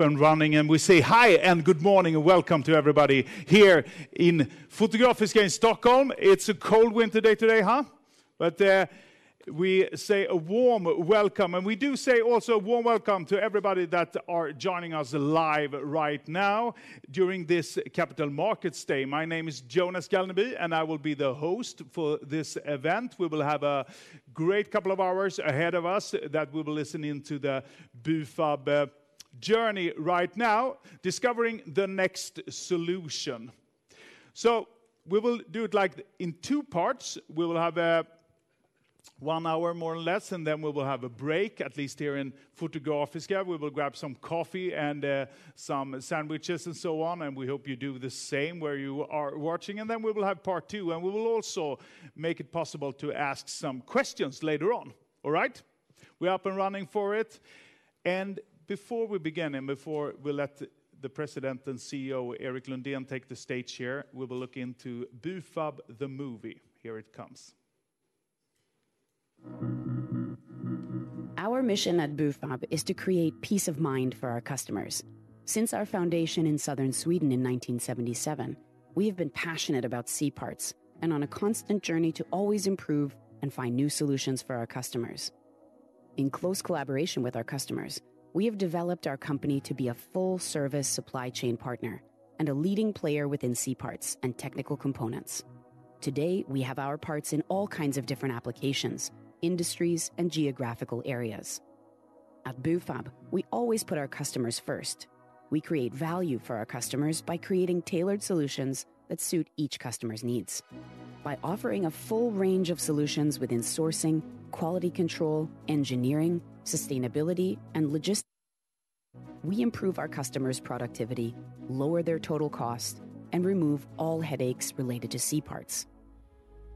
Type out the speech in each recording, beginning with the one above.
Up and running, and we say hi, and good morning, and welcome to everybody here in Fotografiska in Stockholm. It's a cold winter day today, huh? But we say a warm welcome, and we do say also a warm welcome to everybody that are joining us live right now during this Capital Markets Day. My name is Jonas Galneb, and I will be the host for this event. We will have a great couple of hours ahead of us that we will listen in to the Bufab journey right now, discovering the next solution. So we will do it, like, in two parts. We will have a one hour, more or less, and then we will have a break, at least here in Fotografiska. We will grab some coffee and some sandwiches and so on, and we hope you do the same where you are watching. Then we will have part two, and we will also make it possible to ask some questions later on. All right? We're up and running for it, and before we begin, and before we let the President and CEO, Erik Lundén, take the stage here, we will look into Bufab: The Movie. Here it comes. Our mission at Bufab is to create peace of mind for our customers. Since our foundation in southern Sweden in 1977, we have been passionate about C-Parts, and on a constant journey to always improve and find new solutions for our customers. In close collaboration with our customers, we have developed our company to be a full-service supply chain partner and a leading player within C-Parts and technical components. Today, we have our parts in all kinds of different applications, industries, and geographical areas. At Bufab, we always put our customers first. We create value for our customers by creating tailored solutions that suit each customer's needs. By offering a full range of solutions within sourcing, quality control, engineering, sustainability, and logistics, we improve our customers' productivity, lower their total cost, and remove all headaches related to C-Parts.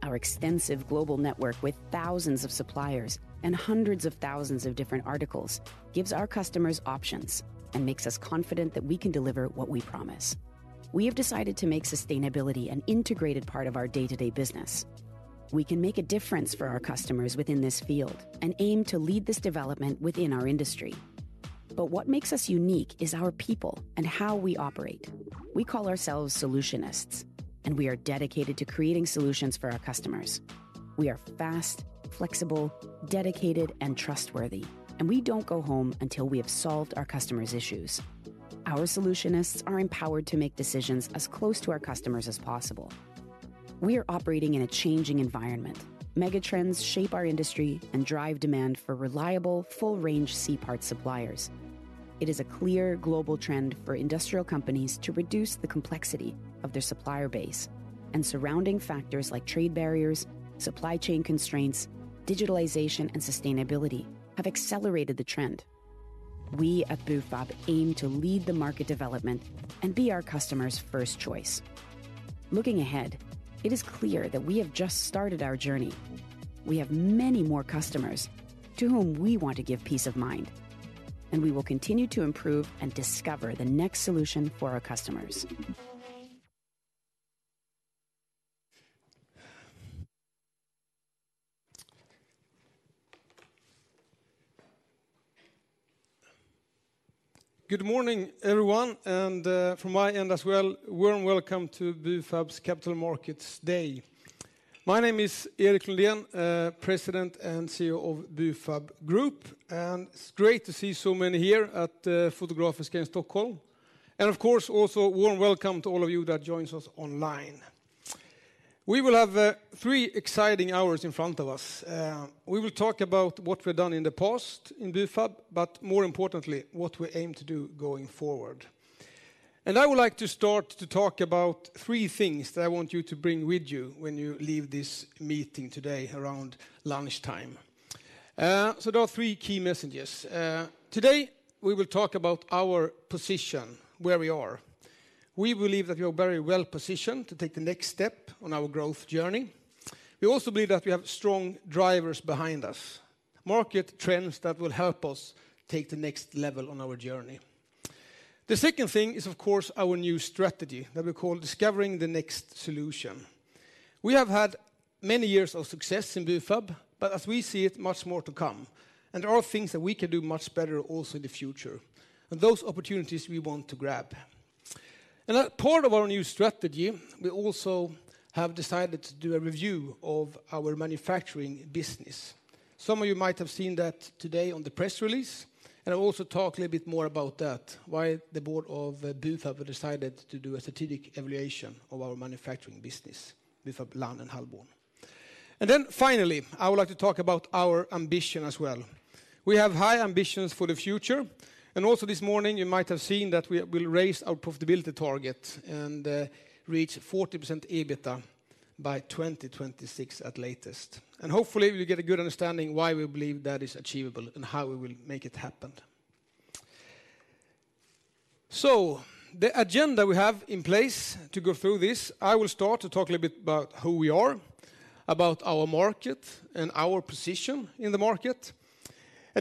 Our extensive global network with thousands of suppliers and hundreds of thousands of different articles, gives our customers options and makes us confident that we can deliver what we promise. We have decided to make sustainability an integrated part of our day-to-day business. We can make a difference for our customers within this field and aim to lead this development within our industry. But what makes us unique is our people and how we operate. We call ourselves Solutionists, and we are dedicated to creating solutions for our customers. We are fast, flexible, dedicated, and trustworthy, and we don't go home until we have solved our customers' issues. Our Solutionists are empowered to make decisions as close to our customers as possible. We are operating in a changing environment. Megatrends shape our industry and drive demand for reliable, full-range C-Parts suppliers. It is a clear global trend for industrial companies to reduce the complexity of their supplier base, and surrounding factors like trade barriers, supply chain constraints, digitalization, and sustainability have accelerated the trend. We at Bufab aim to lead the market development and be our customers' first choice. Looking ahead, it is clear that we have just started our journey. We have many more customers to whom we want to give peace of mind, and we will continue to improve and discover the next solution for our customers. Good morning, everyone, and, from my end as well, warm welcome to Bufab's Capital Markets Day. My name is Erik Lundén, President and CEO of Bufab Group, and it's great to see so many here at, Fotografiska in Stockholm. Of course, also, a warm welcome to all of you that joins us online. We will have, three exciting hours in front of us. We will talk about what we've done in the past in Bufab, but more importantly, what we aim to do going forward. I would like to start to talk about three things that I want you to bring with you when you leave this meeting today around lunchtime. So there are three key messages. Today, we will talk about our position, where we are. We believe that we are very well-positioned to take the next step on our growth journey. We also believe that we have strong drivers behind us, market trends that will help us take the next level on our journey. The second thing is, of course, our new strategy that we call Discovering the Next Solution. We have had many years of success in Bufab, but as we see it, much more to come. And there are things that we can do much better also in the future, and those opportunities we want to grab. And as part of our new strategy, we also have decided to do a review of our manufacturing business. Some of you might have seen that today on the press release, and I'll also talk a little bit more about that, why the board of Bufab decided to do a strategic evaluation of our manufacturing business, Bufab Lann and Bufab Hallborn. Then finally, I would like to talk about our ambition as well. We have high ambitions for the future, and also this morning, you might have seen that we'll raise our profitability target and reach 40% EBITDA by 2026 at latest. And hopefully, we will get a good understanding why we believe that is achievable and how we will make it happen. The agenda we have in place to go through this, I will start to talk a little bit about who we are, about our market, and our position in the market.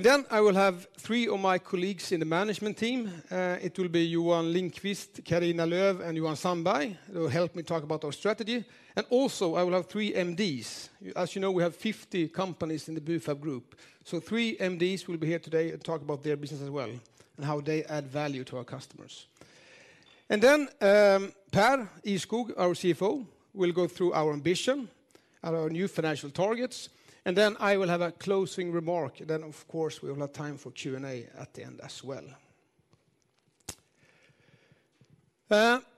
Then I will have three of my colleagues in the management team. It will be Johan Lindqvist, Carina Lööf, and Johan Sandberg, who will help me talk about our strategy. Also, I will have three MDs. As you know, we have 50 companies in the Bufab Group, so three MDs will be here today to talk about their business as well and how they add value to our customers. Then, Pär Ihrskog, our CFO, will go through our ambition, our new financial targets, and then I will have a closing remark. Then, of course, we will have time for Q&A at the end as well.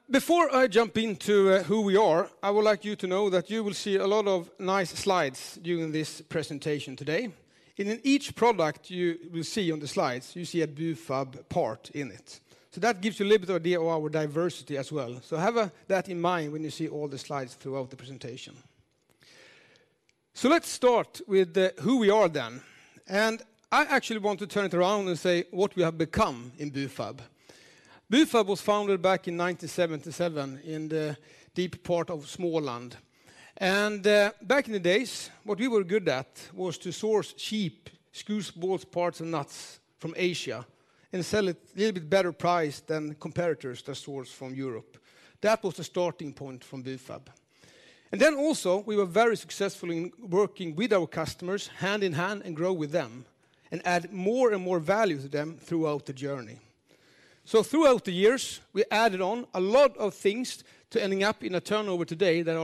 Before I jump into who we are, I would like you to know that you will see a lot of nice slides during this presentation today. In each product you will see on the slides, you see a Bufab part in it. So that gives you a little bit of idea of our diversity as well. So have that in mind when you see all the slides throughout the presentation. So let's start with who we are then. And I actually want to turn it around and say what we have become in Bufab. Bufab was founded back in 1977 in the deep part of Småland. And back in the days, what we were good at was to source cheap screws, bolts, parts, and nuts from Asia, and sell it little bit better price than competitors that sourced from Europe. That was the starting point from Bufab. Then also, we were very successful in working with our customers hand in hand and grow with them, and add more and more value to them throughout the journey. So throughout the years, we added on a lot of things to ending up in a turnover today that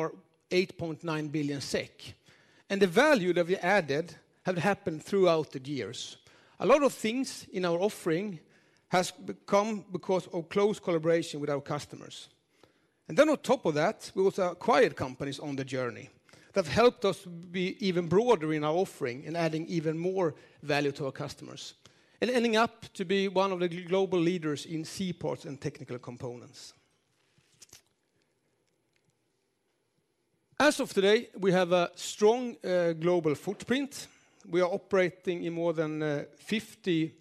is 8.9 billion SEK. And the value that we added have happened throughout the years. A lot of things in our offering has become because of close collaboration with our customers. And then on top of that, we also acquired companies on the journey that helped us be even broader in our offering in adding even more value to our customers, and ending up to be one of the global leaders in C-parts and technical components. As of today, we have a strong global footprint. We are operating in more than, fifty,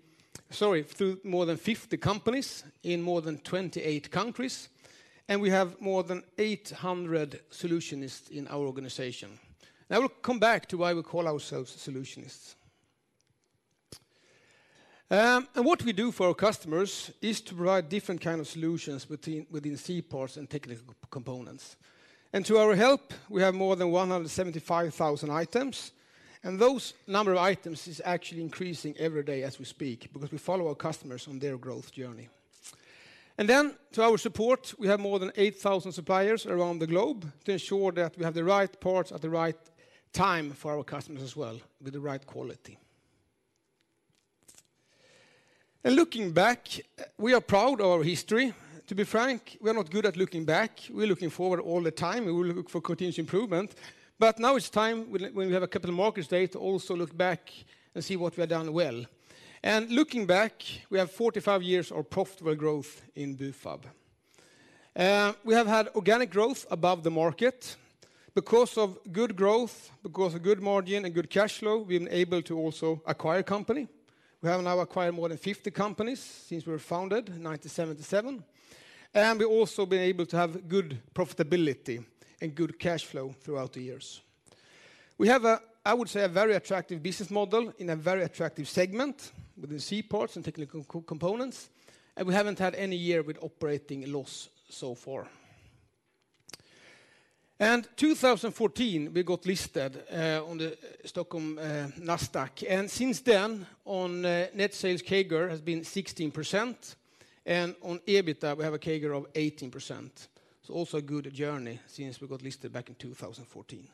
sorry, through more than 50 companies in more than 28 countries, and we have more than 800 Solutionists in our organization. I will come back to why we call ourselves Solutionists. And what we do for our customers is to provide different kind of solutions between within C-parts and technical components. And to our help, we have more than 175,000 items, and those number of items is actually increasing every day as we speak because we follow our customers on their growth journey. And then, to our support, we have more than 8,000 suppliers around the globe to ensure that we have the right parts at the right time for our customers as well, with the right quality. And looking back, we are proud of our history. To be frank, we are not good at looking back. We're looking forward all the time, and we will look for continuous improvement. But now it's time, when we have a capital markets day, to also look back and see what we have done well. And looking back, we have 45 years of profitable growth in Bufab. We have had organic growth above the market. Because of good growth, because of good margin and good cash flow, we've been able to also acquire company. We have now acquired more than 50 companies since we were founded in 1977, and we also been able to have good profitability and good cash flow throughout the years. We have, I would say, a very attractive business model in a very attractive segment with the C-parts and technical components, and we haven't had any year with operating loss so far. In 2014, we got listed on Nasdaq Stockholm, and since then, net sales CAGR has been 16%, and on EBITDA, we have a CAGR of 18%. So also a good journey since we got listed back in 2014.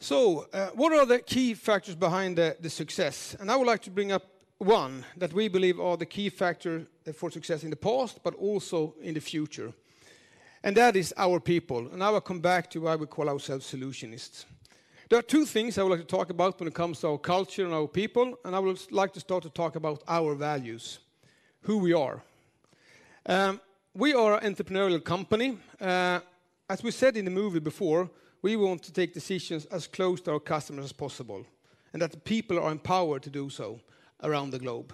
So, what are the key factors behind the success? And I would like to bring up one that we believe are the key factor for success in the past, but also in the future, and that is our people. And I will come back to why we call ourselves Solutionists. There are two things I would like to talk about when it comes to our culture and our people, and I would like to start to talk about our values, who we are. We are an entrepreneurial company. As we said in the movie before, we want to take decisions as close to our customers as possible, and that the people are empowered to do so around the globe.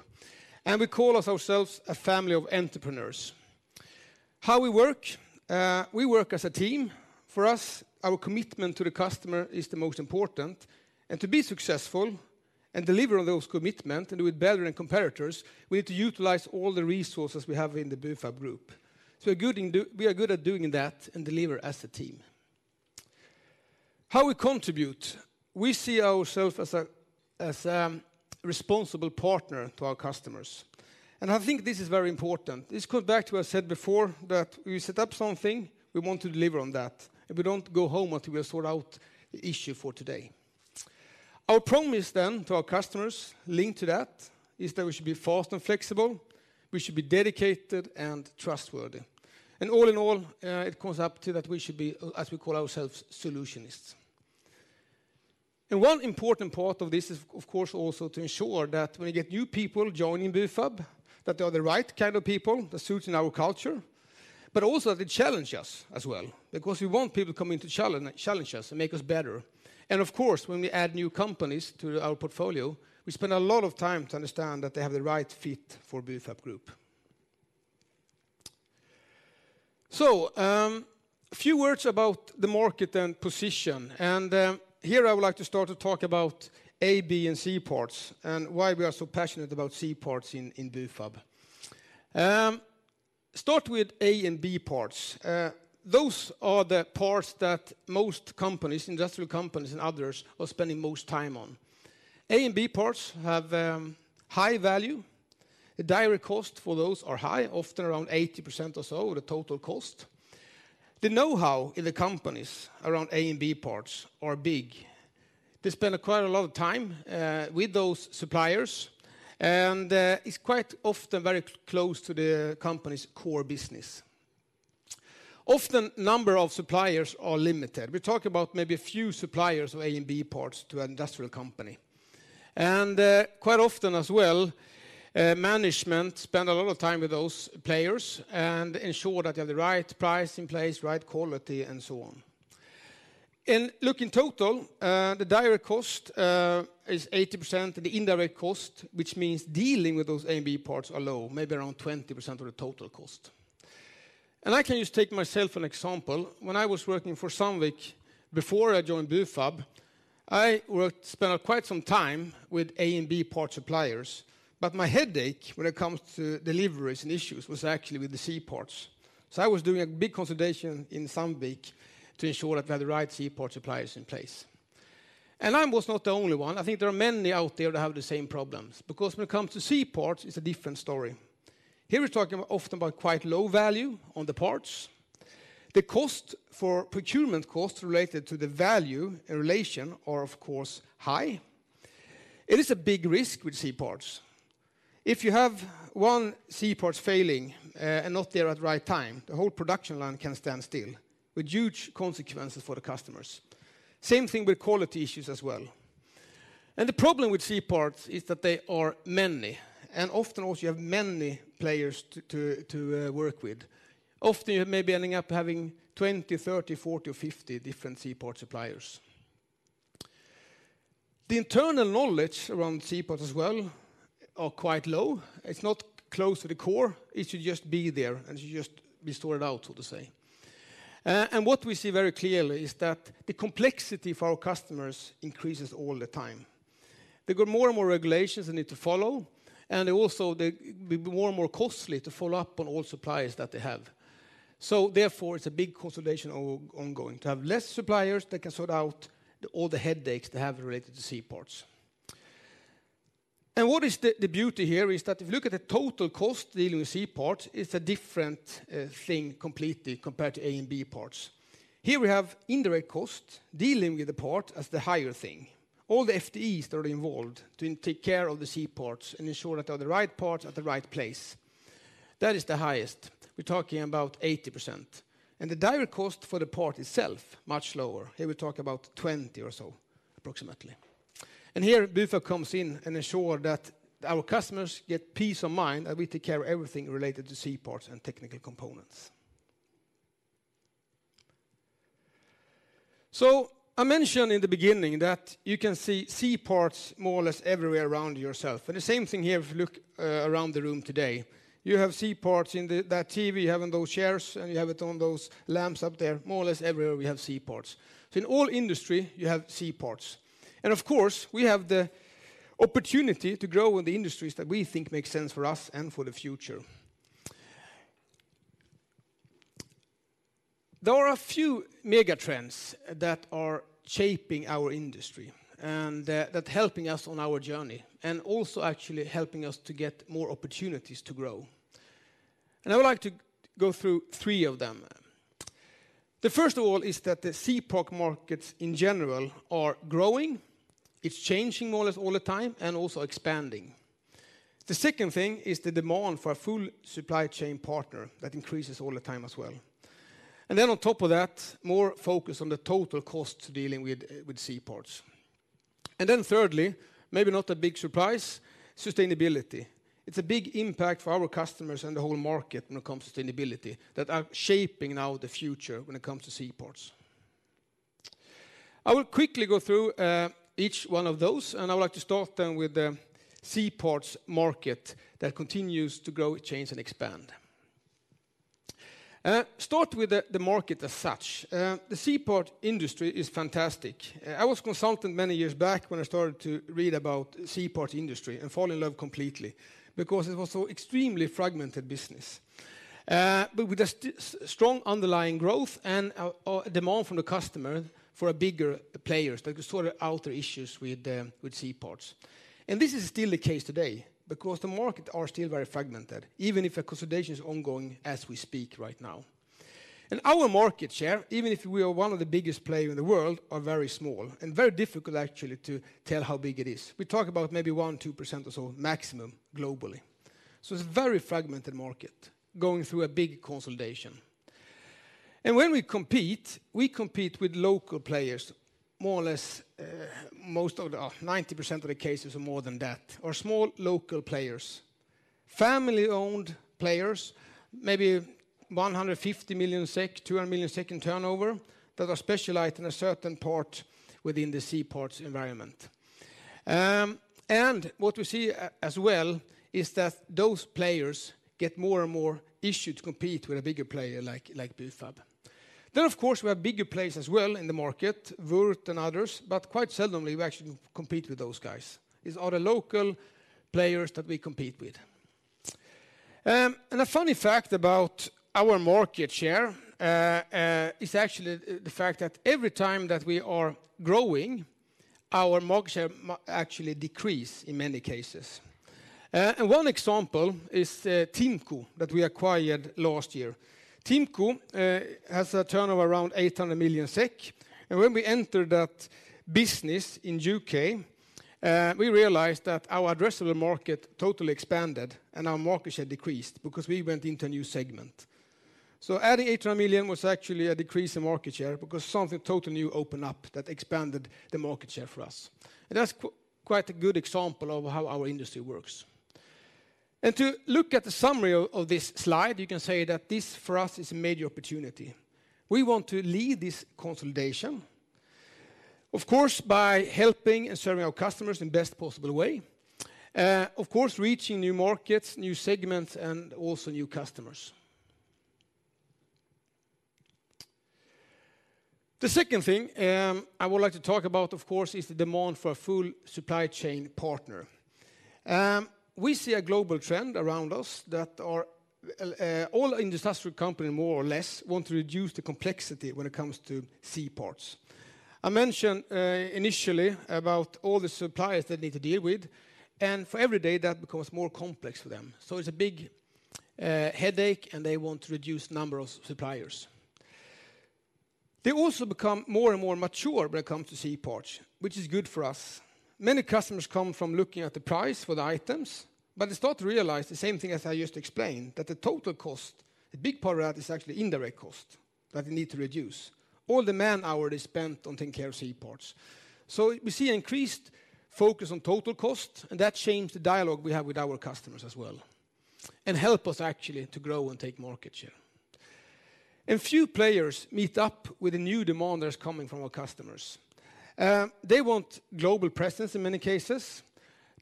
We call ourselves a family of entrepreneurs. How we work? We work as a team. For us, our commitment to the customer is the most important, and to be successful and deliver on those commitment, and do it better than competitors, we have to utilize all the resources we have in the Bufab Group. So we're good in we are good at doing that and deliver as a team. How we contribute? We see ourselves as a, as a responsible partner to our customers, and I think this is very important. This goes back to what I said before, that we set up something, we want to deliver on that, and we don't go home until we sort out the issue for today. Our promise then to our customers, linked to that, is that we should be fast and flexible, we should be dedicated and trustworthy. And all in all, it comes up to that we should be, as we call ourselves, Solutionists. And one important part of this is, of course, also to ensure that when we get new people joining Bufab, that they are the right kind of people that suits in our culture, but also that they challenge us as well, because we want people coming to challenge us and make us better. Of course, when we add new companies to our portfolio, we spend a lot of time to understand that they have the right fit for Bufab Group. A few words about the market and position, and here, I would like to start to talk about A, B, and C-Parts and why we are so passionate about C-Parts in Bufab. Start with A- and B-Parts. Those are the parts that most companies, industrial companies and others, are spending most time on. A- and B-Parts have high value. The direct cost for those are high, often around 80% or so of the total cost. The know-how in the companies around A- and B-Parts are big. They spend quite a lot of time with those suppliers, and it's quite often very close to the company's core business. Often, number of suppliers are limited. We talk about maybe a few suppliers of A- and B-Parts to an industrial company. Quite often as well, management spend a lot of time with those players and ensure that they have the right price in place, right quality, and so on. Look, in total, the direct cost is 80%, and the indirect cost, which means dealing with those A- and B-Parts, are low, maybe around 20% of the total cost. I can just take myself an example. When I was working for Sandvik, before I joined Bufab, I spent quite some time with A- and B-Part suppliers, but my headache when it comes to deliveries and issues was actually with the C-parts. So I was doing a big consolidation in Sandvik to ensure that we had the right C-parts suppliers in place. I was not the only one. I think there are many out there that have the same problems, because when it comes to C-parts, it's a different story. Here, we're talking about often about quite low value on the parts. The cost for procurement costs related to the value in relation are, of course, high. It is a big risk with C-parts. If you have one C-parts failing, and not there at the right time, the whole production line can stand still, with huge consequences for the customers. Same thing with quality issues as well. The problem with C-parts is that they are many, and often also you have many players to work with. Often, you may be ending up having 20, 30, 40, or 50 different C-parts suppliers. The internal knowledge around C-parts as well are quite low. It's not close to the core. It should just be there, and it should just be sorted out, so to say. And what we see very clearly is that the complexity for our customers increases all the time. They got more and more regulations they need to follow, and also, they... be more and more costly to follow up on all suppliers that they have. So therefore, it's a big consolidation ongoing. To have less suppliers, they can sort out the all the headaches they have related to C-parts. And what is the beauty here is that if you look at the total cost dealing with C-parts, it's a different thing completely compared to A and B parts. Here we have indirect cost, dealing with the part as the higher thing. All the FTEs that are involved to take care of the C-parts and ensure that they are the right parts at the right place. That is the highest. We're talking about 80%, and the direct cost for the part itself, much lower. Here, we talk about 20 or so, approximately. And here, Bufab comes in and ensure that our customers get peace of mind, that we take care of everything related to C-parts and technical components. So I mentioned in the beginning that you can see C-parts more or less everywhere around yourself, and the same thing here, if you look around the room today. You have C-parts in that TV, you have in those chairs, and you have it on those lamps up there. More or less everywhere, we have C-parts. So in all industry, you have C-parts. And of course, we have the opportunity to grow in the industries that we think make sense for us and for the future. There are a few mega trends that are shaping our industry and that helping us on our journey, and also actually helping us to get more opportunities to grow. And I would like to go through three of them. The first of all is that the C-parts markets in general are growing. It's changing more or less all the time and also expanding. The second thing is the demand for a full supply chain partner. That increases all the time as well. And then on top of that, more focus on the total cost dealing with with C-parts. And then thirdly, maybe not a big surprise, sustainability. It's a big impact for our customers and the whole market when it comes to sustainability, that are shaping out the future when it comes to C-parts. I will quickly go through each one of those, and I would like to start then with the C-parts market that continues to grow, change, and expand. Start with the market as such. The C-parts industry is fantastic. I was a consultant many years back when I started to read about C-parts industry and fall in love completely because it was so extremely fragmented business. But with a strong underlying growth and a demand from the customer for bigger players that could sort out their issues with the C-parts. This is still the case today because the market are still very fragmented, even if a consolidation is ongoing as we speak right now. Our market share, even if we are one of the biggest player in the world, are very small and very difficult actually to tell how big it is. We talk about maybe 1%-2% or so, maximum, globally. It's a very fragmented market going through a big consolidation. When we compete, we compete with local players, more or less, most of the, 90% of the cases or more than that, are small, local players. Family-owned players, maybe 150 million SEK, 200 million SEK in turnover, that are specialized in a certain part within the C-parts environment. What we see as well is that those players get more and more issues to compete with a bigger player like Bufab. Of course, we have bigger players as well in the market, Würth and others, but quite seldom we actually compete with those guys. It's all the local players that we compete with. A funny fact about our market share is actually the fact that every time that we are growing, our market share actually decrease in many cases. One example is TIMCO, that we acquired last year. TIMCO has a turnover around 800 million SEK, and when we entered that business in U.K., we realized that our addressable market totally expanded and our market share decreased because we went into a new segment. So adding 800 million was actually a decrease in market share because something totally new opened up that expanded the market share for us. And that's quite a good example of how our industry works. And to look at the summary of this slide, you can say that this, for us, is a major opportunity. We want to lead this consolidation, of course, by helping and serving our customers in best possible way. Of course, reaching new markets, new segments, and also new customers. The second thing I would like to talk about, of course, is the demand for a full supply chain partner. We see a global trend around us that are all industrial company, more or less, want to reduce the complexity when it comes to C-parts. I mentioned initially about all the suppliers they need to deal with, and for every day, that becomes more complex for them. So it's a big headache, and they want to reduce number of suppliers. They also become more and more mature when it comes to C-parts, which is good for us. Many customers come from looking at the price for the items, but they start to realize the same thing as I just explained, that the total cost, a big part of that, is actually indirect cost that they need to reduce. All the man-hour they spent on taking care of C-parts. So we see increased focus on total cost, and that changed the dialogue we have with our customers as well, and help us actually to grow and take market share. A few players meet up with the new demand that's coming from our customers. They want global presence in many cases.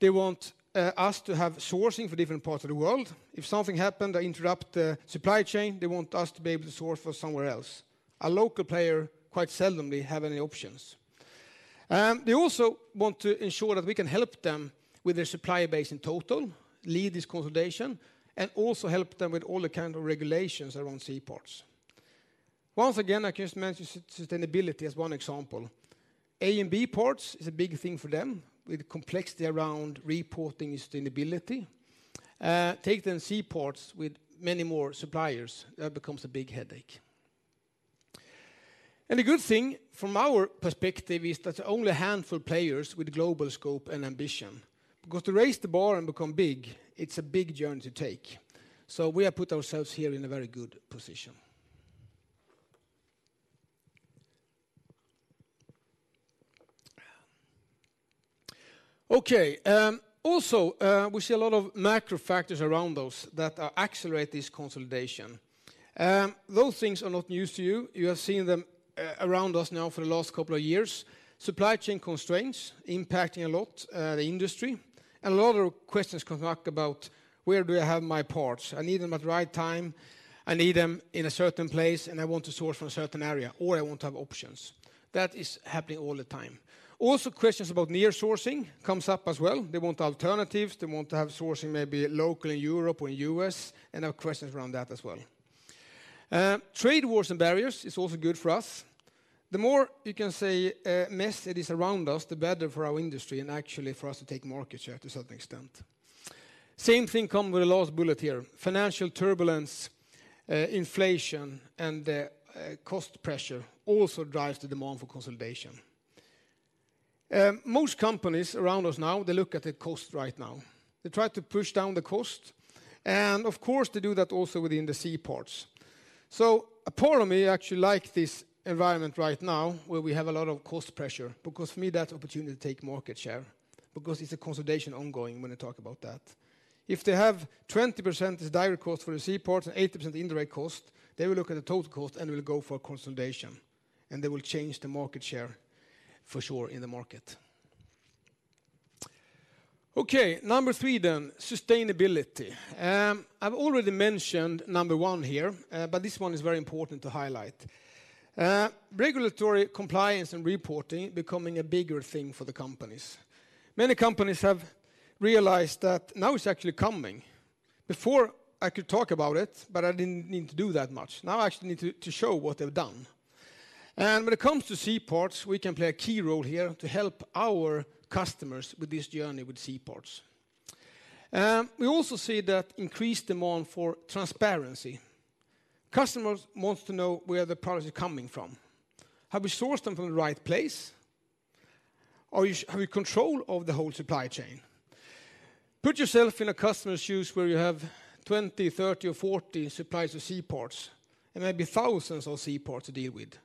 They want us to have sourcing for different parts of the world. If something happened to interrupt the supply chain, they want us to be able to source for somewhere else. A local player, quite seldomly, have any options. They also want to ensure that we can help them with their supplier base in total, lead this consolidation, and also help them with all the kind of regulations around C-parts. Once again, I just mention sustainability as one example. A and B parts is a big thing for them, with the complexity around reporting sustainability. Take the C-parts with many more suppliers, that becomes a big headache. A good thing from our perspective is that's only a handful of players with global scope and ambition, because to raise the bar and become big, it's a big journey to take. So we have put ourselves here in a very good position. Also, we see a lot of macro factors around us that are accelerate this consolidation. Those things are not news to you. You have seen them around us now for the last couple of years. Supply chain constraints impacting a lot, the industry, and a lot of questions come back about, "Where do I have my parts? I need them at the right time, I need them in a certain place, and I want to source from a certain area, or I want to have options." That is happening all the time. Also, questions about near sourcing comes up as well. They want alternatives, they want to have sourcing, maybe locally in Europe or in U.S., and have questions around that as well. Trade wars and barriers is also good for us. The more you can say, mess it is around us, the better for our industry and actually for us to take market share to a certain extent. Same thing come with the last bullet here. Financial turbulence, inflation, and the cost pressure also drives the demand for consolidation. Most companies around us now, they look at the cost right now. They try to push down the cost, and of course, to do that also within the C-Parts. So a part of me actually like this environment right now, where we have a lot of cost pressure, because for me, that's opportunity to take market share, because it's a consolidation ongoing when I talk about that. If they have 20% as direct cost for the C-Parts and 80% indirect cost, they will look at the total cost and will go for consolidation, and they will change the market share for sure in the market. Okay, number three then, sustainability. I've already mentioned number 1 here, but this one is very important to highlight. Regulatory compliance and reporting becoming a bigger thing for the companies. Many companies have realized that now it's actually coming. Before, I could talk about it, but I didn't need to do that much. Now, I actually need to, to show what they've done. And when it comes to C-parts, we can play a key role here to help our customers with this journey with C-parts. We also see that increased demand for transparency. Customers wants to know where the products are coming from. Have we sourced them from the right place? Or have we control of the whole supply chain? Put yourself in a customer's shoes where you have 20, 30 or 40 suppliers of C-parts, and maybe thousands of C-parts to deal with.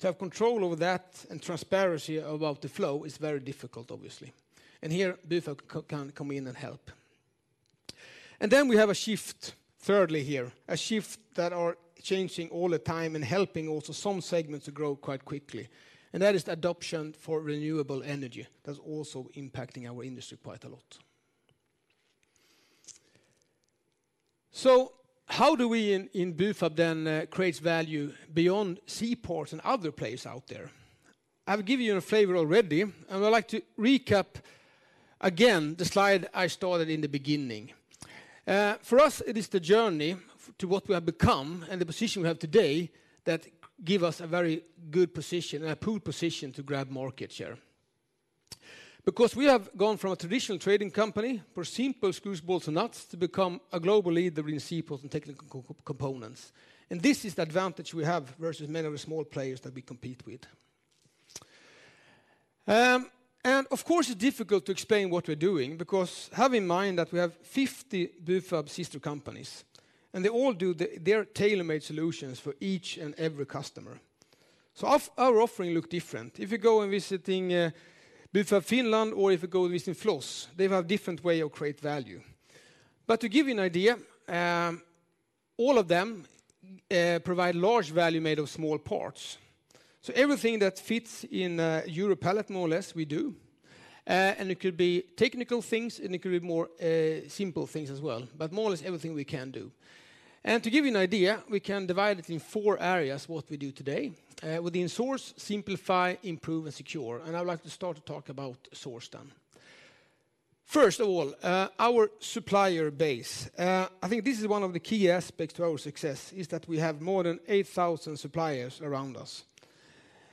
To have control over that and transparency about the flow is very difficult, obviously, and here, Bufab can come in and help. And then we have a shift, thirdly here, a shift that are changing all the time and helping also some segments to grow quite quickly, and that is the adoption for renewable energy. That's also impacting our industry quite a lot. So how do we in Bufab then create value beyond C-parts and other players out there? I've given you a flavor already, and I would like to recap again the slide I started in the beginning. For us, it is the journey to what we have become and the position we have today that give us a very good position, and a pole position to grab market share. Because we have gone from a traditional trading company for simple screws, bolts, and nuts, to become a global leader in C-parts and technical components. And this is the advantage we have versus many of the small players that we compete with. And of course, it's difficult to explain what we're doing, because have in mind that we have 50 Bufab sister companies, and they all do their tailor-made solutions for each and every customer. So our offering look different. If you go and visiting Bufab Finland, or if you go visiting Vlissingen, they have a different way of create value. But to give you an idea, all of them provide large value made of small parts. So everything that fits in a Euro pallet, more or less, we do. And it could be technical things, and it could be more simple things as well, but more or less everything we can do. To give you an idea, we can divide it in four areas, what we do today, within source, simplify, improve, and secure, and I would like to start to talk about source then. First of all, our supplier base. I think this is one of the key aspects to our success, is that we have more than 8,000 suppliers around us.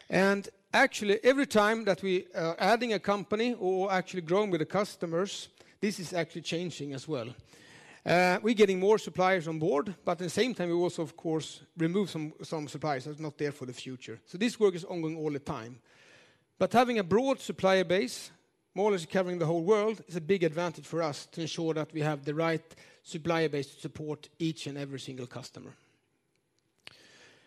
And actually, every time that we, adding a company or actually growing with the customers, this is actually changing as well. We're getting more suppliers on board, but at the same time, we also, of course, remove some, some suppliers that's not there for the future. So this work is ongoing all the time. But having a broad supplier base, more or less covering the whole world, is a big advantage for us to ensure that we have the right supplier base to support each and every single customer.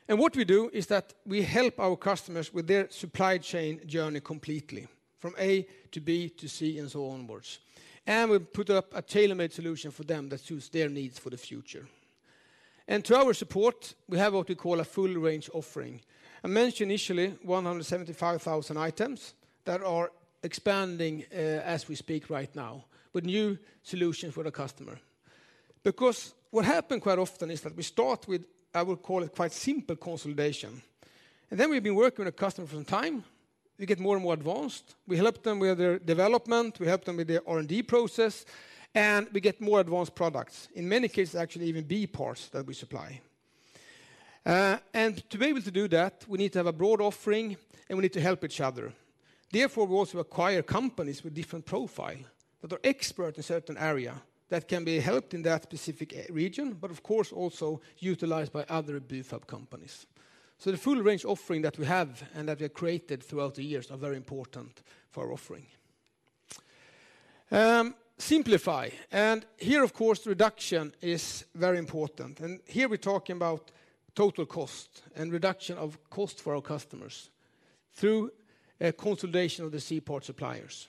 And what we do is that we help our customers with their supply chain journey completely, from A to B to C and so onwards. And we put up a tailor-made solution for them that suits their needs for the future. And to our support, we have what we call a full range offering. I mentioned initially, 175,000 items that are expanding as we speak right now, with new solutions for the customer. Because what happened quite often is that we start with, I will call it, quite simple consolidation. And then we've been working with a customer for some time, we get more and more advanced. We help them with their development, we help them with their R&D process, and we get more advanced products. In many cases, actually even B parts that we supply. And to be able to do that, we need to have a broad offering, and we need to help each other. Therefore, we also acquire companies with different profile, that are expert in certain area, that can be helped in that specific region, but of course, also utilized by other Bufab companies. So the full range offering that we have and that we have created throughout the years are very important for our offering. Simplify, and here, of course, reduction is very important. And here, we're talking about total cost and reduction of cost for our customers through a consolidation of the C-part suppliers.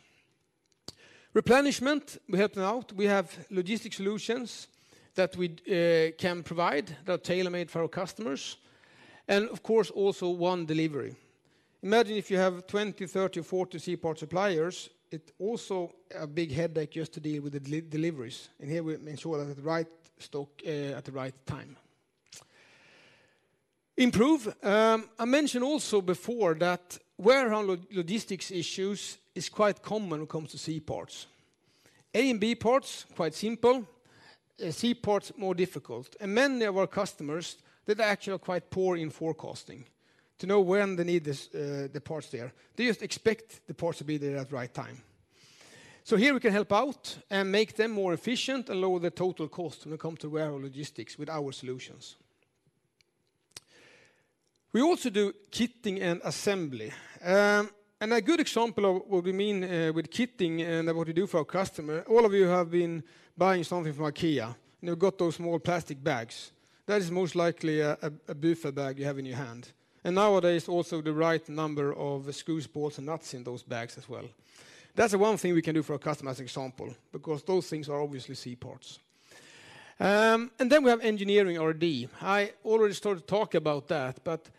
Replenishment, we helping out. We have logistic solutions that we can provide, that are tailor-made for our customers, and of course, also one delivery. Imagine if you have 20, 30, 40 C-part suppliers, it also a big headache just to deal with the deliveries, and here we make sure that the right stock at the right time. Improve, I mentioned also before that warehouse logistics issues is quite common when it comes to C-parts. A and B parts, quite simple, C-parts, more difficult. And many of our customers, they're actually quite poor in forecasting, to know when they need this, the parts there. They just expect the parts to be there at the right time. So here we can help out and make them more efficient and lower the total cost when it come to warehouse logistics with our solutions. We also do kitting and assembly. And a good example of what we mean with kitting and what we do for our customer, all of you have been buying something from IKEA, and you've got those small plastic bags. That is most likely a Bufab bag you have in your hand. And nowadays, also the right number of screws, bolts, and nuts in those bags as well. That's the one thing we can do for our customers, as example, because those things are obviously C-parts. And then we have engineering R&D. I already started to talk about that, but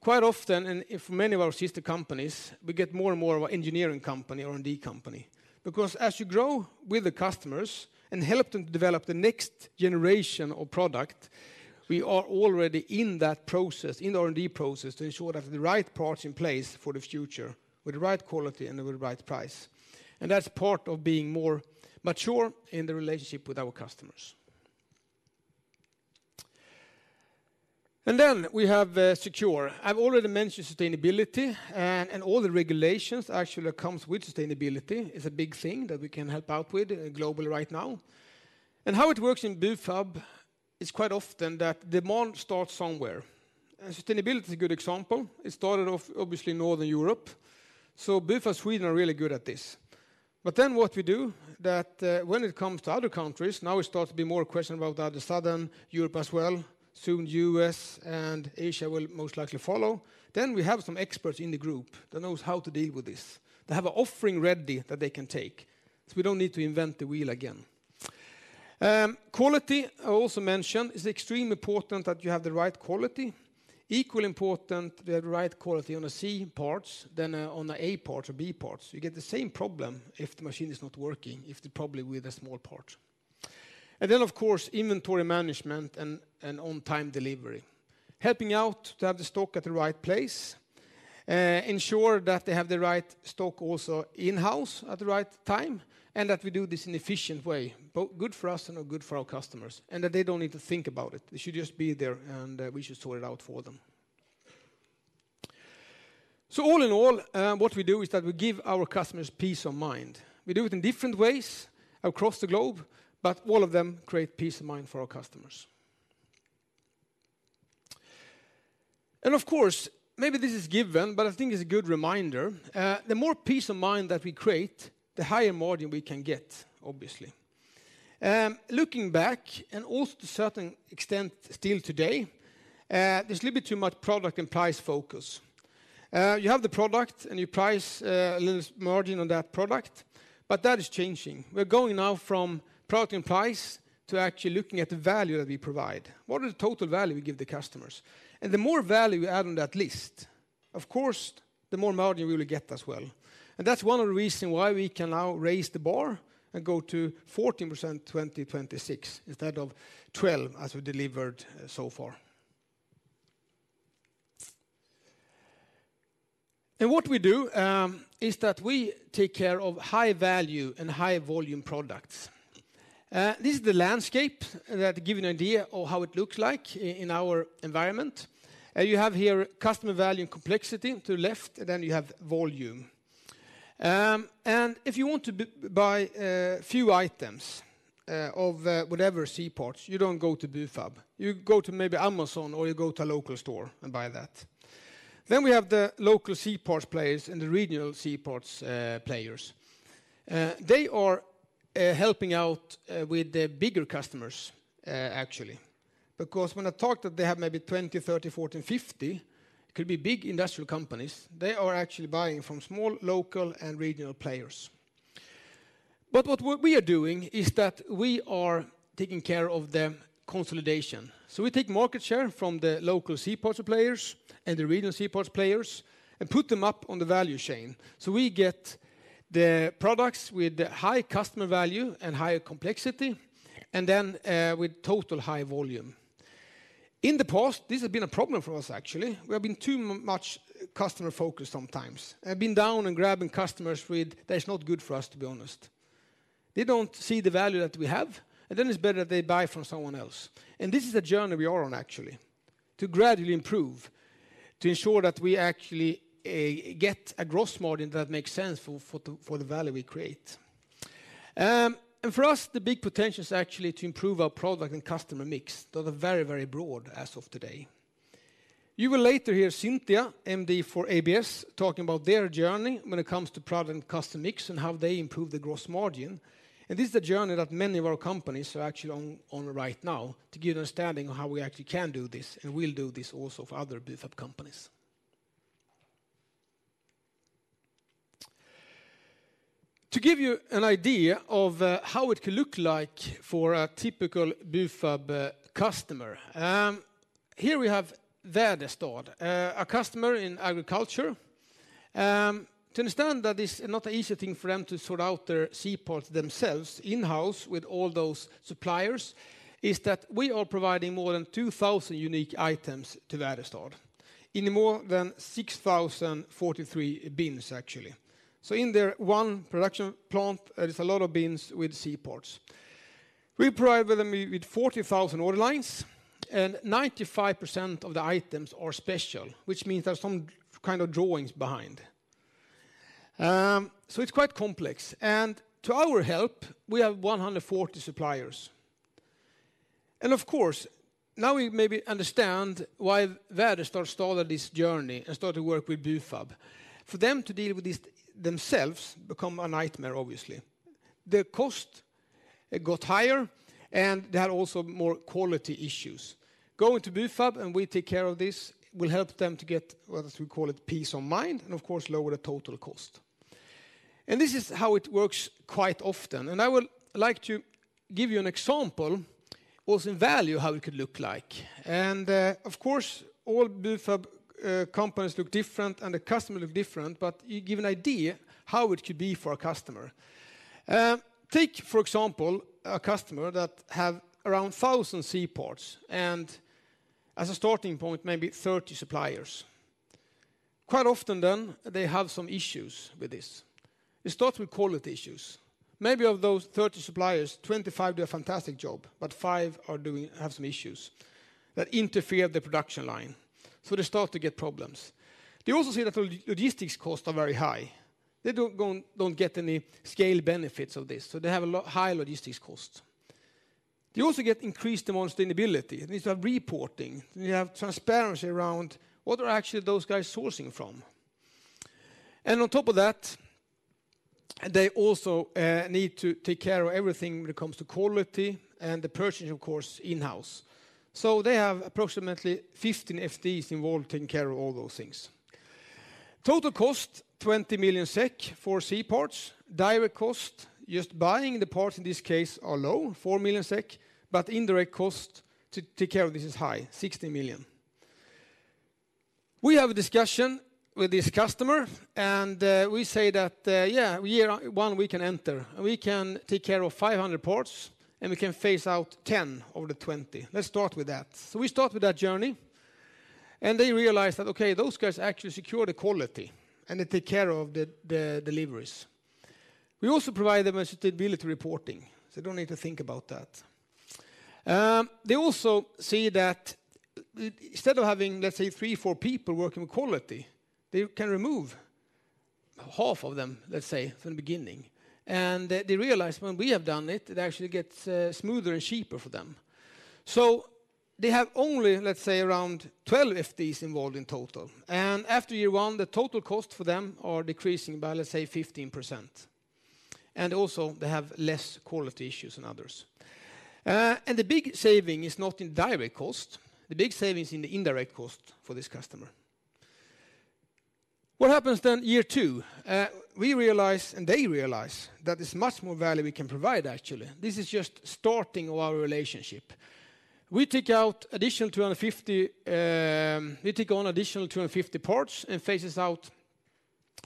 quite often, and in many of our sister companies, we get more and more of an engineering company, R&D company. Because as you grow with the customers and help them to develop the next generation of product, we are already in that process, in R&D process, to ensure that the right parts in place for the future, with the right quality and with the right price. That's part of being more mature in the relationship with our customers. Then we have secure. I've already mentioned sustainability, and all the regulations actually that comes with sustainability is a big thing that we can help out with globally right now. How it works in Bufab is quite often that demand starts somewhere. Sustainability is a good example. It started off, obviously, in Northern Europe, so Bufab Sweden are really good at this. But then what we do, that, when it comes to other countries, now it starts to be more question about the Southern Europe as well. Soon, the U.S. and Asia will most likely follow. Then we have some experts in the group that knows how to deal with this. They have an offering ready that they can take, so we don't need to invent the wheel again. Quality, I also mentioned, is extremely important that you have the right quality. Equally important, we have the right quality on the C parts than on the A parts or B parts. You get the same problem if the machine is not working, if the problem with the small part. And then, of course, inventory management and on-time delivery. Helping out to have the stock at the right place, ensure that they have the right stock also in-house at the right time, and that we do this in an efficient way, both good for us and good for our customers, and that they don't need to think about it. It should just be there, and we should sort it out for them. So all in all, what we do is that we give our customers peace of mind. We do it in different ways across the globe, but all of them create peace of mind for our customers. And of course, maybe this is given, but I think it's a good reminder, the more peace of mind that we create, the higher margin we can get, obviously. Looking back, and also to a certain extent still today, there's a little bit too much product and price focus. You have the product and you price a little margin on that product, but that is changing. We're going now from product and price to actually looking at the value that we provide. What is the total value we give the customers? And the more value we add on that list, of course, the more margin we will get as well. And that's one of the reasons why we can now raise the bar and go to 14%, 2026, instead of 12%, as we delivered so far. And what we do is that we take care of high value and high volume products. This is the landscape that give you an idea of how it looks like in our environment. You have here customer value and complexity to left, then you have volume. And if you want to buy few items of whatever C parts, you don't go to Bufab. You go to maybe Amazon, or you go to a local store and buy that. Then we have the local C parts players and the regional C parts players. They are helping out with the bigger customers actually, because when I talk that they have maybe 20, 30, 40, 50, could be big industrial companies, they are actually buying from small, local, and regional players. But what we are doing is that we are taking care of the consolidation. So we take market share from the local C parts players and the regional C parts players and put them up on the value chain. So we get the products with high customer value and higher complexity, and then, with total high volume. In the past, this has been a problem for us, actually. We have been too much customer-focused sometimes, and been down and grabbing customers with-- That's not good for us, to be honest. They don't see the value that we have, and then it's better that they buy from someone else. And this is a journey we are on, actually, to gradually improve, to ensure that we actually, get a gross margin that makes sense for, for the, for the value we create. And for us, the big potential is actually to improve our product and customer mix that are very, very broad as of today. You will later hear Cynthia, MD for ABS, talking about their journey when it comes to product and customer mix and how they improve the gross margin. This is a journey that many of our companies are actually on right now to get an understanding of how we actually can do this, and we'll do this also for other Bufab companies. To give you an idea of how it could look like for a typical Bufab customer, here we have Väderstad, a customer in agriculture. To understand that it's not an easy thing for them to sort out their C-parts themselves in-house with all those suppliers, is that we are providing more than 2,000 unique items to Väderstad in more than 6,043 bins, actually. In their one production plant, there is a lot of bins with C-parts. We provide them with 40,000 order lines, and 95% of the items are special, which means there are some kind of drawings behind. So it's quite complex, and to our help, we have 140 suppliers. And of course, now we maybe understand why Väderstad started this journey and started work with Bufab. For them to deal with this themselves become a nightmare, obviously. Their cost, it got higher, and they had also more quality issues. Going to Bufab, and we take care of this, will help them to get, what as we call it, peace of mind, and of course, lower the total cost. And this is how it works quite often, and I would like to give you an example, also in value, how it could look like. And, of course, all Bufab companies look different and the customer look different, but it give an idea how it could be for a customer. Take, for example, a customer that have around 1,000 C parts, and as a starting point, maybe 30 suppliers. Quite often, then, they have some issues with this. It starts with quality issues. Maybe of those 30 suppliers, 25 do a fantastic job, but five have some issues that interfere with the production line, so they start to get problems. They also see that the logistics costs are very high. They don't go, don't get any scale benefits of this, so they have a lot high logistics costs. They also get increased demand sustainability. It needs a reporting. You have transparency around what are actually those guys sourcing from? And on top of that, they also need to take care of everything when it comes to quality and the purchasing, of course, in-house. So they have approximately 15 FTEs involved taking care of all those things. Total cost, 20 million SEK for C-parts. Direct cost, just buying the parts in this case are low, 4 million SEK, but indirect cost to take care of this is high, 60 million. We have a discussion with this customer, and we say that, yeah, year one, we can enter, and we can take care of 500 parts, and we can phase out 10 of the 20. Let's start with that. So we start with that journey, and they realize that, okay, those guys actually secure the quality, and they take care of the deliveries. We also provide them with sustainability reporting, so they don't need to think about that. They also see that instead of having, let's say, 3-4 people working with quality, they can remove half of them, let's say, from the beginning. And they realize when we have done it, it actually gets smoother and cheaper for them. So they have only, let's say, around 12 FTEs involved in total. And after year one, the total cost for them are decreasing by, let's say, 15%. And also, they have less quality issues than others. And the big saving is not in direct cost. The big saving is in the indirect cost for this customer. What happens then, year two? We realize, and they realize, that there's much more value we can provide, actually. This is just starting our relationship. We take on additional 250 parts and phases out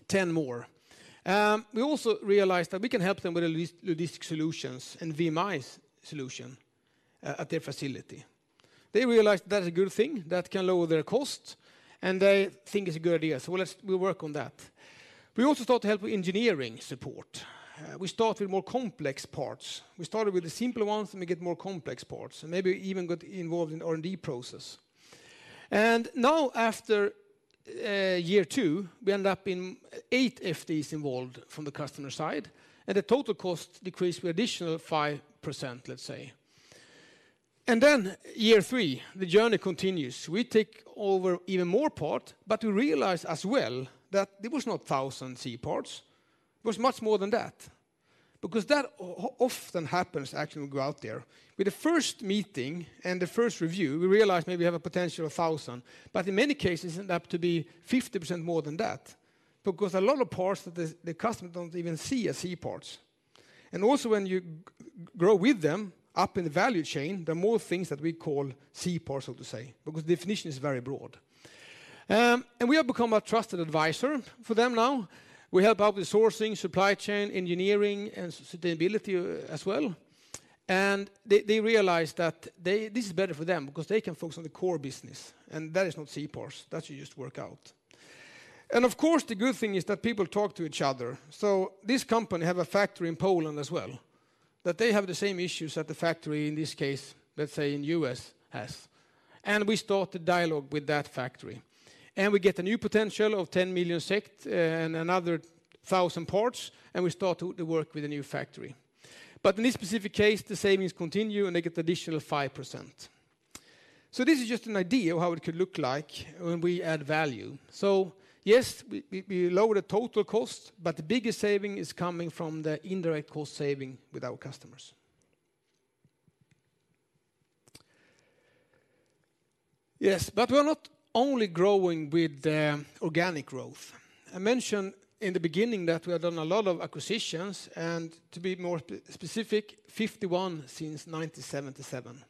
10 more. We also realize that we can help them with logistics solutions and VMI solution at their facility. They realize that is a good thing that can lower their cost, and they think it's a good idea. So let's, we work on that. We also start to help with engineering support. We start with more complex parts. We started with the simpler ones, and we get more complex parts, and maybe even got involved in R&D process. And now, after year two, we end up being 8 FDs involved from the customer side, and the total cost decreased with additional 5%, let's say. And then year three, the journey continues. We take over even more part, but we realize as well that there was not 1,000 C-parts. It was much more than that. Because that often happens, actually, when we go out there. With the first meeting and the first review, we realize maybe we have a potential of 1,000, but in many cases, it end up to be 50% more than that. Because a lot of parts that the customer don't even see as C-parts. And also, when you grow with them up in the value chain, there are more things that we call C-parts, so to say, because the definition is very broad. And we have become a trusted advisor for them now. We help out with sourcing, supply chain, engineering, and sustainability as well, and they, they realize that they this is better for them because they can focus on the core business, and that is not C-Parts. That you just work out. And of course, the good thing is that people talk to each other. So this company have a factory in Poland as well, that they have the same issues at the factory, in this case, let's say, in U.S. has. And we start a dialogue with that factory, and we get a new potential of 10 million and another 1,000 parts, and we start to work with a new factory. But in this specific case, the savings continue, and they get additional 5%. So this is just an idea of how it could look like when we add value. So yes, we lower the total cost, but the biggest saving is coming from the indirect cost saving with our customers. Yes, but we are not only growing with the organic growth. I mentioned in the beginning that we have done a lot of acquisitions, and to be more specific, 51 since 1977.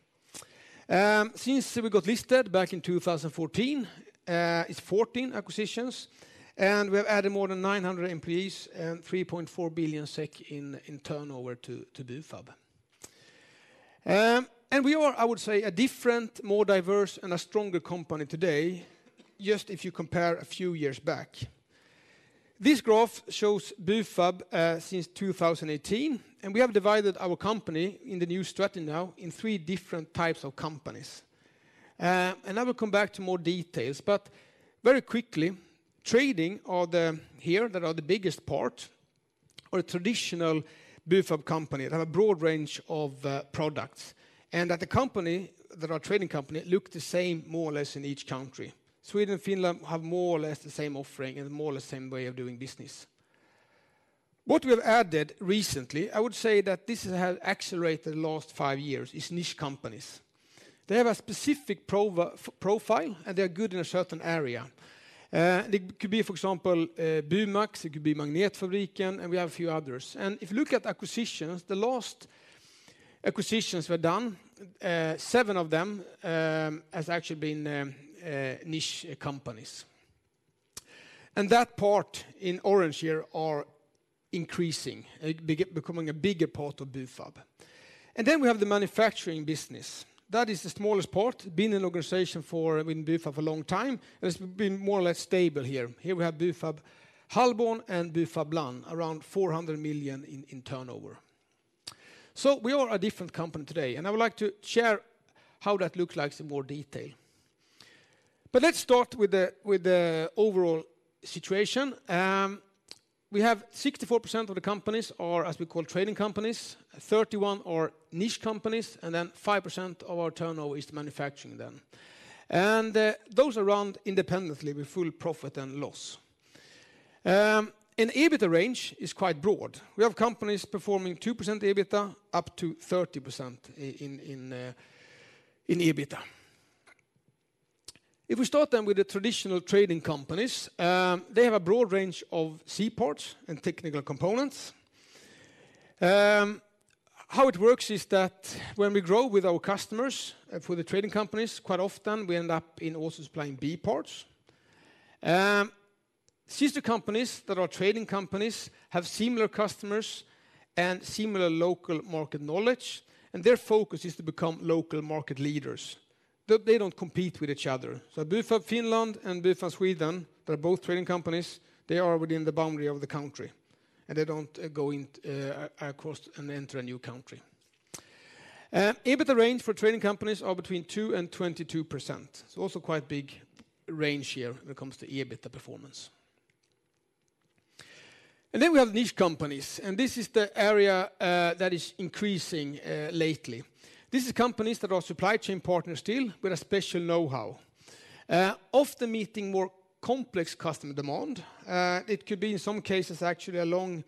Since we got listed back in 2014, it's 14 acquisitions, and we have added more than 900 employees and 3.4 billion SEK in turnover to Bufab. And we are, I would say, a different, more diverse, and a stronger company today, just if you compare a few years back. This graph shows Bufab since 2018, and we have divided our company in the new strategy now in three different types of companies. And I will come back to more details, but very quickly, trading, that are the biggest part, are a traditional Bufab company. They have a broad range of products, and that the company, that our trading company, look the same, more or less, in each country. Sweden and Finland have more or less the same offering and more or less same way of doing business. What we have added recently, I would say that this has accelerated the last five years, is niche companies. They have a specific profile, and they are good in a certain area. They could be, for example, BUMAX, it could be Magnetfabriken, and we have a few others. If you look at acquisitions, the last acquisitions were done, seven of them has actually been niche companies. And that part in orange here are increasing, becoming a bigger part of Bufab. And then we have the manufacturing business. That is the smallest part, been in organization for, in Bufab, a long time, and it's been more or less stable here. Here we have Bufab Hallborn and Bufab Lann, around 400 million in turnover. So we are a different company today, and I would like to share how that looks like in more detail. But let's start with the overall situation. We have 64% of the companies are, as we call, trading companies, 31 are niche companies, and then 5% of our turnover is manufacturing them. Those are run independently with full profit and loss. EBITDA range is quite broad. We have companies performing 2% EBITDA, up to 30% in EBITDA. If we start then with the traditional trading companies, they have a broad range of C-Parts and technical components. How it works is that when we grow with our customers, for the trading companies, quite often we end up in also supplying B parts. Sister companies that are trading companies have similar customers and similar local market knowledge, and their focus is to become local market leaders. They don't compete with each other. So Bufab Finland and Bufab Sweden, they're both trading companies, they are within the boundary of the country, and they don't go in across and enter a new country. EBITDA range for trading companies are between 2%-22%. It's also quite big range here when it comes to EBITDA performance. And then we have niche companies, and this is the area that is increasing lately. This is companies that are supply chain partners still, with a special know-how. Often meeting more complex customer demand, it could be, in some cases, actually a long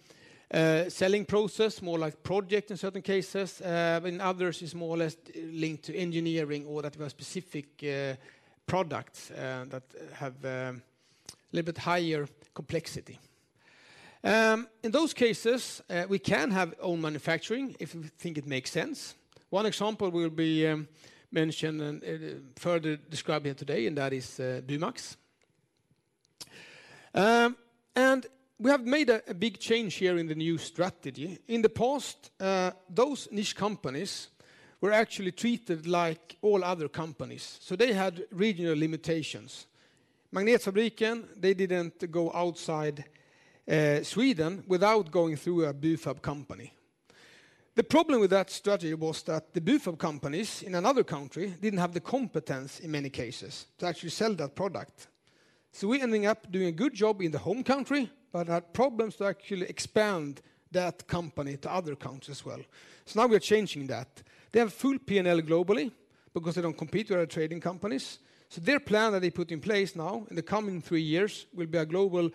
selling process, more like project in certain cases, but in others, it's more or less linked to engineering or that were specific products that have a little bit higher complexity. In those cases, we can have own manufacturing if we think it makes sense. One example will be mentioned and further described here today, and that is BUMAX. And we have made a big change here in the new strategy. In the past, those niche companies were actually treated like all other companies, so they had regional limitations. Magnetfabriken, they didn't go outside, Sweden without going through a Bufab company. The problem with that strategy was that the Bufab companies in another country didn't have the competence in many cases to actually sell that product. So we ending up doing a good job in the home country, but had problems to actually expand that company to other countries as well. So now we are changing that. They have full P&L globally because they don't compete with our trading companies. So their plan that they put in place now, in the coming three years, will be a global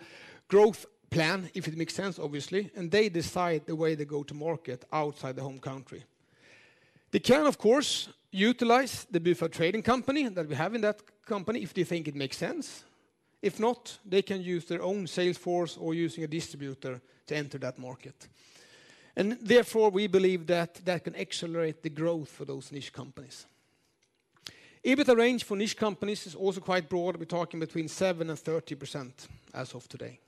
growth plan, if it makes sense, obviously, and they decide the way they go to market outside the home country. They can, of course, utilize the Bufab trading company that we have in that company, if they think it makes sense. If not, they can use their own sales force or using a distributor to enter that market. And therefore, we believe that that can accelerate the growth for those niche companies. EBITDA range for niche companies is also quite broad. We're talking between 7% and 30% as of today.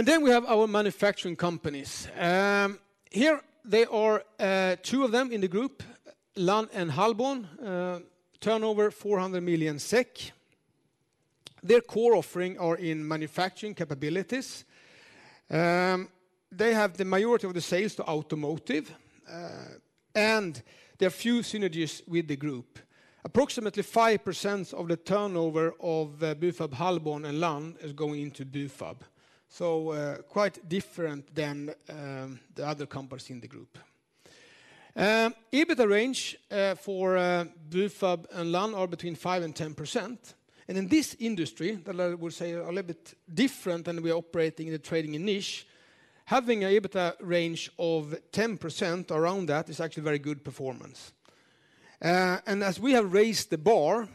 And then we have our manufacturing companies. Here they are, two of them in the group, Lann and Hallborn. Turnover, 400 million SEK. Their core offering are in manufacturing capabilities. They have the majority of the sales to automotive, and there are few synergies with the group. Approximately 5% of the turnover of Bufab Hallborn and Lann is going into Bufab, so quite different than the other companies in the group. EBITDA range for Bufab Hallborn and Lann are between 5%-10%, and in this industry, that I will say are a little bit different than we are operating in the trading and niche, having a EBITDA range of 10%, around that, is actually a very good performance. And as we have raised the bar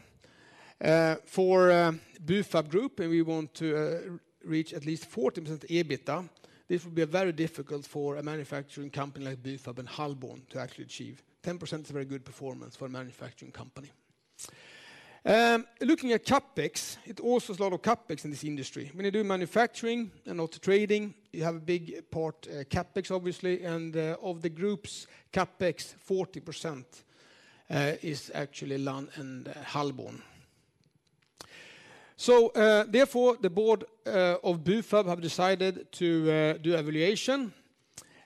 for Bufab Group, and we want to reach at least 40% EBITDA, this will be a very difficult for a manufacturing company like Bufab Hallborn to actually achieve. 10% is a very good performance for a manufacturing company. Looking at CapEx, it also is a lot of CapEx in this industry. When you do manufacturing and also trading, you have a big part, CapEx, obviously, and, of the group's CapEx, 40% is actually Lann and Hallborn. So, therefore, the board of Bufab have decided to do evaluation,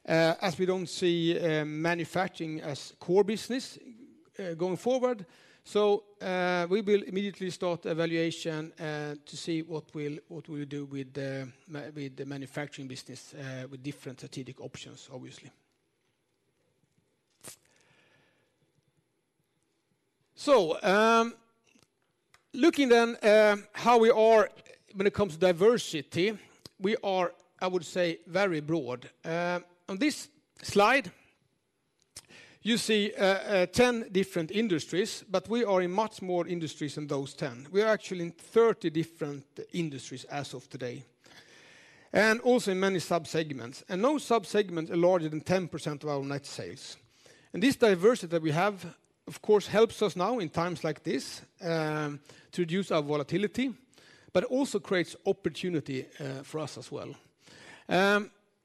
as we don't see manufacturing as core business going forward. So, we will immediately start evaluation to see what we'll, what we'll do with the manufacturing business, with different strategic options, obviously. So, looking then, how we are when it comes to diversity, we are, I would say, very broad. On this slide, you see, 10 different industries, but we are in much more industries than those 10. We are actually in 30 different industries as of today, and also in many subsegments, and no subsegment are larger than 10% of our net sales. This diversity that we have, of course, helps us now in times like this to reduce our volatility, but it also creates opportunity for us as well.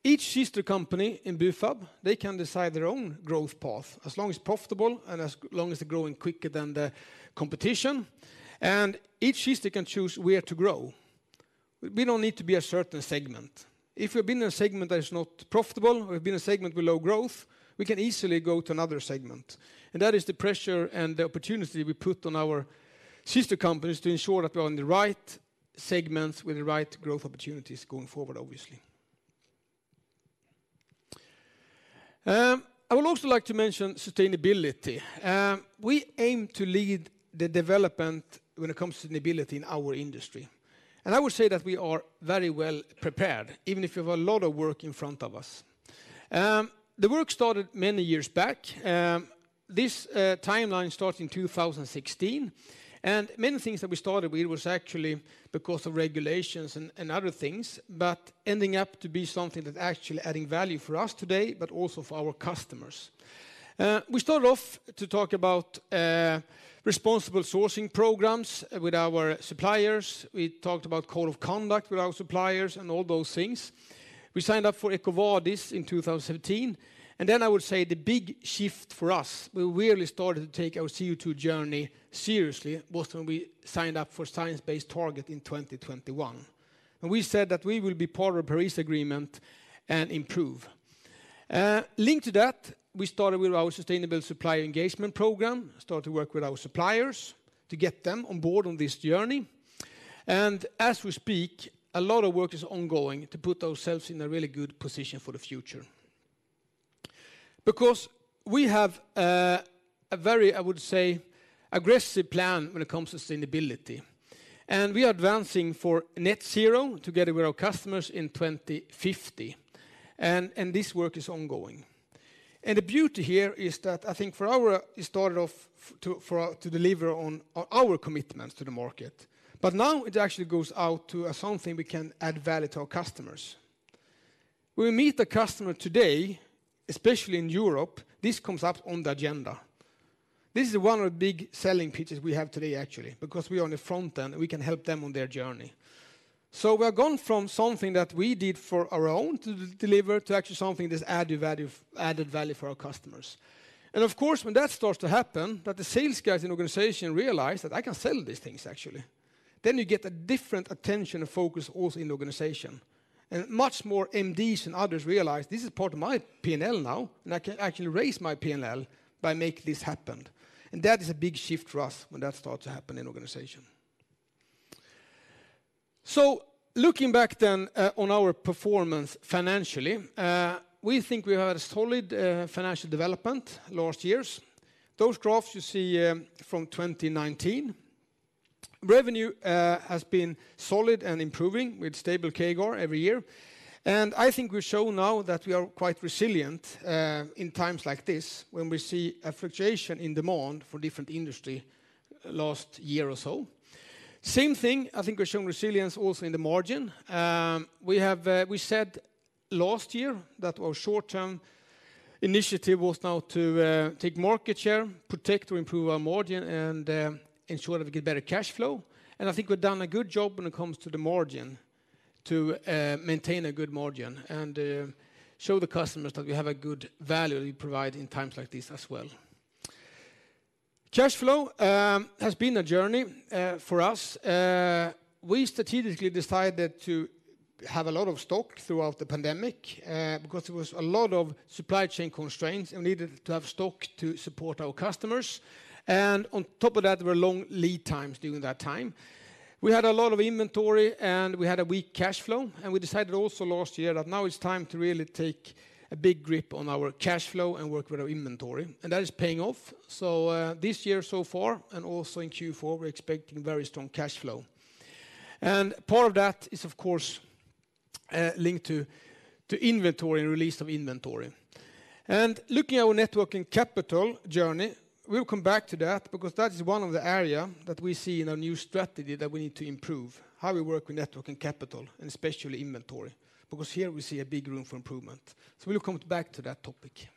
Each sister company in Bufab, they can decide their own growth path, as long as profitable and as long as they're growing quicker than the competition, and each sister can choose where to grow. We don't need to be a certain segment. If we've been in a segment that is not profitable, or we've been a segment with low growth, we can easily go to another segment. That is the pressure and the opportunity we put on our sister companies to ensure that we are in the right segments with the right growth opportunities going forward, obviously. I would also like to mention sustainability. We aim to lead the development when it comes to sustainability in our industry, and I would say that we are very well prepared, even if we have a lot of work in front of us. The work started many years back. This timeline starts in 2016, and many things that we started with was actually because of regulations and other things, but ending up to be something that actually adding value for us today, but also for our customers. We start off to talk about responsible sourcing programs with our suppliers. We talked about code of conduct with our suppliers and all those things. We signed up for EcoVadis in 2017, and then I would say the big shift for us, we really started to take our CO2 journey seriously, was when we signed up for Science Based Targets in 2021. And we said that we will be part of the Paris Agreement and improve. Linked to that, we started with our sustainable supplier engagement program, started to work with our suppliers to get them on board on this journey. And as we speak, a lot of work is ongoing to put ourselves in a really good position for the future. Because we have, a very, I would say, aggressive plan when it comes to sustainability, and we are advancing for net zero together with our customers in 2050, and, and this work is ongoing. The beauty here is that I think, for ours, it started off to deliver on our commitments to the market, but now it actually goes out to us as something we can add value to our customers. We meet the customer today, especially in Europe. This comes up on the agenda. This is one of the big selling pitches we have today, actually, because we are on the front end, and we can help them on their journey. So we have gone from something that we did for our own to deliver, to actually something that's added value for our customers. And of course, when that starts to happen, that the sales guys in the organization realize that, "I can sell these things, actually," then you get a different attention and focus also in the organization. And much more MDs and others realize, "This is part of my P&L now, and I can actually raise my P&L by making this happen." And that is a big shift for us when that starts to happen in organization. So looking back then, on our performance financially, we think we have a solid, financial development last years. Those graphs you see, from 2019. Revenue, has been solid and improving with stable CAGR every year. And I think we show now that we are quite resilient, in times like this, when we see a fluctuation in demand for different industry last year or so. Same thing, I think we're showing resilience also in the margin. We have, we said last year that our short-term initiative was now to take market share, protect or improve our margin, and ensure that we get better cash flow. I think we've done a good job when it comes to the margin, to maintain a good margin and show the customers that we have a good value we provide in times like this as well. Cash flow has been a journey for us. We strategically decided to have a lot of stock throughout the pandemic because there was a lot of supply chain constraints, and we needed to have stock to support our customers. And on top of that, there were long lead times during that time. We had a lot of inventory, and we had a weak cash flow, and we decided also last year that now it's time to really take a big grip on our cash flow and work with our inventory, and that is paying off. So, this year so far, and also in Q4, we're expecting very strong cash flow. And part of that is, of course, linked to inventory and release of inventory. And looking at our Net Working Capital journey, we'll come back to that because that is one of the area that we see in our new strategy that we need to improve, how we work with Net Working Capital, and especially inventory, because here we see a big room for improvement. So we will come back to that topic.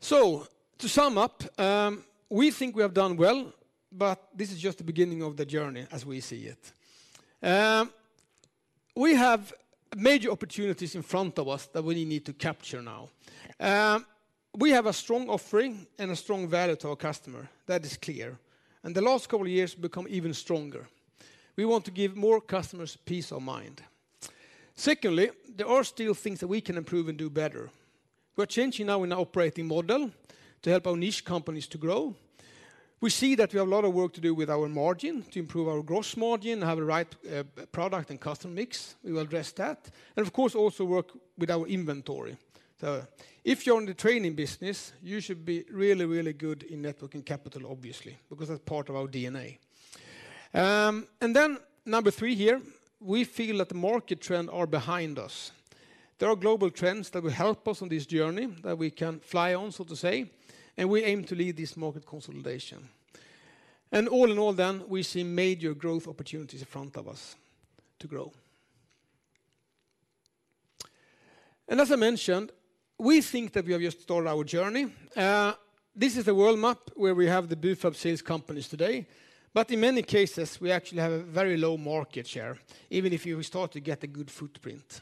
So to sum up, we think we have done well, but this is just the beginning of the journey as we see it. We have major opportunities in front of us that we need to capture now. We have a strong offering and a strong value to our customer. That is clear. And the last couple of years become even stronger. We want to give more customers peace of mind. Secondly, there are still things that we can improve and do better. We're changing now in our operating model to help our niche companies to grow. We see that we have a lot of work to do with our margin, to improve our gross margin, have a right, product and custom mix. We will address that. And of course, also work with our inventory. So if you're in the training business, you should be really, really good in Net Working Capital, obviously, because that's part of our DNA. Then number three here, we feel that the market trend are behind us. There are global trends that will help us on this journey that we can fly on, so to say, and we aim to lead this market consolidation. All in all, then, we see major growth opportunities in front of us to grow. And as I mentioned, we think that we have just started our journey. This is a world map where we have the Bufab sales companies today, but in many cases, we actually have a very low market share, even if you start to get a good footprint.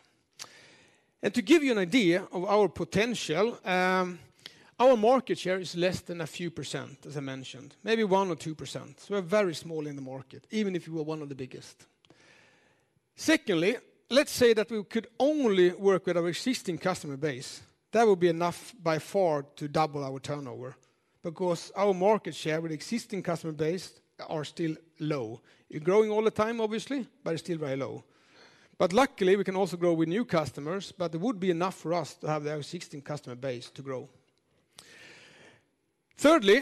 To give you an idea of our potential, our market share is less than a few percent, as I mentioned, maybe 1 or 2%. We are very small in the market, even if we were one of the biggest. Secondly, let's say that we could only work with our existing customer base. That would be enough by far to double our turnover... because our market share with existing customer base are still low. It growing all the time, obviously, but it's still very low. But luckily, we can also grow with new customers, but it would be enough for us to have the existing customer base to grow. Thirdly,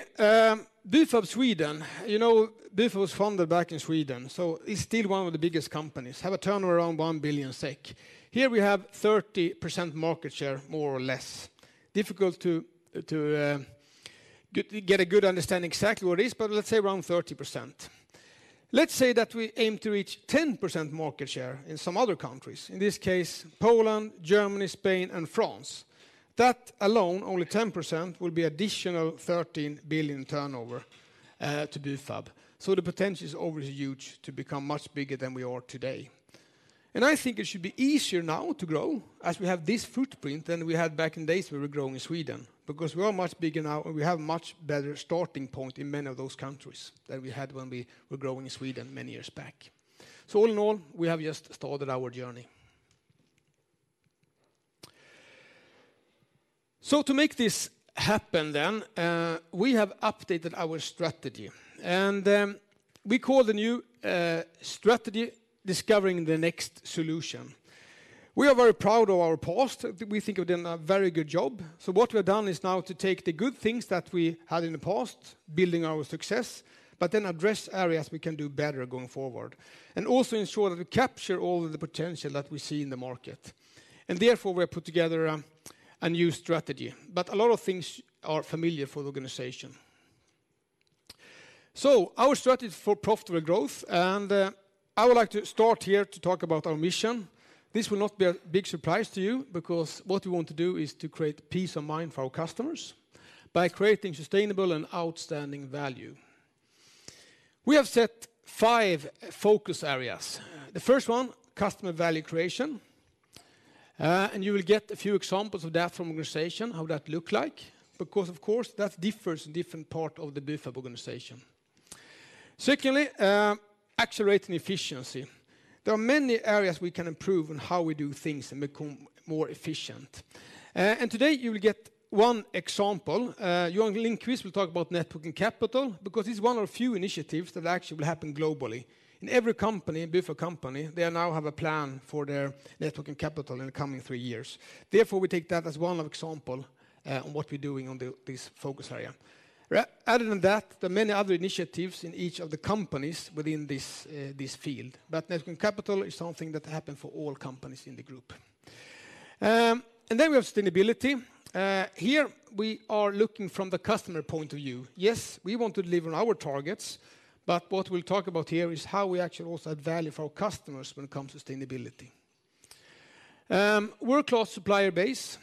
Bufab Sweden, you know, Bufab was founded back in Sweden, so it's still one of the biggest companies. Have a turnover around 1 billion SEK. Here we have 30% market share, more or less. Difficult to get a good understanding exactly what it is, but let's say around 30%. Let's say that we aim to reach 10% market share in some other countries, in this case, Poland, Germany, Spain, and France. That alone, only 10%, will be additional 13 billion turnover to Bufab. So the potential is always huge to become much bigger than we are today. And I think it should be easier now to grow as we have this footprint than we had back in the days we were growing in Sweden, because we are much bigger now, and we have a much better starting point in many of those countries than we had when we were growing in Sweden many years back. So all in all, we have just started our journey. So to make this happen then, we have updated our strategy, and, we call the new strategy Discovering the Next Solution. We are very proud of our past. We think we've done a very good job. So what we have done is now to take the good things that we had in the past, building our success, but then address areas we can do better going forward, and also ensure that we capture all of the potential that we see in the market. And therefore, we have put together a new strategy, but a lot of things are familiar for the organization. So our strategy is for profitable growth, and I would like to start here to talk about our mission. This will not be a big surprise to you, because what we want to do is to create peace of mind for our customers by creating sustainable and outstanding value. We have set five focus areas. The first one, customer value creation. You will get a few examples of that from organization, how that look like, because of course, that differs in different part of the Bufab organization. Secondly, accelerating efficiency. There are many areas we can improve on how we do things and become more efficient. Today, you will get one example. Johan Lindqvist will talk about working capital, because it's one of the few initiatives that actually will happen globally. In every company, Bufab company, they now have a plan for their Net Working Capital in the coming three years. Therefore, we take that as one example, on what we're doing on this focus area. Right. Other than that, there are many other initiatives in each of the companies within this, this field, but Net Working Capital is something that happen for all companies in the group. And then we have sustainability. Here, we are looking from the customer point of view. Yes, we want to deliver on our targets, but what we'll talk about here is how we actually also add value for our customers when it comes to sustainability. World-class supplier base.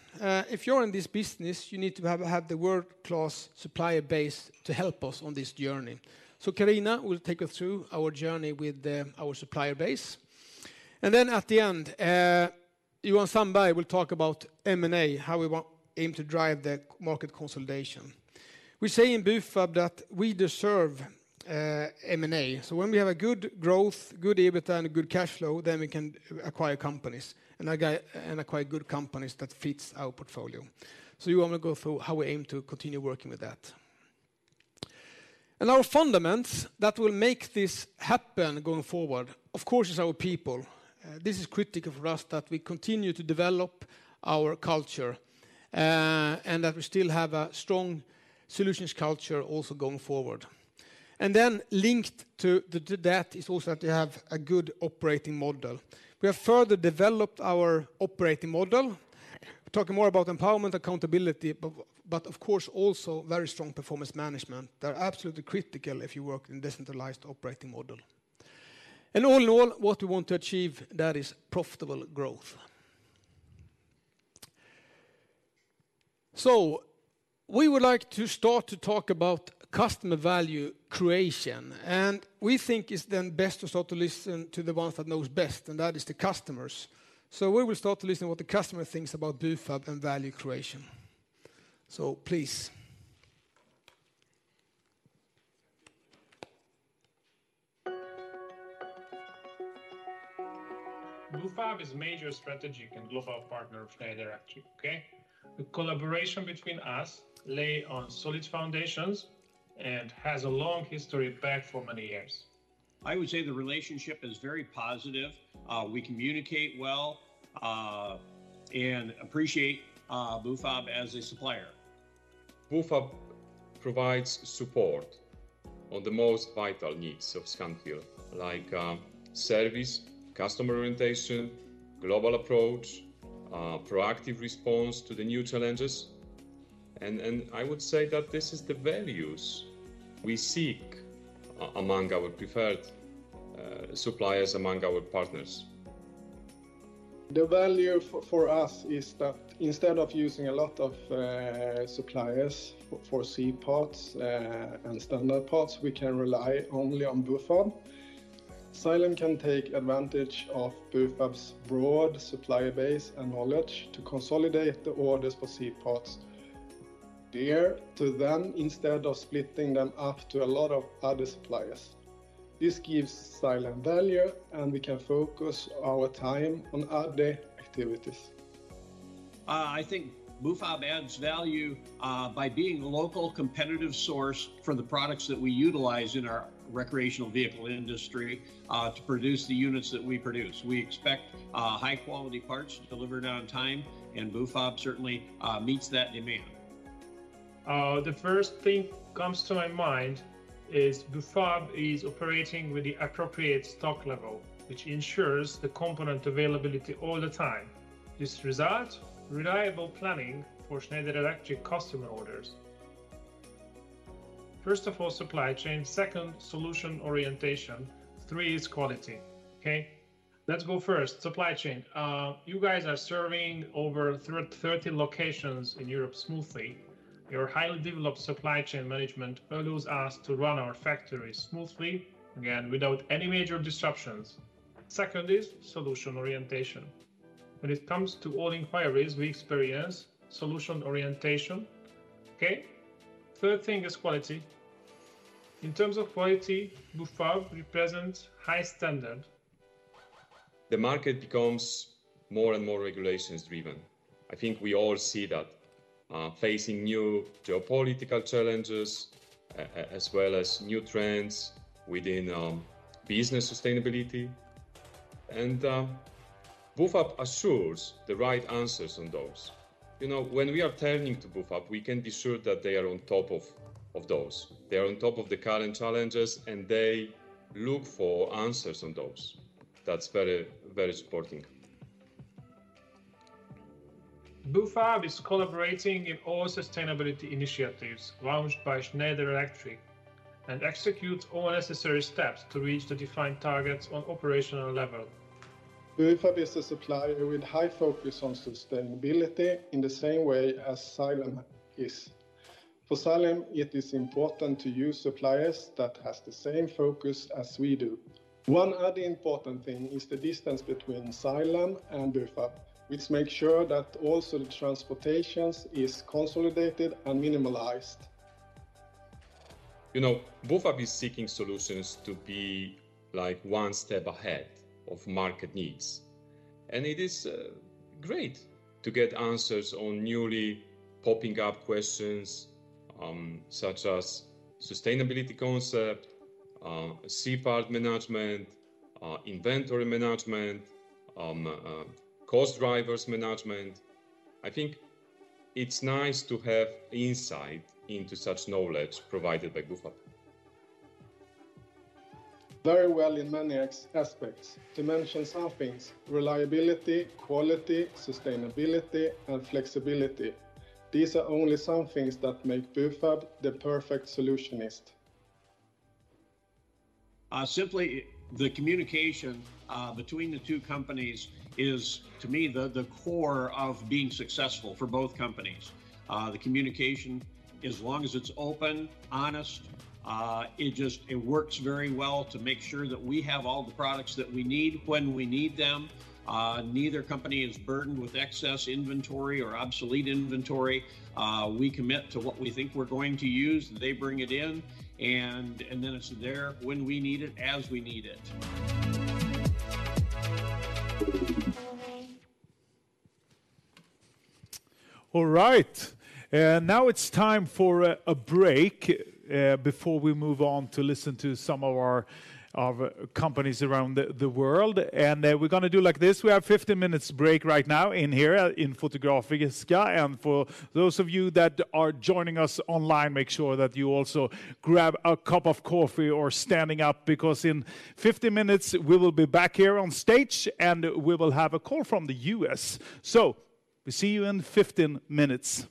If you're in this business, you need to have the world-class supplier base to help us on this journey. So Carina will take us through our journey with, our supplier base. And then at the end, Johan Sandberg will talk about M&A, how we aim to drive the market consolidation. We say in Bufab that we deserve M&A. So when we have a good growth, good EBITDA, and a good cash flow, then we can acquire companies, and acquire good companies that fits our portfolio. So Johan will go through how we aim to continue working with that. And our fundamentals that will make this happen going forward, of course, is our people. This is critical for us, that we continue to develop our culture, and that we still have a strong solutions culture also going forward. And then linked to that is also that we have a good operating model. We have further developed our operating model. We're talking more about empowerment, accountability, but of course, also very strong performance management. They're absolutely critical if you work in decentralized operating model. And all in all, what we want to achieve, that is profitable growth. So we would like to start to talk about customer value creation, and we think it's then best to start to listen to the ones that knows best, and that is the customers. So we will start to listen what the customer thinks about Bufab and value creation. So please. Bufab is a major strategic and global partner of Schneider Electric, okay? The collaboration between us lay on solid foundations and has a long history back for many years. I would say the relationship is very positive. We communicate well, and appreciate Bufab as a supplier. Bufab provides support on the most vital needs of Scania, like, service, customer orientation, global approach, proactive response to the new challenges. I would say that this is the values we seek among our preferred suppliers, among our partners. The value for us is that instead of using a lot of suppliers for C-Parts and standard parts, we can rely only on Bufab. Scania can take advantage of Bufab's broad supplier base and knowledge to consolidate the orders for C-Parts there to them, instead of splitting them up to a lot of other suppliers. This gives Scania value, and we can focus our time on other activities. I think Bufab adds value by being a local competitive source for the products that we utilize in our recreational vehicle industry to produce the units that we produce. We expect high-quality parts delivered on time, and Bufab certainly meets that demand. The first thing comes to my mind is Bufab is operating with the appropriate stock level, which ensures the component availability all the time. This result, reliable planning for Schneider Electric customer orders. First of all, supply chain, second, solution orientation, three is quality. Okay, let's go first. Supply chain. You guys are serving over 30 locations in Europe smoothly. Your highly developed supply chain management allows us to run our factory smoothly, again, without any major disruptions. Second is solution orientation. When it comes to all inquiries, we experience solution orientation. Okay? Third thing is quality. In terms of quality, Bufab represents high standard. The market becomes more and more regulations-driven. I think we all see that, facing new geopolitical challenges, as well as new trends within business sustainability, and Bufab assures the right answers on those. You know, when we are turning to Bufab, we can be sure that they are on top of those. They are on top of the current challenges, and they look for answers on those. That's very, very supporting. Bufab is collaborating in all sustainability initiatives launched by Schneider Electric, and executes all necessary steps to reach the defined targets on operational level. Bufab is a supplier with high focus on sustainability in the same way as Xylem is. For Xylem, it is important to use suppliers that has the same focus as we do. One other important thing is the distance between Xylem and Bufab, which make sure that also the transportations is consolidated and minimized. You know, Bufab is seeking solutions to be, like, one step ahead of market needs, and it is great to get answers on newly popping up questions, such as sustainability concept, C-Parts management, inventory management, cost drivers management. I think it's nice to have insight into such knowledge provided by Bufab. Very well in many aspects. To mention some things: reliability, quality, sustainability, and flexibility. These are only some things that make Bufab the perfect solutionist. Simply, the communication between the two companies is, to me, the core of being successful for both companies. The communication, as long as it's open, honest, it just... It works very well to make sure that we have all the products that we need when we need them. Neither company is burdened with excess inventory or obsolete inventory. We commit to what we think we're going to use, they bring it in, and then it's there when we need it, as we need it. All right. Now it's time for a break before we move on to listen to some of our companies around the world. We're gonna do like this: we have 15 minutes break right now in here in Fotografiska. For those of you that are joining us online, make sure that you also grab a cup of coffee or standing up, because in 50 minutes, we will be back here on stage, and we will have a call from the U.S. We see you in 15 minutes. ...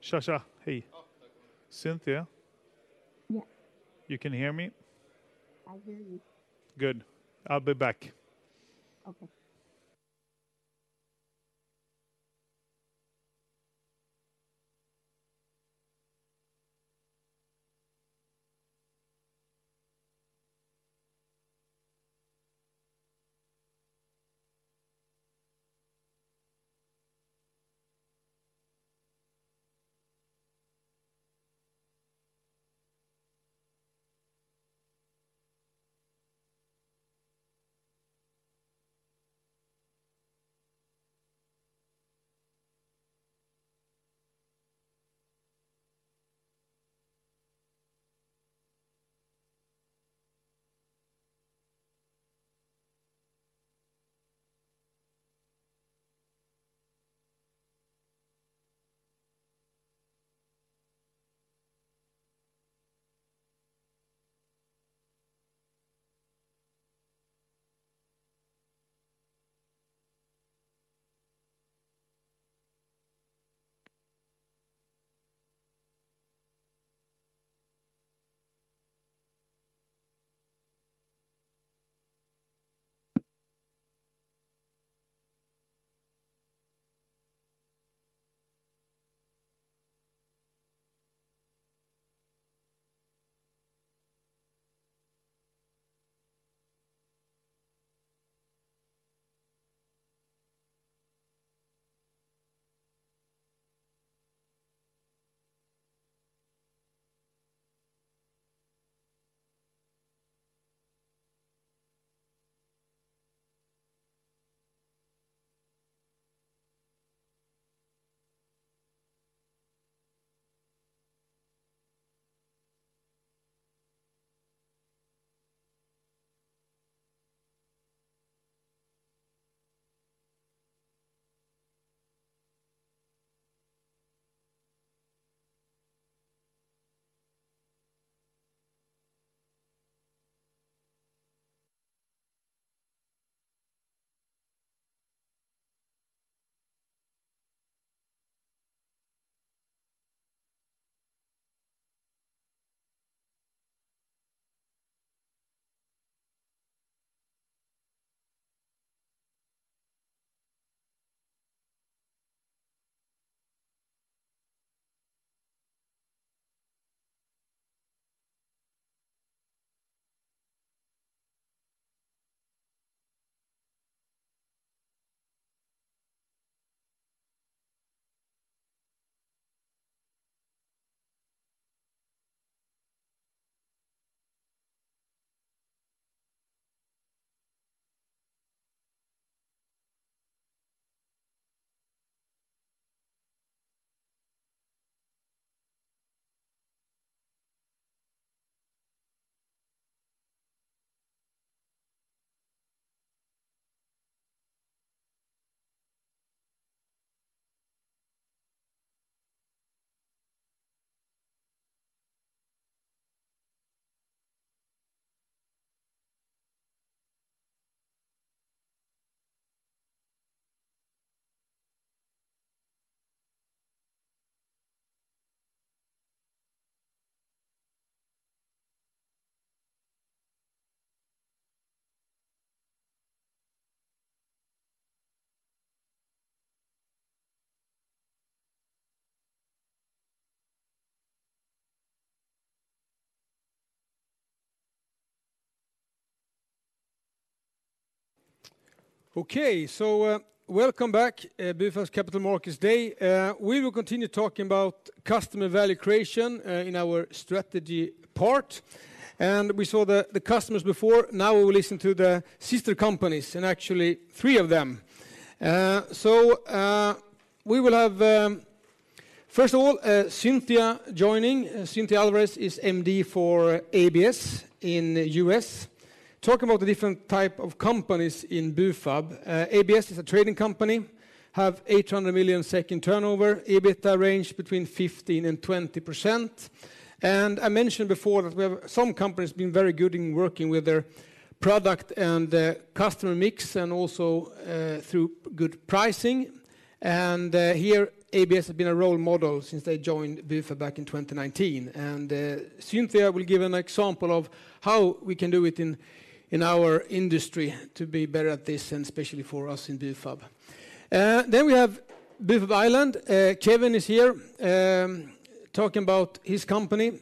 Sasha, hey! Cynthia? Yeah. You can hear me? I hear you. Good. I'll be back. Okay. Okay, so, welcome back, Bufab's Capital Markets Day. We will continue talking about customer value creation, in our strategy part. And we saw the customers before. Now we will listen to the sister companies, and actually three of them. So, we will have... First of all, Cynthia joining. Cynthia Alvarez is MD for ABS in the US. Talk about the different type of companies in Bufab. ABS is a trading company, have 800 million turnover, EBITDA 15%-20%. And I mentioned before that we have some companies been very good in working with their product and customer mix, and also through good pricing. And here, ABS has been a role model since they joined Bufab back in 2019. Cynthia will give an example of how we can do it in our industry to be better at this, and especially for us in Bufab. Then we have Bufab Ireland. Kevin is here, talking about his company.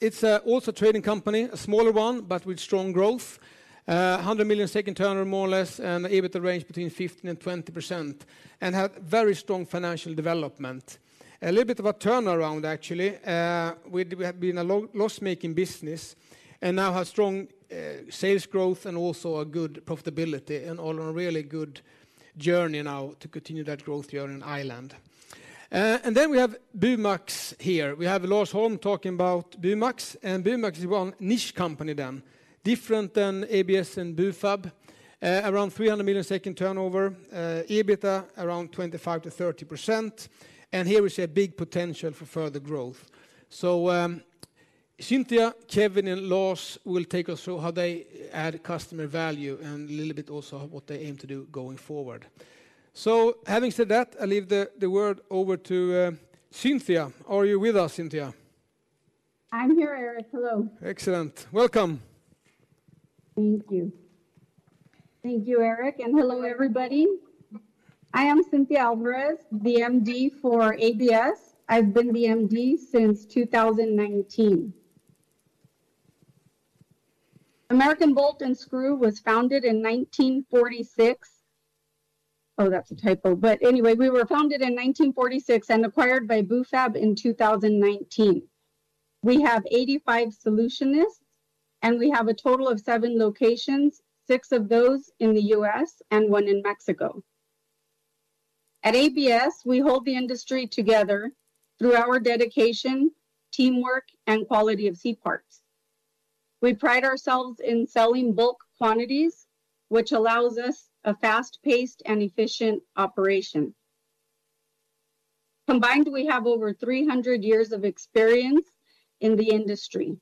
It's also a trading company, a smaller one, but with strong growth. 100 million SEK turnover, more or less, and EBITDA 15%-20%, and have very strong financial development. A little bit of a turnaround, actually. We have been a loss-making business, and now have strong sales growth and also a good profitability, and on a really good journey now to continue that growth here in Ireland. And then we have BUMAX here. We have Lars Holm talking about BUMAX, and BUMAX is one niche company then. Different than ABS and Bufab. Around 300 million turnover, EBITDA around 25%-30%, and here is a big potential for further growth. So, Cynthia, Kevin, and Lars will take us through how they add customer value, and a little bit also what they aim to do going forward. So having said that, I leave the word over to Cynthia. Are you with us, Cynthia? I'm here, Erik. Hello. Excellent. Welcome. Thank you. Thank you, Erik, and hello, everybody. I am Cynthia Alvarez, the MD for ABS. I've been the MD since 2019. American Bolt and Screw was founded in 1946. Oh, that's a typo. But anyway, we were founded in 1946 and acquired by BUFAB in 2019. We have 85 Solutionists, and we have a total of seven locations, six of those in the U.S. and one in Mexico. At ABS, we hold the industry together through our dedication, teamwork, and quality of C parts. We pride ourselves in selling bulk quantities, which allows us a fast-paced and efficient operation. Combined, we have over 300 years of experience in the industry.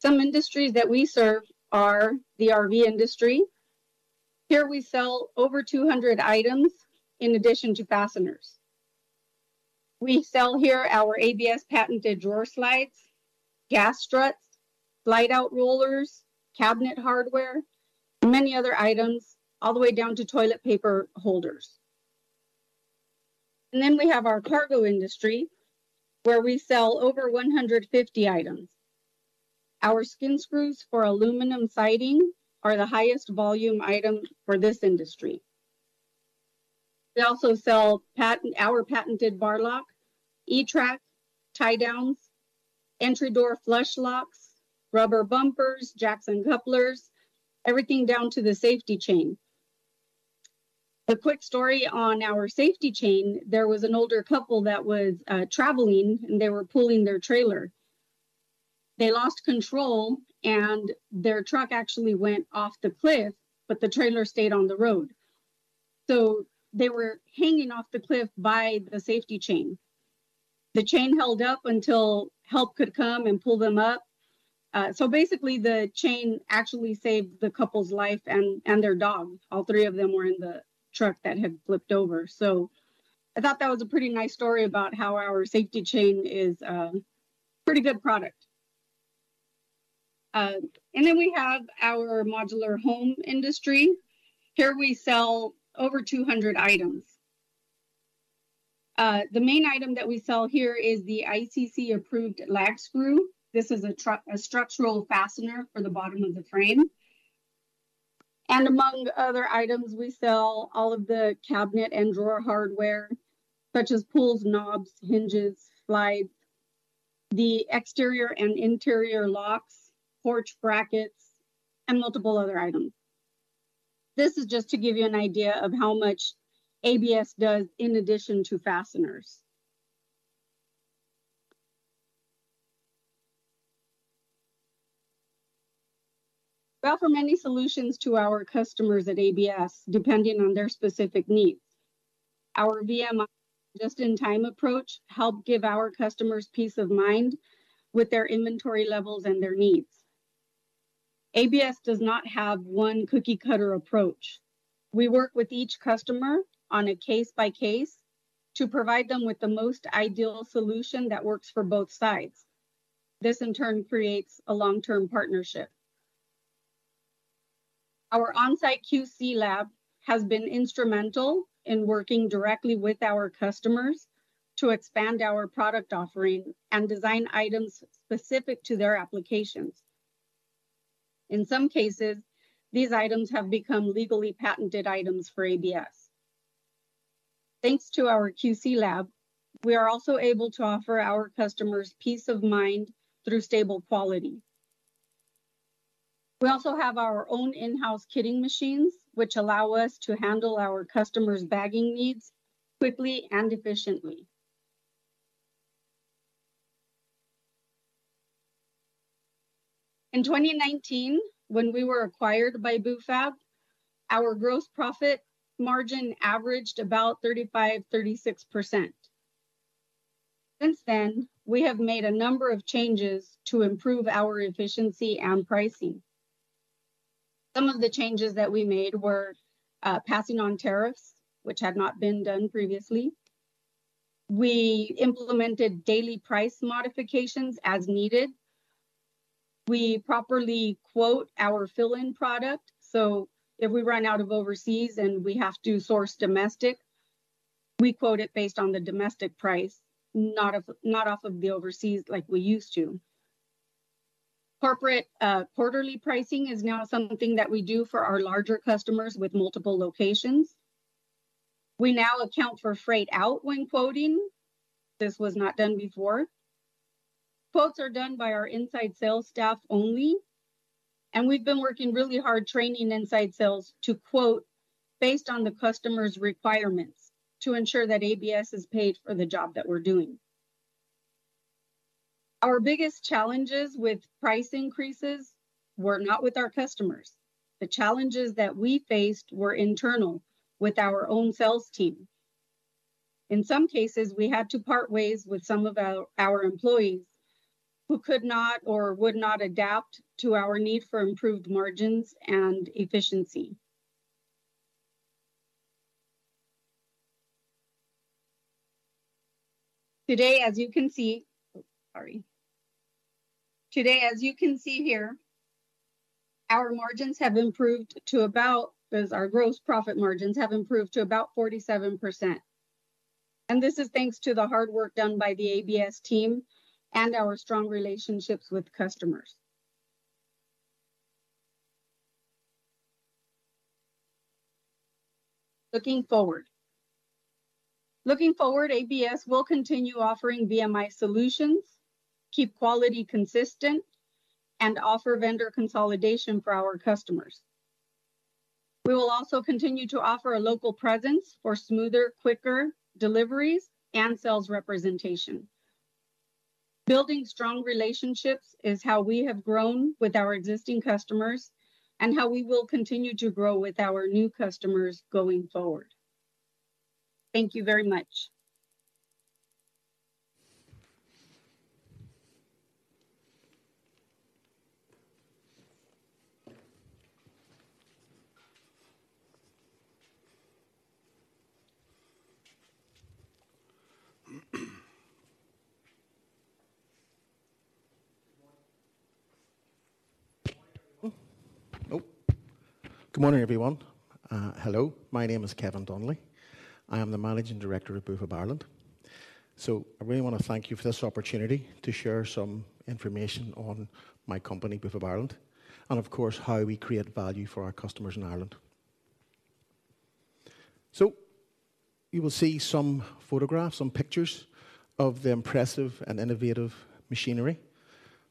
Some industries that we serve are the RV industry. Here, we sell over 200 items in addition to fasteners. We sell here our ABS patented drawer slides, gas struts, light out rollers, cabinet hardware, and many other items, all the way down to toilet paper holders. And then we have our cargo industry, where we sell over 150 items. Our skin screws for aluminum siding are the highest volume item for this industry. We also sell our patented bar lock, E-track, tie-downs, entry door flush locks, rubber bumpers, jacks and couplers, everything down to the safety chain. A quick story on our safety chain: there was an older couple that was traveling, and they were pulling their trailer. They lost control and their truck actually went off the cliff, but the trailer stayed on the road. So they were hanging off the cliff by the safety chain. The chain held up until help could come and pull them up. So basically, the chain actually saved the couple's life and their dog. All three of them were in the truck that had flipped over. So I thought that was a pretty nice story about how our safety chain is a pretty good product. And then we have our modular home industry. Here, we sell over 200 items. The main item that we sell here is the ICC-approved lag screw. This is a structural fastener for the bottom of the frame. And among other items, we sell all of the cabinet and drawer hardware, such as pulls, knobs, hinges, slides, the exterior and interior locks, porch brackets, and multiple other items. This is just to give you an idea of how much ABS does in addition to fasteners. We offer many solutions to our customers at ABS, depending on their specific needs. Our VMI just-in-time approach help give our customers peace of mind with their inventory levels and their needs. ABS does not have one cookie-cutter approach. We work with each customer on a case by case to provide them with the most ideal solution that works for both sides. This, in turn, creates a long-term partnership. Our on-site QC lab has been instrumental in working directly with our customers to expand our product offering and design items specific to their applications. In some cases, these items have become legally patented items for ABS. Thanks to our QC lab, we are also able to offer our customers peace of mind through stable quality. We also have our own in-house kitting machines, which allow us to handle our customers' bagging needs quickly and efficiently. In 2019, when we were acquired by Bufab, our gross profit margin averaged about 35%-36%. Since then, we have made a number of changes to improve our efficiency and pricing. Some of the changes that we made were passing on tariffs, which had not been done previously. We implemented daily price modifications as needed. We properly quote our fill-in product, so if we run out of overseas and we have to source domestic, we quote it based on the domestic price, not off of the overseas like we used to. Corporate quarterly pricing is now something that we do for our larger customers with multiple locations. We now account for freight out when quoting. This was not done before. Quotes are done by our inside sales staff only, and we've been working really hard training inside sales to quote based on the customer's requirements, to ensure that ABS is paid for the job that we're doing. Our biggest challenges with price increases were not with our customers. The challenges that we faced were internal, with our own sales team. In some cases, we had to part ways with some of our employees who could not or would not adapt to our need for improved margins and efficiency. Today, as you can see here, our margins have improved to about... Our gross profit margins have improved to about 47%, and this is thanks to the hard work done by the ABS team and our strong relationships with customers. Looking forward, ABS will continue offering VMI solutions, keep quality consistent, and offer vendor consolidation for our customers. We will also continue to offer a local presence for smoother, quicker deliveries and sales representation. Building strong relationships is how we have grown with our existing customers and how we will continue to grow with our new customers going forward. Thank you very much. Oh! Good morning, everyone. Hello, my name is Kevin Donnelly. I am the Managing Director of Bufab Ireland. So I really want to thank you for this opportunity to share some information on my company, Bufab Ireland, and of course, how we create value for our customers in Ireland. So you will see some photographs, some pictures of the impressive and innovative machinery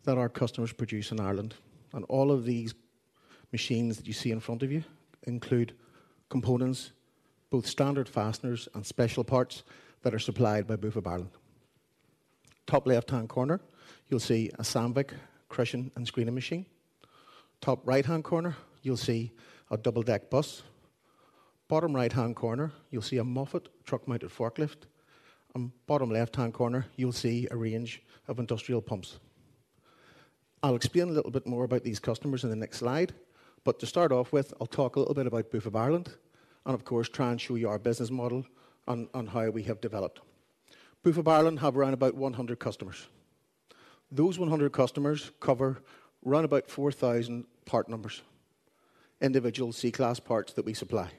that our customers produce in Ireland. And all of these machines that you see in front of you include components, both standard fasteners and special parts, that are supplied by Bufab Ireland. Top left-hand corner, you'll see a Sandvik crushing and screening machine. Top right-hand corner, you'll see a double-deck bus. Bottom right-hand corner, you'll see a Moffett truck-mounted forklift. And bottom left-hand corner, you'll see a range of industrial pumps. I'll explain a little bit more about these customers in the next slide, but to start off with, I'll talk a little bit about Bufab Ireland and of course, try and show you our business model and, on how we have developed. Bufab Ireland have around about 100 customers. Those 100 customers cover around about 4,000 part numbers, individual C-class parts that we supply.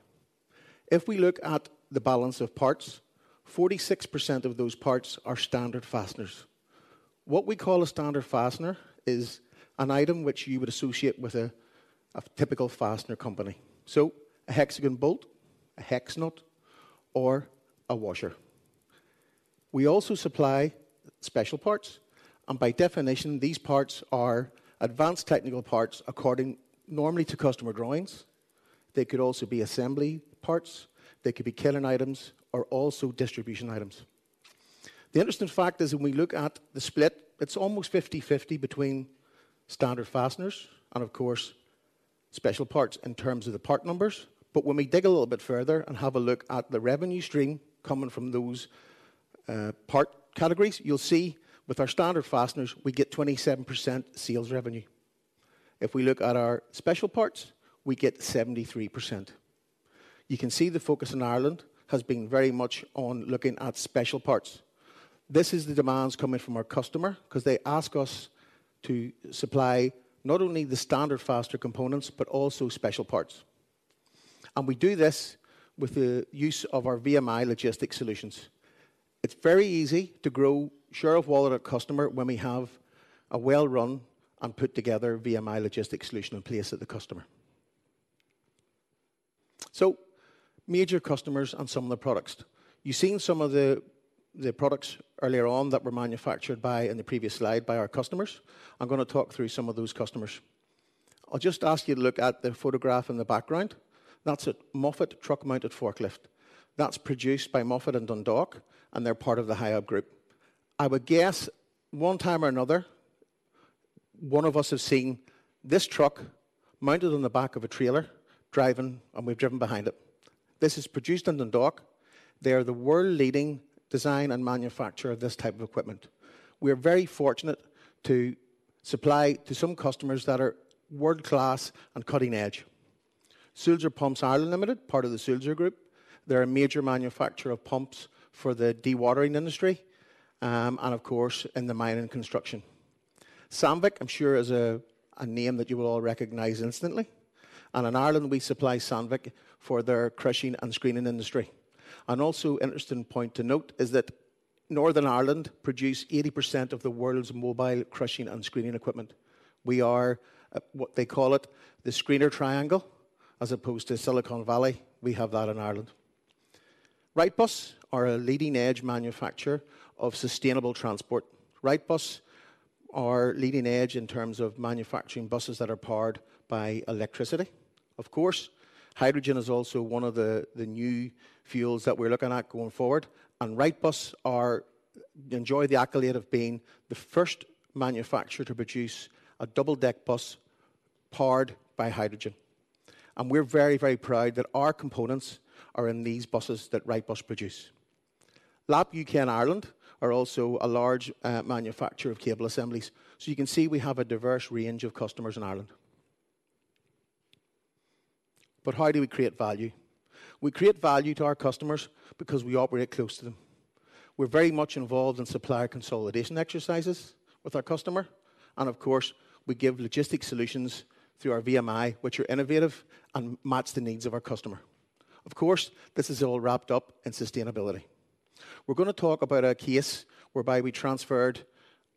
If we look at the balance of parts, 46% of those parts are standard fasteners. What we call a standard fastener is an item which you would associate with a, a typical fastener company, so a hexagon bolt, a hex nut, or a washer. We also supply special parts, and by definition, these parts are advanced technical parts, according normally to customer drawings. They could also be assembly parts, they could be kitting items or also distribution items. The interesting fact is, when we look at the split, it's almost 50/50 between standard fasteners and, of course, special parts in terms of the part numbers. But when we dig a little bit further and have a look at the revenue stream coming from those part categories, you'll see with our standard fasteners, we get 27% sales revenue. If we look at our special parts, we get 73%. You can see the focus in Ireland has been very much on looking at special parts. This is the demands coming from our customer, 'cause they ask us to supply not only the standard fastener components, but also special parts. And we do this with the use of our VMI logistics solutions. It's very easy to grow share of wallet of customer when we have a well-run and put together VMI logistics solution in place at the customer. So, major customers and some of the products. You've seen some of the, the products earlier on that were manufactured by, in the previous slide, by our customers. I'm gonna talk through some of those customers. I'll just ask you to look at the photograph in the background. That's a Moffett truck-mounted forklift. That's produced by Moffett in Dundalk, and they're part of the Hiab Group. I would guess, one time or another, one of us have seen this truck mounted on the back of a trailer, driving, and we've driven behind it. This is produced in Dundalk. They are the world-leading design and manufacturer of this type of equipment. We're very fortunate to supply to some customers that are world-class and cutting-edge. Sulzer Pumps Ireland Limited, part of the Sulzer Group, they're a major manufacturer of pumps for the dewatering industry, and of course, in the mining and construction. Sandvik, I'm sure, is a name that you will all recognize instantly, and in Ireland, we supply Sandvik for their crushing and screening industry. And also interesting point to note is that Northern Ireland produce 80% of the world's mobile crushing and screening equipment. We are, what they call it, the screener triangle, as opposed to Silicon Valley. We have that in Ireland. Wrightbus are a leading-edge manufacturer of sustainable transport. Wrightbus are leading edge in terms of manufacturing buses that are powered by electricity. Of course, hydrogen is also one of the new fuels that we're looking at going forward, and Wrightbus are enjoy the accolade of being the first manufacturer to produce a double-deck bus powered by hydrogen, and we're very, very proud that our components are in these buses that Wrightbus produce. Lapp UK and Ireland are also a large manufacturer of cable assemblies. So you can see we have a diverse range of customers in Ireland. But how do we create value? We create value to our customers because we operate close to them. We're very much involved in supplier consolidation exercises with our customer, and of course, we give logistic solutions through our VMI, which are innovative and match the needs of our customer. Of course, this is all wrapped up in sustainability. We're gonna talk about a case whereby we transferred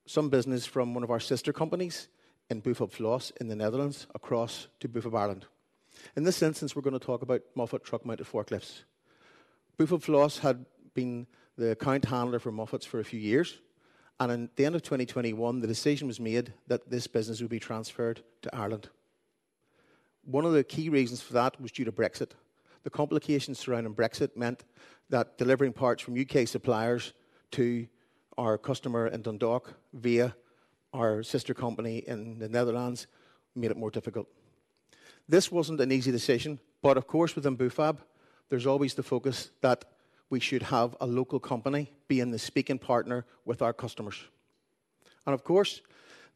some business from one of our sister companies in Bufab Vlissingen in the Netherlands across to Bufab Ireland. In this instance, we're gonna talk about Moffett truck-mounted forklifts. Bufab Vlissingen had been the account handler for Moffett's for a few years, and in the end of 2021, the decision was made that this business would be transferred to Ireland. One of the key reasons for that was due to Brexit. The complications surrounding Brexit meant that delivering parts from UK suppliers to our customer in Dundalk, via our sister company in the Netherlands, made it more difficult. This wasn't an easy decision, but of course, within Bufab, there's always the focus that we should have a local company be in the speaking partner with our customers. Of course,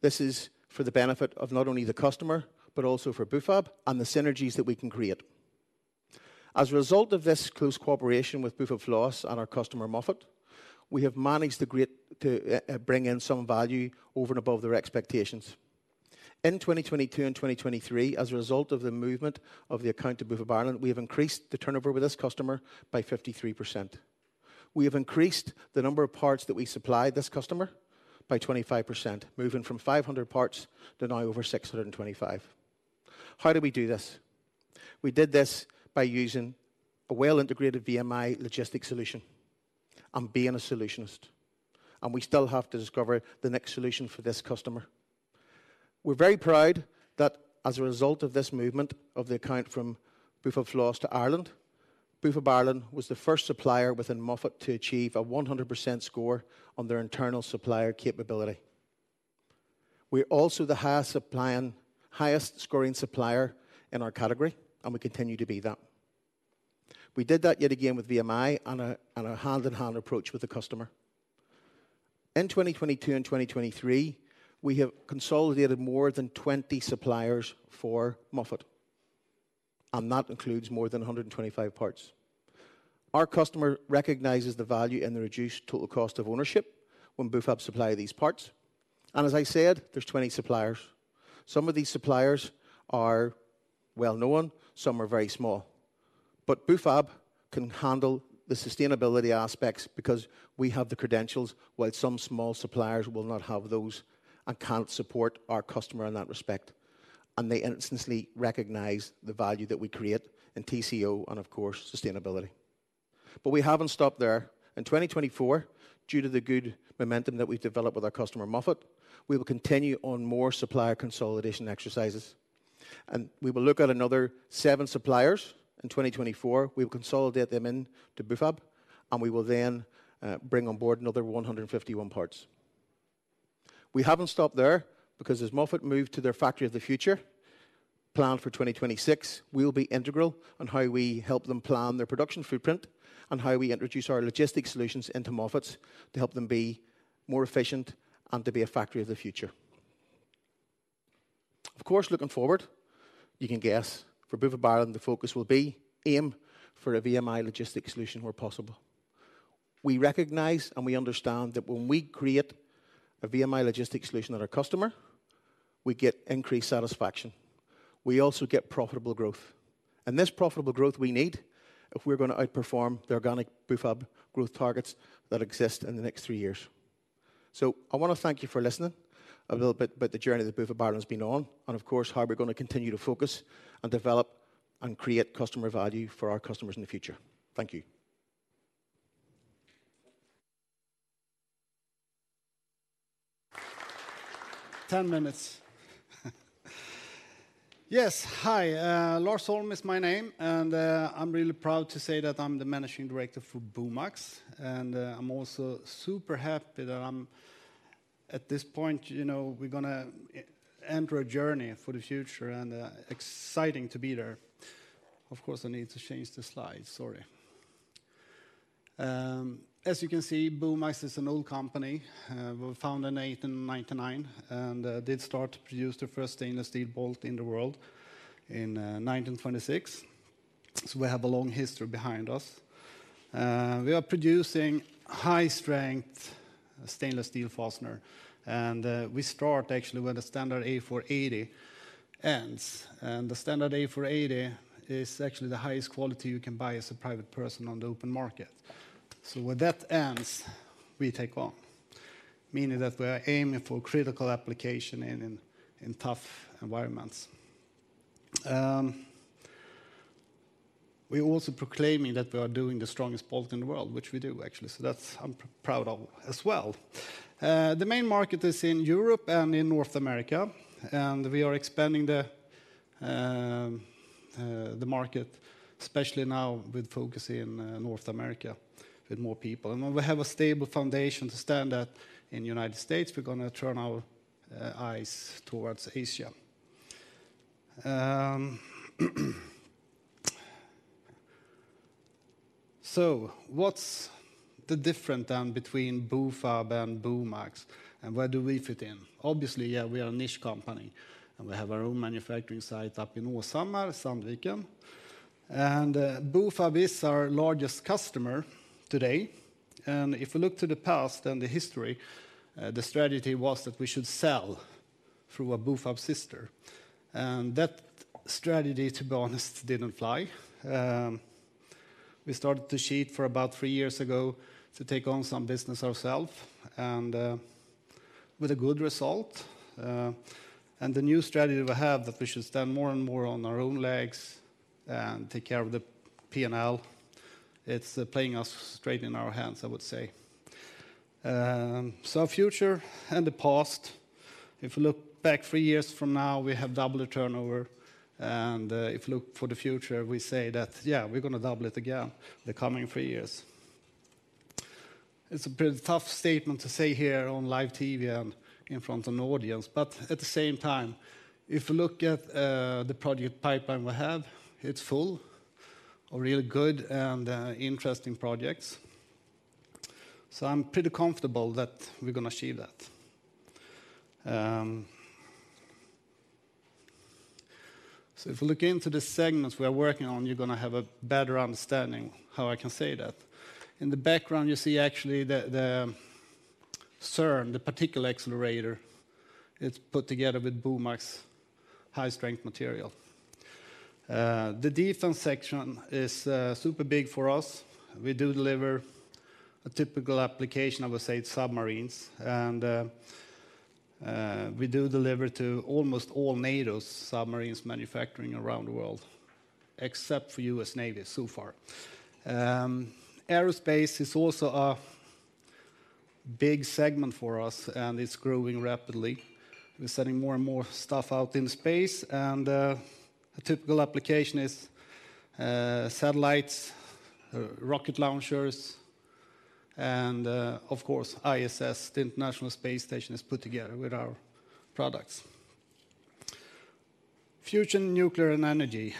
this is for the benefit of not only the customer, but also for Bufab and the synergies that we can create. As a result of this close cooperation with Bufab Vlissingen and our customer, Moffett, we have managed to create to bring in some value over and above their expectations. In 2022 and 2023, as a result of the movement of the account to Bufab Ireland, we have increased the turnover with this customer by 53%. We have increased the number of parts that we supply this customer by 25%, moving from 500 parts to now over 625. How did we do this? We did this by using a well-integrated VMI logistics solution and being a solutionist, and we still have to discover the next solution for this customer. We're very proud that as a result of this movement of the account from Bufab Vlissingen to Ireland, Bufab Ireland was the first supplier within Moffett to achieve a 100% score on their internal supplier capability. We're also the highest supplying-- highest-scoring supplier in our category, and we continue to be that. We did that yet again with VMI and a hand-in-hand approach with the customer. In 2022 and 2023, we have consolidated more than 20 suppliers for Moffett, and that includes more than 125 parts. Our customer recognizes the value in the reduced total cost of ownership when Bufab supply these parts, and as I said, there's 20 suppliers. Some of these suppliers are well-known, some are very small. But Bufab can handle the sustainability aspects because we have the credentials, while some small suppliers will not have those and can't support our customer in that respect. They instantly recognize the value that we create in TCO and, of course, sustainability. But we haven't stopped there. In 2024, due to the good momentum that we've developed with our customer, Moffett, we will continue on more supplier consolidation exercises, and we will look at another 7 suppliers in 2024. We'll consolidate them into Bufab, and we will then bring on board another 151 parts. We haven't stopped there because as Moffett move to their factory of the future, planned for 2026, we'll be integral on how we help them plan their production footprint and how we introduce our logistics solutions into Moffett's to help them be more efficient and to be a factory of the future. Of course, looking forward, you can guess for Bufab Ireland, the focus will be aim for a VMI logistics solution where possible. We recognize and we understand that when we create a VMI logistics solution with our customer, we get increased satisfaction. We also get profitable growth, and this profitable growth we need if we're gonna outperform the organic Bufab growth targets that exist in the next three years. I wanna thank you for listening a little bit about the journey that Bufab has been on, and of course, how we're going to continue to focus and develop and create customer value for our customers in the future. Thank you. Ten minutes. Yes, hi, Lars Holm is my name, and I'm really proud to say that I'm the Managing Director for BUMAX. And I'm also super happy that I'm at this point, you know, we're gonna enter a journey for the future, and exciting to be there. Of course, I need to change the slide. Sorry. As you can see, BUMAX is an old company, we were founded in 1899, and did start to produce the first stainless steel bolt in the world in 1926. So we have a long history behind us. We are producing high-strength stainless steel fasteners, and we start actually, where the standard A4-80 ends, and the standard A4-80 is actually the highest quality you can buy as a private person on the open market. So where that ends, we take on, meaning that we are aiming for critical application in tough environments. We also proclaiming that we are doing the strongest bolt in the world, which we do actually, so that's. I'm proud of as well. The main market is in Europe and in North America, and we are expanding the market, especially now with focus in North America, with more people. And when we have a stable foundation to stand at in United States, we're gonna turn our eyes towards Asia. So what's the difference then between Bufab and BUMAX, and where do we fit in? Obviously, yeah, we are a niche company, and we have our own manufacturing site up in Åshammar, Sandviken. Bufab is our largest customer today, and if we look to the past and the history, the strategy was that we should sell through a Bufab sister. And that strategy, to be honest, didn't fly. We started to shift about three years ago to take on some business ourselves and, with a good result. And the new strategy we have, that we should stand more and more on our own legs and take care of the P&L, it's playing straight into our hands, I would say. So our future and the past, if we look back three years from now, we have doubled the turnover, and if you look for the future, we say that, "Yeah, we're gonna double it again the coming three years." It's a pretty tough statement to say here on live TV and in front of an audience, but at the same time, if you look at the project pipeline we have, it's full of really good and interesting projects. So I'm pretty comfortable that we're gonna achieve that. So if you look into the segments we are working on, you're gonna have a better understanding how I can say that. In the background, you see actually the CERN, the particle accelerator, it's put together with BUMAX high-strength material. The defense section is super big for us. We do deliver a typical application, I would say, it's submarines, and we do deliver to almost all NATO's submarines manufacturing around the world, except for U.S. Navy, so far. Aerospace is also a big segment for us, and it's growing rapidly. We're sending more and more stuff out in space, and a typical application is satellites, rocket launchers, and of course, ISS, the International Space Station, is put together with our products. Fusion, nuclear, and energy,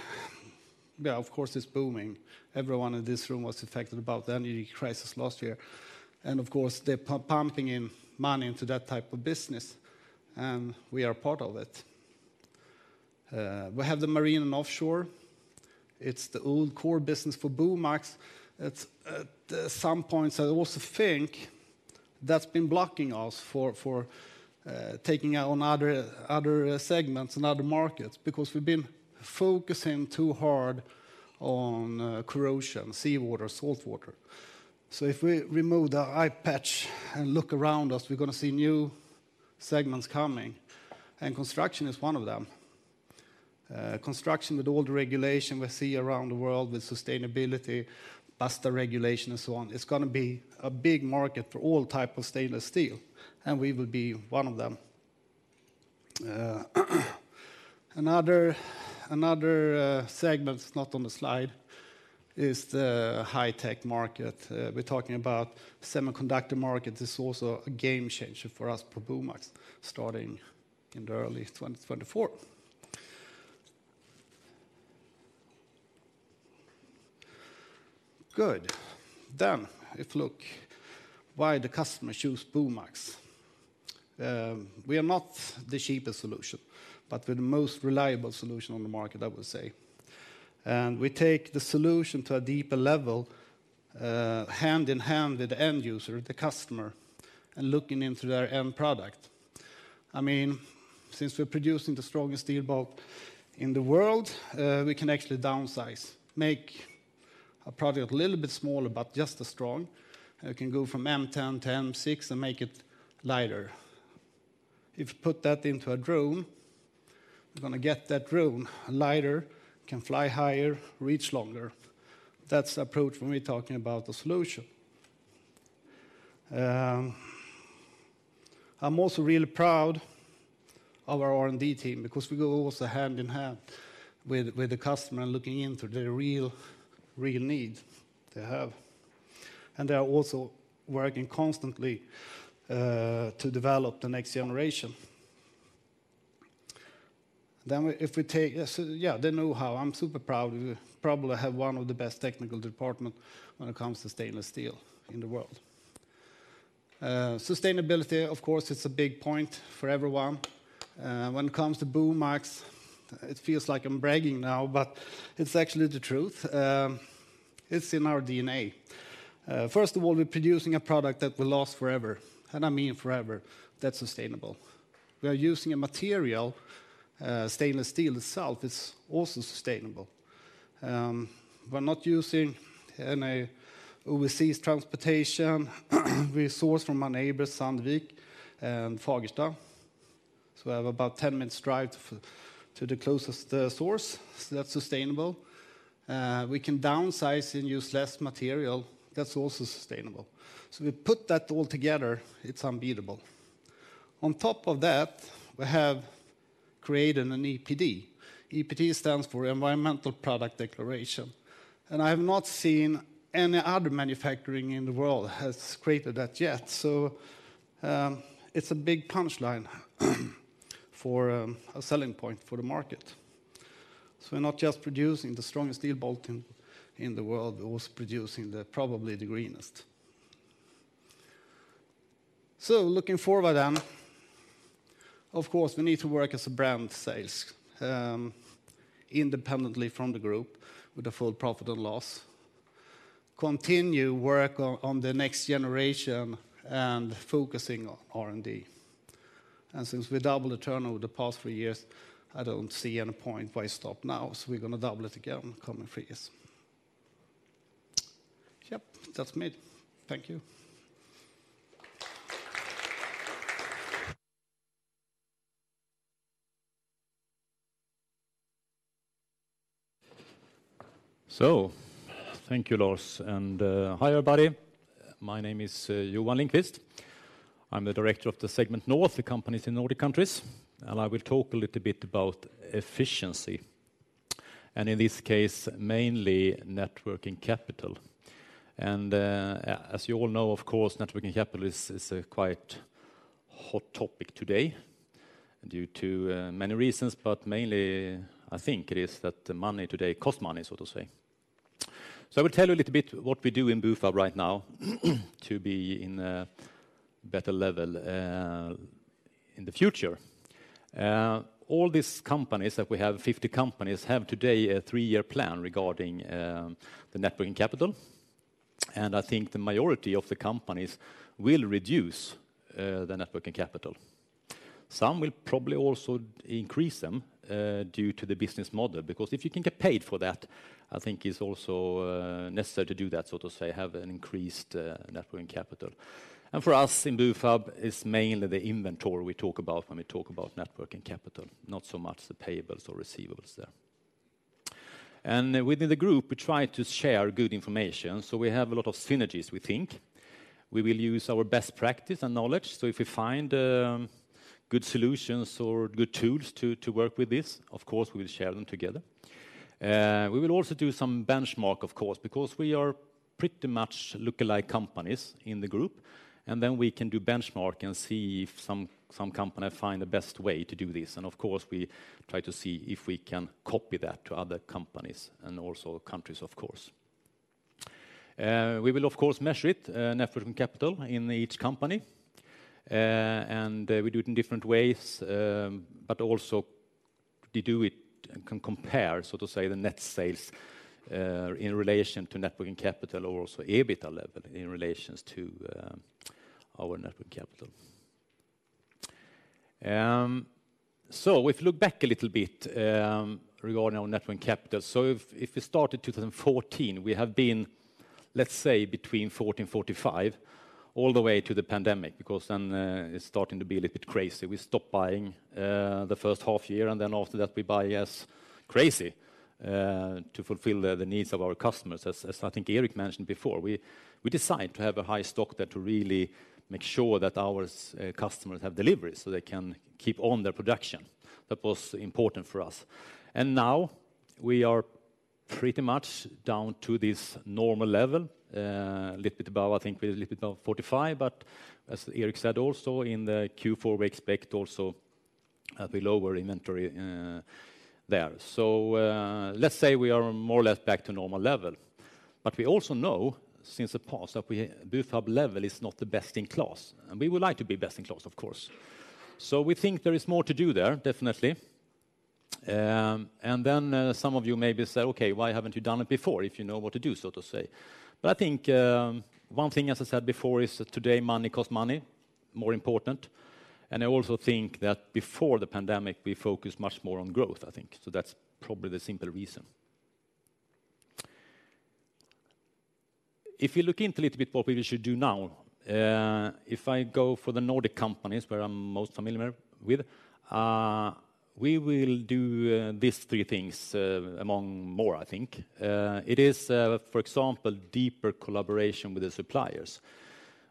yeah, of course, it's booming. Everyone in this room was affected about the energy crisis last year, and of course, they're pumping in money into that type of business, and we are part of it. We have the marine and offshore. It's the old core business for BUMAX. It's at some points. I also think that's been blocking us for taking on other segments and other markets because we've been focusing too hard on corrosion, seawater, saltwater. So if we remove the eye patch and look around us, we're gonna see new segments coming, and construction is one of them. Construction, with all the regulation we see around the world, with sustainability, BASTA regulation, and so on, it's gonna be a big market for all type of stainless steel, and we will be one of them. Another segment that's not on the slide is the high-tech market. We're talking about semiconductor market is also a game changer for us, for BUMAX, starting in the early 2024. Good. Then, if you look why the customer choose BUMAX. We are not the cheapest solution, but we're the most reliable solution on the market, I would say. And we take the solution to a deeper level, hand in hand with the end user, the customer, and looking into their end product. I mean, since we're producing the strongest steel bolt in the world, we can actually downsize, make a product a little bit smaller, but just as strong. It can go from M10 to M6 and make it lighter. If you put that into a drone, we're gonna get that drone lighter, can fly higher, reach longer. That's the approach when we're talking about the solution. I'm also really proud of our R&D team because we go also hand in hand with, with the customer and looking into the real, real need they have. And they are also working constantly to develop the next generation. Then we—if we take, yeah, the know-how, I'm super proud. We probably have one of the best technical department when it comes to stainless steel in the world. Sustainability, of course, it's a big point for everyone. When it comes to BUMAX, it feels like I'm bragging now, but it's actually the truth. It's in our DNA. First of all, we're producing a product that will last forever, and I mean forever. That's sustainable. We are using a material, stainless steel itself is also sustainable. We're not using any overseas transportation. We source from my neighbor, Sandvik, and Fagersta. So we have about 10 minutes drive to the closest source, so that's sustainable. We can downsize and use less material. That's also sustainable. So we put that all together, it's unbeatable. On top of that, we have created an EPD. EPD stands for Environmental Product Declaration, and I have not seen any other manufacturing in the world has created that yet. So, it's a big punchline, for, a selling point for the market. So we're not just producing the strongest steel bolt in the world, we're also producing the probably the greenest. So looking forward then, of course, we need to work as a brand sales, independently from the group with a full profit and loss, continue work on the next generation and focusing on R&D. And since we doubled the turnover the past three years, I don't see any point why stop now, so we're gonna double it again coming three years. Yep, that's me. Thank you. So thank you, Lars, and hi, everybody. My name is Johan Lindqvist. I'm the director of the segment North, the companies in Nordic countries, and I will talk a little bit about efficiency, and in this case, mainly Net Working Capital. As you all know, of course, Net Working Capital is a quite hot topic today due to many reasons, but mainly, I think it is that the money today cost money, so to say. So I will tell you a little bit what we do in Bufab right now, to be in a better level in the future. All these companies that we have, 50 companies, have today a three-year plan regarding the Net Working Capital, and I think the majority of the companies will reduce the Net Working Capital. Some will probably also increase them due to the business model, because if you can get paid for that, I think it's also necessary to do that, so to say, have an increased Net Working Capital. For us in Bufab, it's mainly the inventory we talk about when we talk about Net Working Capital, not so much the payables or receivables there. Within the group, we try to share good information, so we have a lot of synergies, we think. We will use our best practice and knowledge, so if we find good solutions or good tools to work with this, of course, we will share them together. We will also do some benchmark, of course, because we are pretty much lookalike companies in the group, and then we can do benchmark and see if some, some company find the best way to do this. And of course, we try to see if we can copy that to other companies and also countries, of course. We will, of course, measure it, net working capital in each company, and, we do it in different ways, but also to do it and can compare, so to say, the net sales, in relation to net working capital, or also EBITDA level in relations to, our net working capital. So if we look back a little bit, regarding our net working capital. So if we start in 2014, we have been, let's say, between 40 and 45 all the way to the pandemic, because then it's starting to be a little bit crazy. We stopped buying the first half year, and then after that, we buy as crazy to fulfill the needs of our customers. As I think Erik mentioned before, we decide to have a high stock there to really make sure that our customers have deliveries so they can keep on their production. That was important for us. And now we are pretty much down to this normal level, a little bit above. I think we're a little bit above 45, but as Erik said, also in the Q4, we expect also a lower inventory there. So, let's say we are more or less back to normal level, but we also know since the past that we, Bufab level is not the best in class, and we would like to be best in class, of course. So we think there is more to do there, definitely... And then, some of you maybe say: "Okay, why haven't you done it before if you know what to do?" so to say. But I think, one thing, as I said before, is that today, money costs money, more important. And I also think that before the pandemic, we focused much more on growth, I think. So that's probably the simple reason. If you look into a little bit what we should do now, if I go for the Nordic companies, where I'm most familiar with, we will do these three things, among more, I think. It is, for example, deeper collaboration with the suppliers.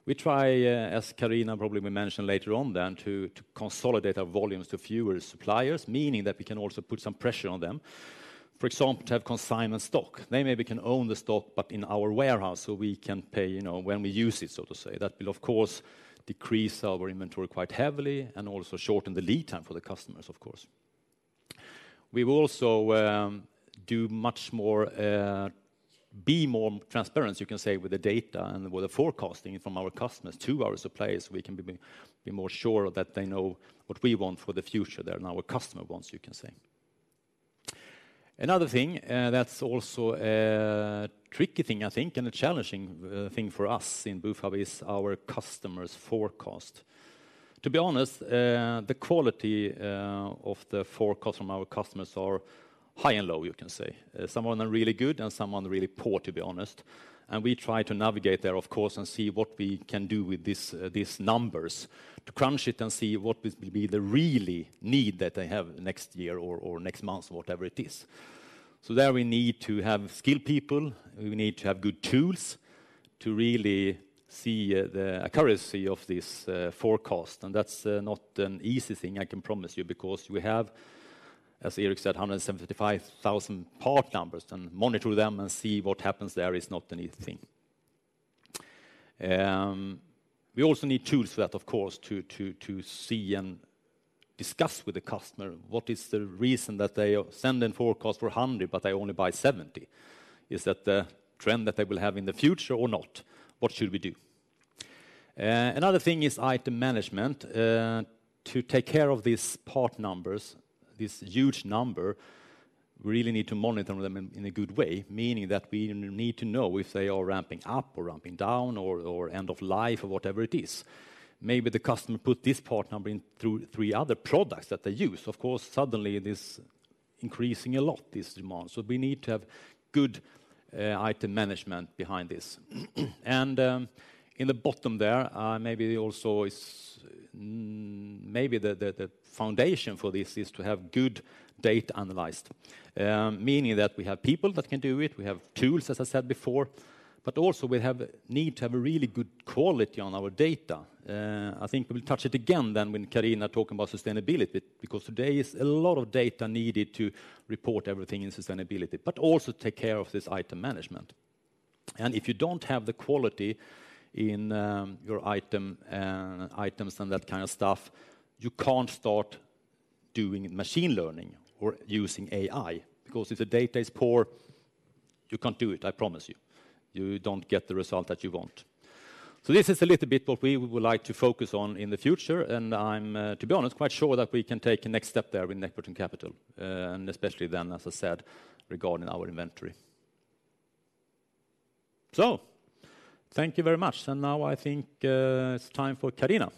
We try, as Carina probably will mention later on then, to consolidate our volumes to fewer suppliers, meaning that we can also put some pressure on them. For example, to have consignment stock. They maybe can own the stock, but in our warehouse, so we can pay, you know, when we use it, so to say. That will, of course, decrease our inventory quite heavily and also shorten the lead time for the customers, of course. We will also do much more, be more transparent, you can say, with the data and with the forecasting from our customers to our suppliers. We can be more sure that they know what we want for the future there, and our customer wants, you can say. Another thing that's also a tricky thing, I think, and a challenging thing for us in Bufab, is our customers' forecast. To be honest, the quality of the forecast from our customers are high and low, you can say. Some of them are really good, and some are really poor, to be honest. And we try to navigate there, of course, and see what we can do with these, these numbers, to crunch it and see what will be the really need that they have next year or, or next month, whatever it is. So there, we need to have skilled people, and we need to have good tools to really see the accuracy of this forecast. And that's not an easy thing, I can promise you, because we have, as Erik said, 175,000 part numbers, and monitor them and see what happens there is not an easy thing. We also need tools for that, of course, to see and discuss with the customer, what is the reason that they are sending forecast for 100, but they only buy 70? Is that the trend that they will have in the future or not? What should we do? Another thing is item management. To take care of these part numbers, this huge number, we really need to monitor them in a good way, meaning that we need to know if they are ramping up or ramping down or end of life or whatever it is. Maybe the customer put this part number in through three other products that they use. Of course, suddenly, it is increasing a lot, this demand. So we need to have good item management behind this. And in the bottom there, maybe also is maybe the foundation for this is to have good data analyzed. Meaning that we have people that can do it, we have tools, as I said before, but also need to have a really good quality on our data. I think we will touch it again then when Carina talk about sustainability, because today is a lot of data needed to report everything in sustainability, but also take care of this item management. And if you don't have the quality in, your item, items and that kind of stuff, you can't start doing machine learning or using AI, because if the data is poor, you can't do it, I promise you. You don't get the result that you want. So this is a little bit what we would like to focus on in the future, and I'm, to be honest, quite sure that we can take a next step there with Net Working Capital, and especially then, as I said, regarding our inventory. So thank you very much. And now I think, it's time for Carina.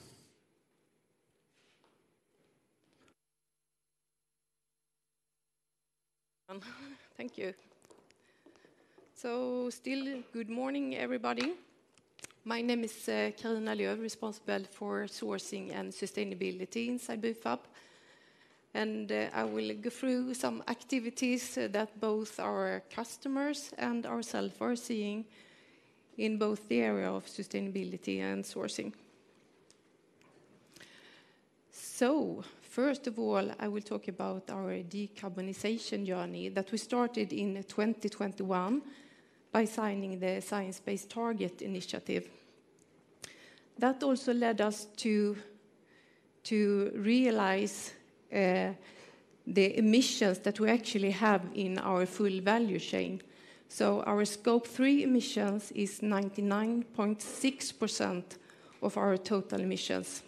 Thank you. So still, good morning, everybody. My name is Carina Lööf, responsible for sourcing and sustainability inside Bufab, and I will go through some activities that both our customers and ourselves are seeing in both the area of sustainability and sourcing. So first of all, I will talk about our decarbonization journey that we started in 2021 by signing the Science Based Targets initiative. That also led us to realize the emissions that we actually have in our full value chain. So our Scope 3 emissions is 99.6% of our total emissions.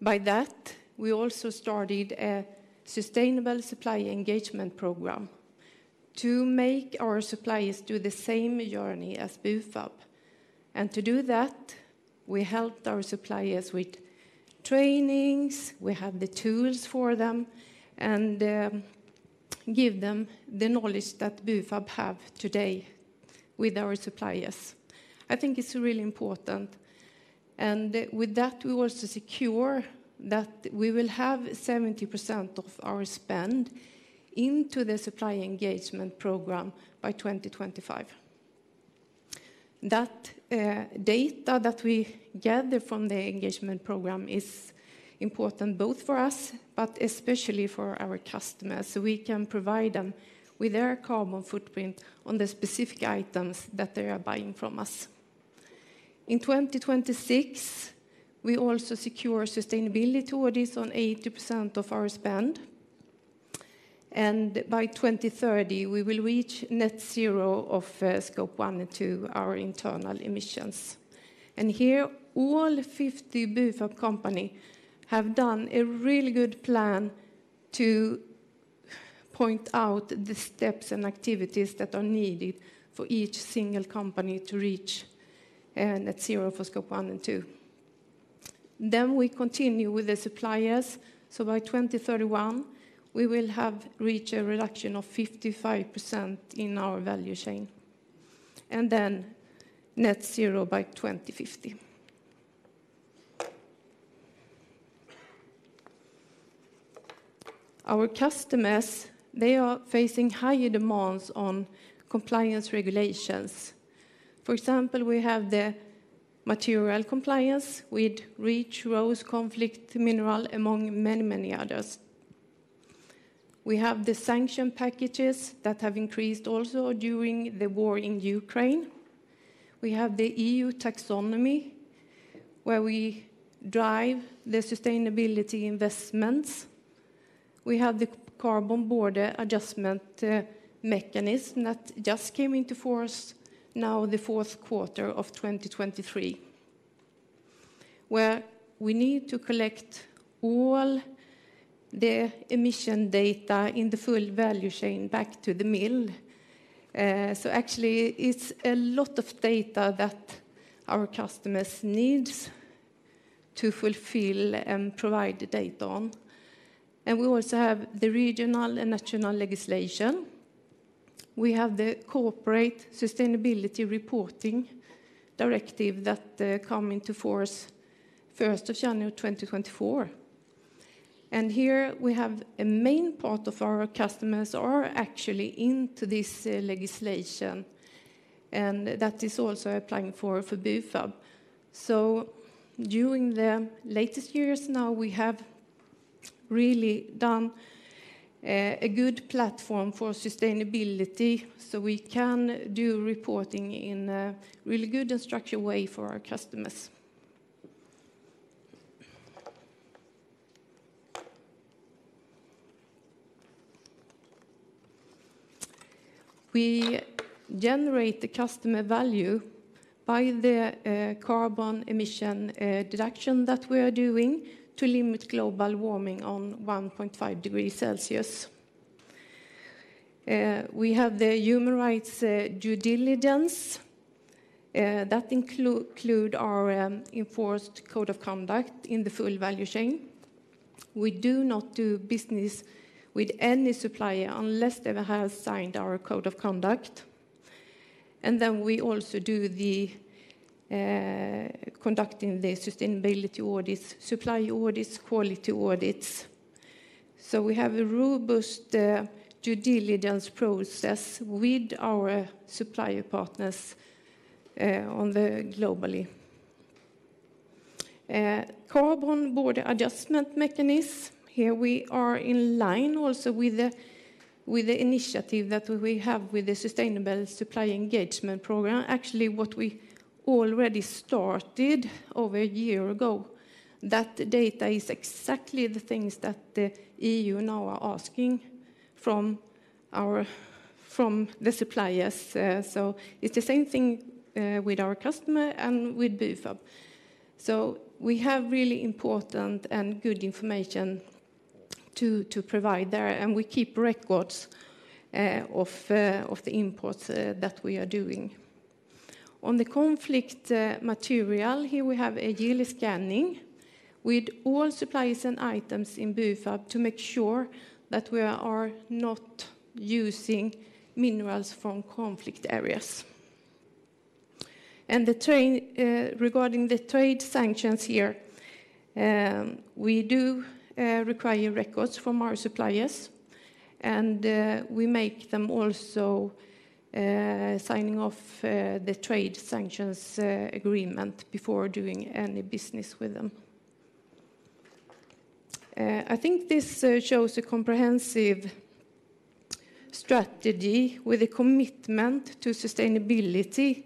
By that, we also started a sustainable supply engagement program to make our suppliers do the same journey as Bufab. And to do that, we helped our suppliers with trainings, we have the tools for them, and give them the knowledge that Bufab have today with our suppliers. I think it's really important, and with that, we also secure that we will have 70% of our spend into the supplier engagement program by 2025. That data that we gather from the engagement program is important both for us, but especially for our customers, so we can provide them with their carbon footprint on the specific items that they are buying from us. In 2026, we also secure sustainability audits on 80% of our spend. By 2030, we will reach net zero of Scope 1 and 2, our internal emissions. Here, all 50 Bufab company have done a really good plan to point out the steps and activities that are needed for each single company to reach net zero for Scope 1 and 2. Then we continue with the suppliers, so by 2031, we will have reached a reduction of 55% in our value chain, and then net zero by 2050. Our customers, they are facing higher demands on compliance regulations. For example, we have the material compliance with REACH, RoHS, conflict mineral, among many, many others. We have the sanction packages that have increased also during the war in Ukraine. We have the EU Taxonomy, where we drive the sustainability investments. We have the Carbon Border Adjustment Mechanism that just came into force now the fourth quarter of 2023, where we need to collect all the emission data in the full value chain back to the mill. So actually, it's a lot of data that our customers needs to fulfill and provide the data on. And we also have the regional and national legislation. We have the Corporate Sustainability Reporting Directive that come into force January 1, 2024. Here, we have a main part of our customers are actually into this legislation, and that is also applying for, for Bufab. During the latest years now, we have really done a good platform for sustainability, so we can do reporting in a really good and structured way for our customers. We generate the customer value by the carbon emission deduction that we are doing to limit global warming on 1.5 degrees Celsius. We have the human rights due diligence that include our enforced code of conduct in the full value chain. We do not do business with any supplier unless they have signed our code of conduct. Then we also do the conducting the sustainability audits, supply audits, quality audits. So we have a robust due diligence process with our supplier partners globally. Carbon Border Adjustment Mechanism, here we are in line also with the initiative that we have with the Sustainable Supplier Engagement Program. Actually, what we already started over a year ago, that data is exactly the things that the EU now are asking from the suppliers. So it's the same thing with our customer and with Bufab. So we have really important and good information to provide there, and we keep records of the imports that we are doing. On the conflict material, here we have a yearly scanning with all suppliers and items in Bufab to make sure that we are not using minerals from conflict areas. And the trade regarding the trade sanctions here, we do require records from our suppliers, and we make them also signing off the trade sanctions agreement before doing any business with them. I think this shows a comprehensive strategy with a commitment to sustainability,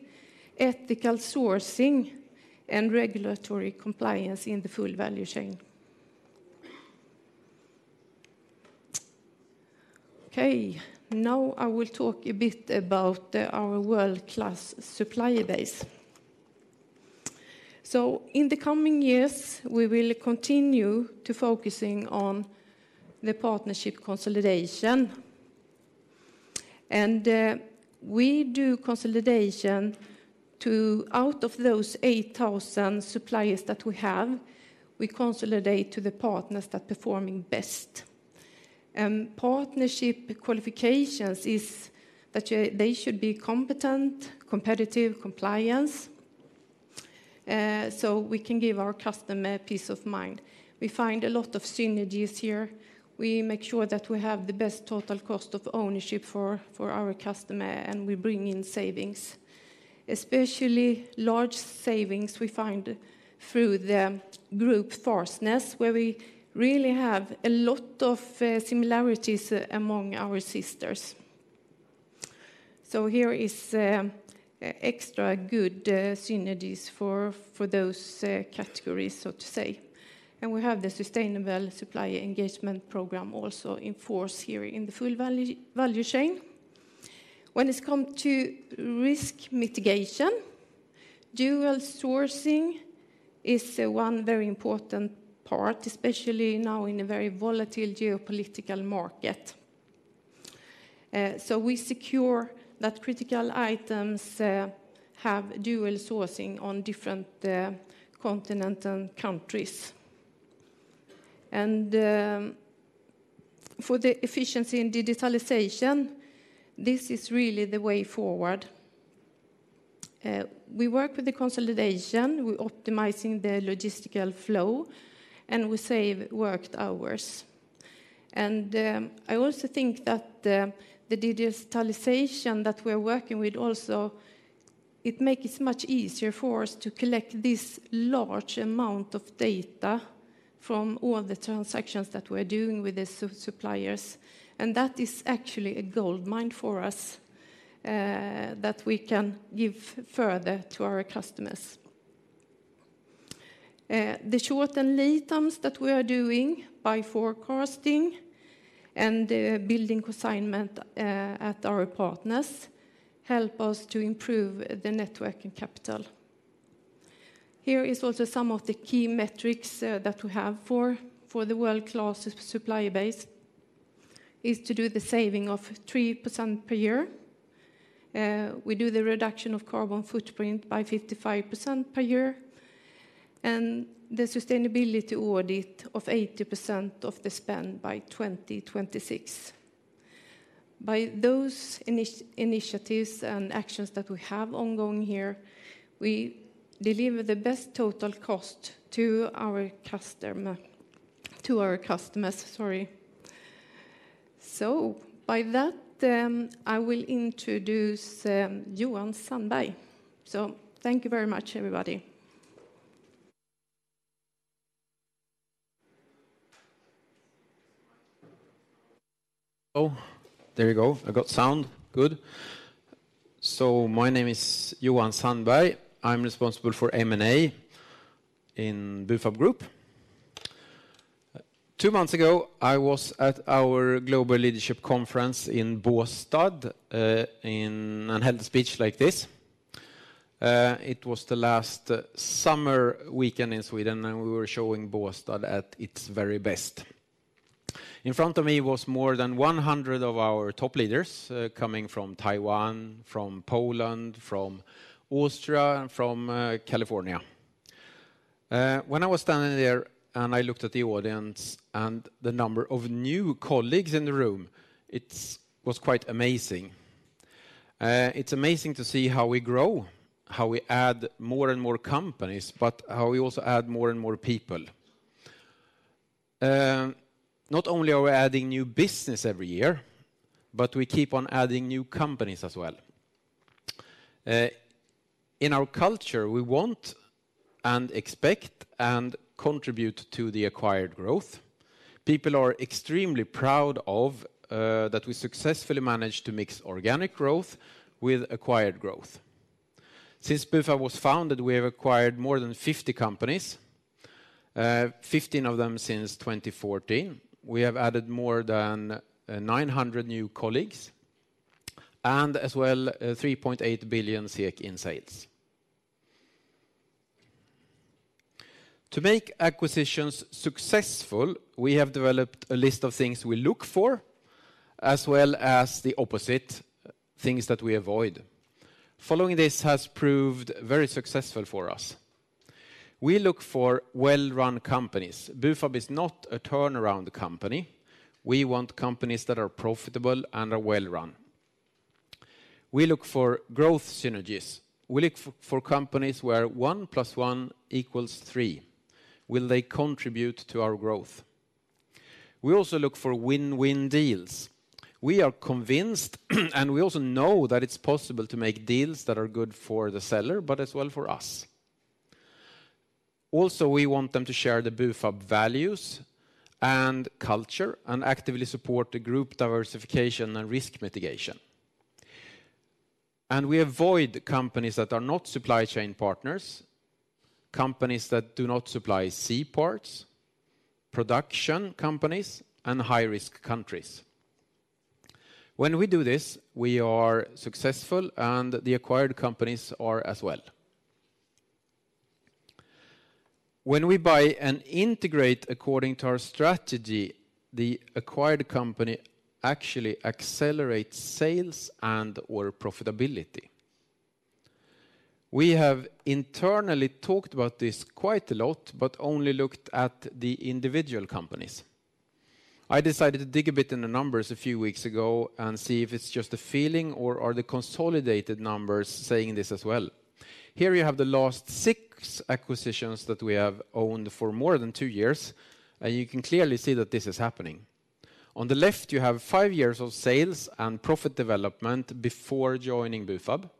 ethical sourcing, and regulatory compliance in the full value chain. Okay, now I will talk a bit about our world-class supplier base. So in the coming years, we will continue to focusing on the partnership consolidation, and we do consolidation to out of those 8,000 suppliers that we have, we consolidate to the partners that performing best. Partnership qualifications is that they should be competent, competitive, compliant, so we can give our customer peace of mind. We find a lot of synergies here. We make sure that we have the best total cost of ownership for our customer, and we bring in savings, especially large savings we find through the group sourcing, where we really have a lot of similarities among our sisters... So here is extra good synergies for those categories, so to say. And we have the sustainable supplier engagement program also in force here in the full value chain. When it's come to risk mitigation, dual sourcing is one very important part, especially now in a very volatile geopolitical market. So we secure that critical items have dual sourcing on different continents and countries. For the efficiency and digitalization, this is really the way forward. We work with the consolidation, we're optimizing the logistical flow, and we save worked hours. I also think that the digitalization that we're working with also makes it much easier for us to collect this large amount of data from all the transactions that we're doing with the suppliers. And that is actually a goldmine for us that we can give further to our customers. The shortened lead times that we are doing by forecasting and building consignment at our partners help us to improve the net working capital. Here is also some of the key metrics that we have for the world-class supplier base, is to do the saving of 3% per year. We do the reduction of carbon footprint by 55% per year, and the sustainability audit of 80% of the spend by 2026. By those initiatives and actions that we have ongoing here, we deliver the best total cost to our customer—to our customers, sorry. So by that, I will introduce Johan Sandberg. So thank you very much, everybody. Oh, there you go. I got sound, good. So my name is Johan Sandberg. I'm responsible for M&A in Bufab Group. Two months ago, I was at our global leadership conference in Båstad and held a speech like this. It was the last summer weekend in Sweden, and we were showing Båstad at its very best. In front of me was more than 100 of our top leaders, coming from Taiwan, from Poland, from Austria, and from California. When I was standing there and looked at the audience and the number of new colleagues in the room, it was quite amazing. It's amazing to see how we grow, how we add more and more companies, but how we also add more and more people. Not only are we adding new business every year, but we keep on adding new companies as well. In our culture, we want and expect and contribute to the acquired growth. People are extremely proud of that we successfully managed to mix organic growth with acquired growth. Since Bufab was founded, we have acquired more than 50 companies, 15 of them since 2014. We have added more than 900 new colleagues, and as well, 3.8 billion SEK in sales. To make acquisitions successful, we have developed a list of things we look for, as well as the opposite, things that we avoid. Following this has proved very successful for us. We look for well-run companies. Bufab is not a turnaround company. We want companies that are profitable and are well-run. We look for growth synergies. We look for companies where one plus one equals three. Will they contribute to our growth? We also look for win-win deals. We are convinced, and we also know that it's possible to make deals that are good for the seller, but as well for us. Also, we want them to share the Bufab values and culture, and actively support the group diversification and risk mitigation. We avoid companies that are not supply chain partners, companies that do not supply C parts, production companies, and high-risk countries. When we do this, we are successful, and the acquired companies are as well. When we buy and integrate according to our strategy, the acquired company actually accelerates sales and/or profitability. We have internally talked about this quite a lot, but only looked at the individual companies. I decided to dig a bit in the numbers a few weeks ago and see if it's just a feeling or are the consolidated numbers saying this as well. Here you have the last six acquisitions that we have owned for more than two years, and you can clearly see that this is happening. On the left, you have five years of sales and profit development before joining Bufab.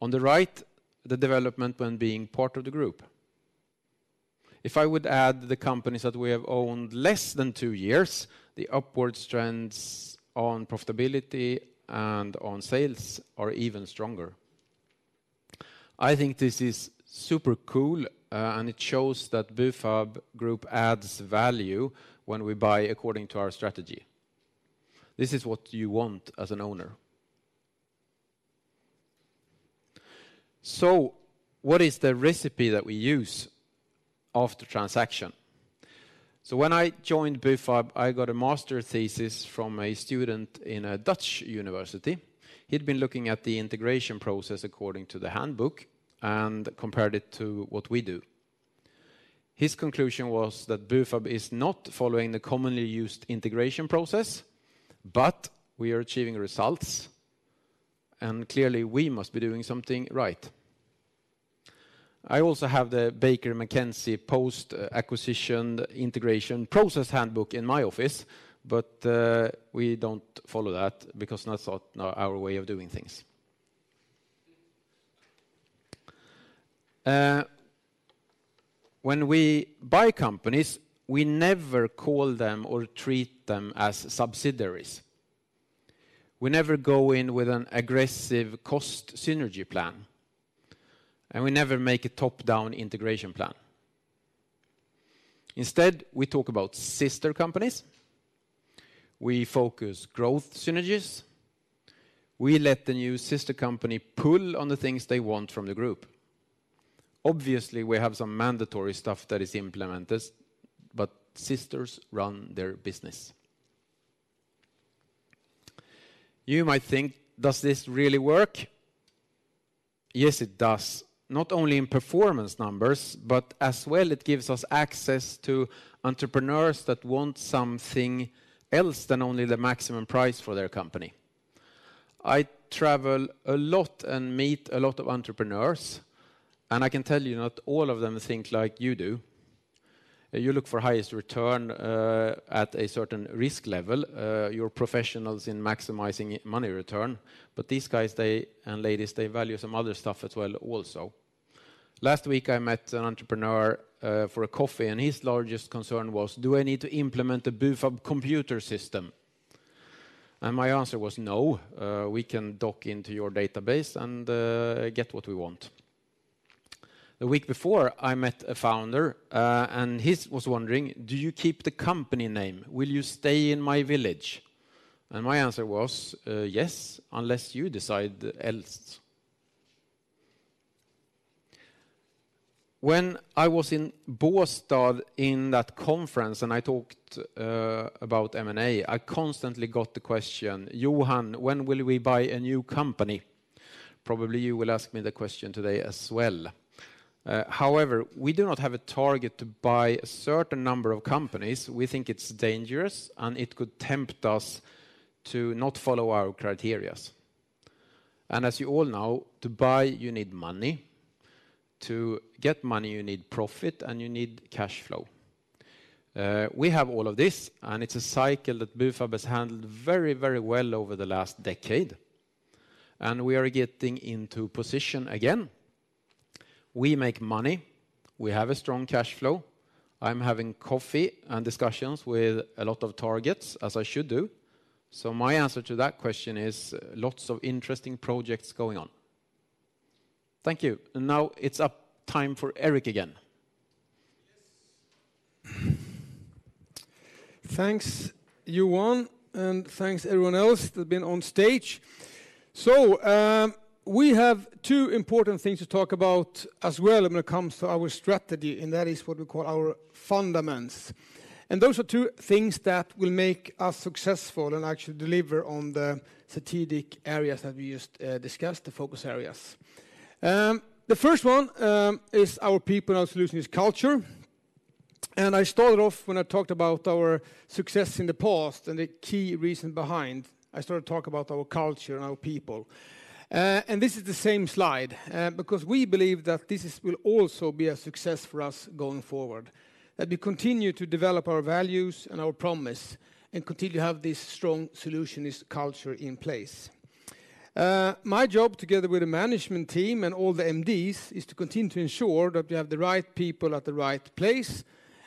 On the right, the development when being part of the group. If I would add the companies that we have owned less than two years, the upward trends on profitability and on sales are even stronger. I think this is super cool, and it shows that Bufab Group adds value when we buy according to our strategy. This is what you want as an owner. So what is the recipe that we use after transaction? So when I joined Bufab, I got a master's thesis from a student in a Dutch university. He'd been looking at the integration process according to the handbook and compared it to what we do. His conclusion was that Bufab is not following the commonly used integration process, but we are achieving results, and clearly, we must be doing something right. I also have the Baker McKenzie Post-Acquisition Integration Process handbook in my office, but we don't follow that because that's not our way of doing things. When we buy companies, we never call them or treat them as subsidiaries. We never go in with an aggressive cost synergy plan, and we never make a top-down integration plan. Instead, we talk about sister companies. We focus growth synergies. We let the new sister company pull on the things they want from the group. Obviously, we have some mandatory stuff that is implemented, but sisters run their business. You might think, does this really work? Yes, it does. Not only in performance numbers, but as well, it gives us access to entrepreneurs that want something else than only the maximum price for their company. I travel a lot and meet a lot of entrepreneurs, and I can tell you, not all of them think like you do. You look for highest return at a certain risk level. You're professionals in maximizing money return, but these guys, they, and ladies, they value some other stuff as well also. Last week, I met an entrepreneur for a coffee, and his largest concern was, "Do I need to implement the Bufab computer system?" And my answer was, "No, we can dock into your database and get what we want." The week before, I met a founder, and he was wondering, "Do you keep the company name? Will you stay in my village?" And my answer was, "Yes, unless you decide else." When I was in Båstad in that conference, and I talked about M&A, I constantly got the question, "Johan, when will we buy a new company?" Probably, you will ask me the question today as well. However, we do not have a target to buy a certain number of companies. We think it's dangerous, and it could tempt us to not follow our criterias. As you all know, to buy, you need money. To get money, you need profit, and you need cash flow. We have all of this, and it's a cycle that Bufab has handled very, very well over the last decade, and we are getting into position again. We make money. We have a strong cash flow. I'm having coffee and discussions with a lot of targets, as I should do. So my answer to that question is lots of interesting projects going on. Thank you. And now it's up time for Erik again. Yes. Thanks, Johan, and thanks everyone else that have been on stage. So, we have two important things to talk about as well when it comes to our strategy, and that is what we call our fundamentals. And those are two things that will make us successful and actually deliver on the strategic areas that we just discussed, the focus areas. The first one is our people and our solutionist culture. And I started off when I talked about our success in the past and the key reason behind, I started to talk about our culture and our people. And this is the same slide, because we believe that this will also be a success for us going forward, that we continue to develop our values and our promise, and continue to have this strong solutionist culture in place. My job, together with the management team and all the MDs, is to continue to ensure that we have the right people at the right place,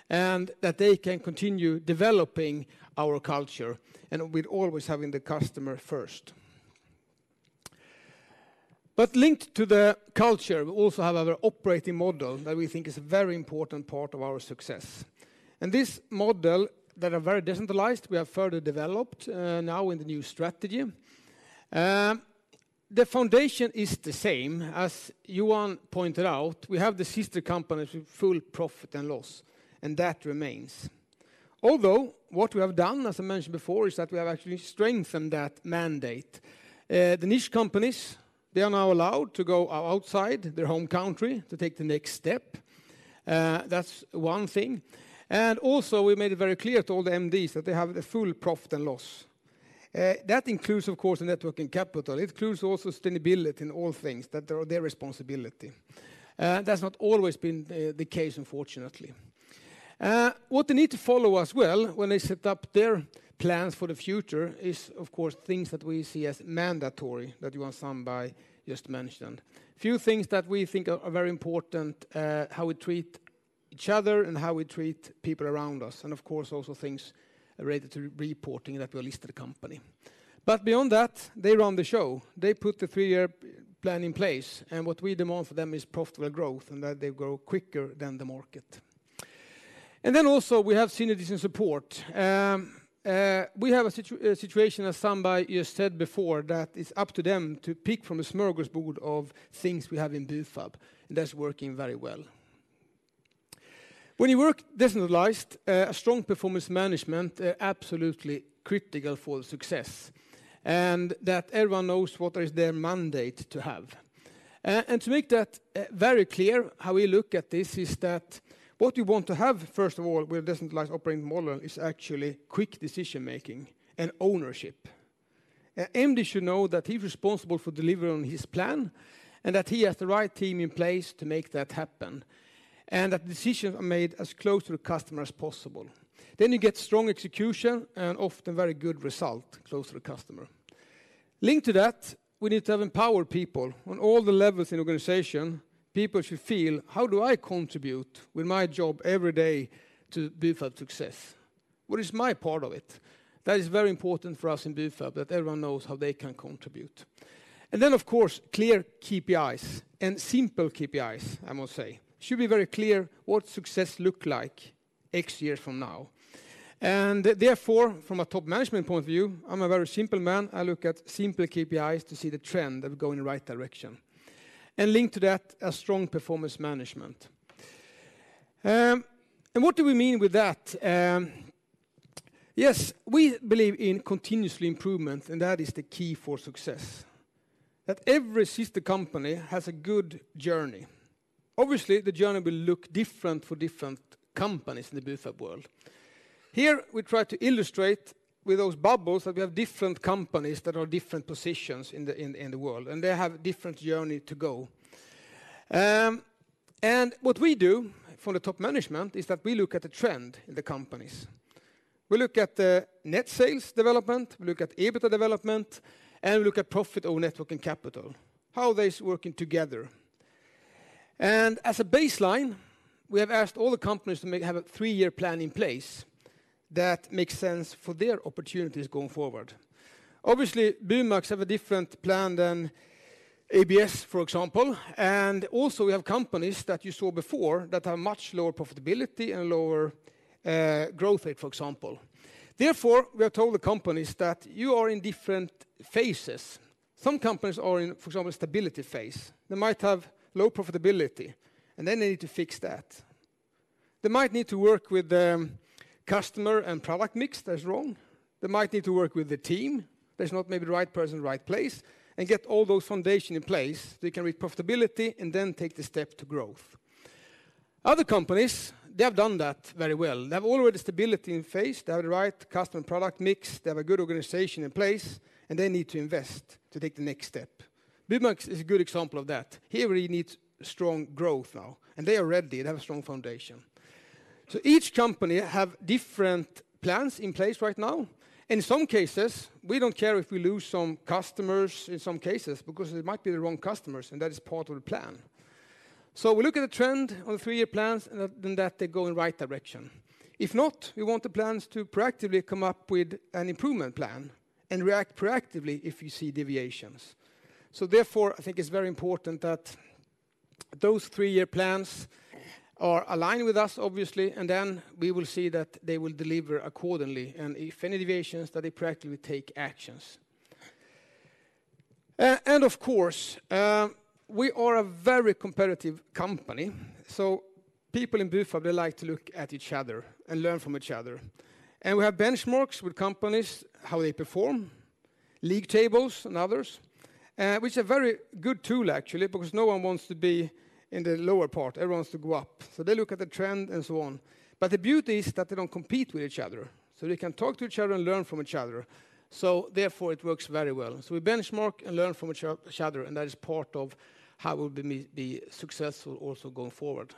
and that they can continue developing our culture, and with always having the customer first. But linked to the culture, we also have our operating model that we think is a very important part of our success. And this model, that are very decentralized, we have further developed, now in the new strategy. The foundation is the same. As Johan pointed out, we have the sister companies with full profit and loss, and that remains. Although, what we have done, as I mentioned before, is that we have actually strengthened that mandate. The niche companies, they are now allowed to go outside their home country to take the next step. That's one thing. And also, we made it very clear to all the MDs that they have the full profit and loss. That includes, of course, the net working capital. It includes also sustainability in all things that are their responsibility. That's not always been the case, unfortunately. What they need to follow as well, when they set up their plans for the future, is, of course, things that we see as mandatory, that Johan Sandberg just mentioned. Few things that we think are very important, how we treat each other and how we treat people around us, and of course, also things related to reporting that we're a listed company. But beyond that, they run the show. They put the three-year plan in place, and what we demand for them is profitable growth, and that they grow quicker than the market. And then also, we have synergies and support. We have a situation, as Sambi just said before, that it's up to them to pick from a smorgasbord of things we have in Bufab, and that's working very well. When you work decentralized, a strong performance management absolutely critical for the success, and that everyone knows what is their mandate to have. And to make that very clear, how we look at this is that what you want to have, first of all, with a decentralized operating model, is actually quick decision-making and ownership. A MD should know that he's responsible for delivering on his plan, and that he has the right team in place to make that happen, and that decisions are made as close to the customer as possible. Then you get strong execution and often very good result close to the customer. Linked to that, we need to have empowered people on all the levels in organization. People should feel, "How do I contribute with my job every day to Bufab success? What is my part of it?" That is very important for us in Bufab, that everyone knows how they can contribute. And then, of course, clear KPIs and simple KPIs, I must say. Should be very clear what success look like X years from now. And therefore, from a top management point of view, I'm a very simple man. I look at simple KPIs to see the trend of going in the right direction, and linked to that, a strong performance management. And what do we mean with that? Yes, we believe in continuously improvement, and that is the key for success, that every sister company has a good journey. Obviously, the journey will look different for different companies in the Bufab world. Here, we try to illustrate with those bubbles that we have different companies that are different positions in the world, and they have different journey to go. And what we do for the top management is that we look at the trend in the companies. We look at the net sales development, we look at EBITDA development, and we look at profit or net working capital, how this working together. And as a baseline, we have asked all the companies to have a three-year plan in place that makes sense for their opportunities going forward. Obviously, BUMAX have a different plan than ABS, for example, and also we have companies that you saw before that have much lower profitability and lower growth rate, for example. Therefore, we have told the companies that you are in different phases. Some companies are in, for example, stability phase. They might have low profitability, and then they need to fix that. They might need to work with the customer and product mix that is wrong. They might need to work with the team. There's not maybe right person, right place, and get all those foundation in place, they can reach profitability and then take the step to growth. Other companies, they have done that very well. They have already stability in phase. They have the right customer product mix, they have a good organization in place, and they need to invest to take the next step. BUMAX is a good example of that. Here, we need strong growth now, and they are ready. They have a strong foundation. So each company have different plans in place right now, and in some cases, we don't care if we lose some customers in some cases, because they might be the wrong customers, and that is part of the plan. So we look at the trend on the three-year plans, and then that they go in the right direction. If not, we want the plans to proactively come up with an improvement plan and react proactively if you see deviations. So therefore, I think it's very important that those three-year plans are aligned with us, obviously, and then we will see that they will deliver accordingly, and if any deviations, that they practically take actions. Of course, we are a very competitive company, so people in Bufab, they like to look at each other and learn from each other. We have benchmarks with companies, how they perform, league tables and others, which are very good tool, actually, because no one wants to be in the lower part. Everyone wants to go up, so they look at the trend and so on. But the beauty is that they don't compete with each other, so they can talk to each other and learn from each other. So therefore, it works very well. We benchmark and learn from each other, each other, and that is part of how we'll be, be successful also going forward.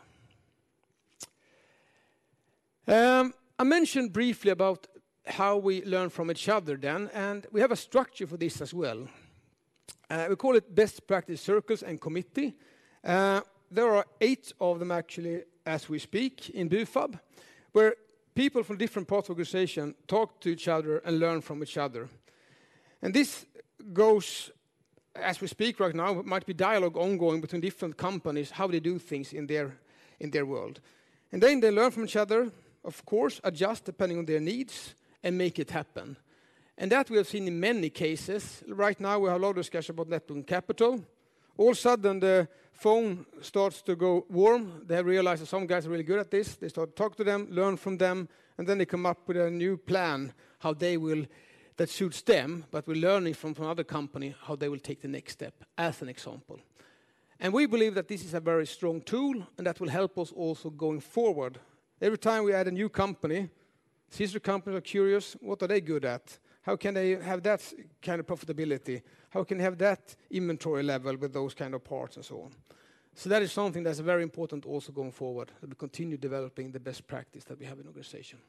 I mentioned briefly about how we learn from each other then, and we have a structure for this as well. We call it best practice circles and committee. There are 8 of them, actually, as we speak in Bufab, where people from different parts of organization talk to each other and learn from each other. And this goes, as we speak right now, might be dialogue ongoing between different companies, how they do things in their, in their world. And then they learn from each other, of course, adjust depending on their needs, and make it happen. And that we have seen in many cases. Right now, we have a lot of discussion about Net Working Capital. All of a sudden, the phone starts to go warm. They have realized that some guys are really good at this. They start to talk to them, learn from them, and then they come up with a new plan, how they will... that suits them, but we're learning from other company, how they will take the next step, as an example. And we believe that this is a very strong tool and that will help us also going forward. Every time we add a new company. Sister companies are curious, what are they good at? How can they have that kind of profitability? How can they have that inventory level with those kind of parts and so on? So that is something that's very important also going forward, and to continue developing the best practice that we have in organization.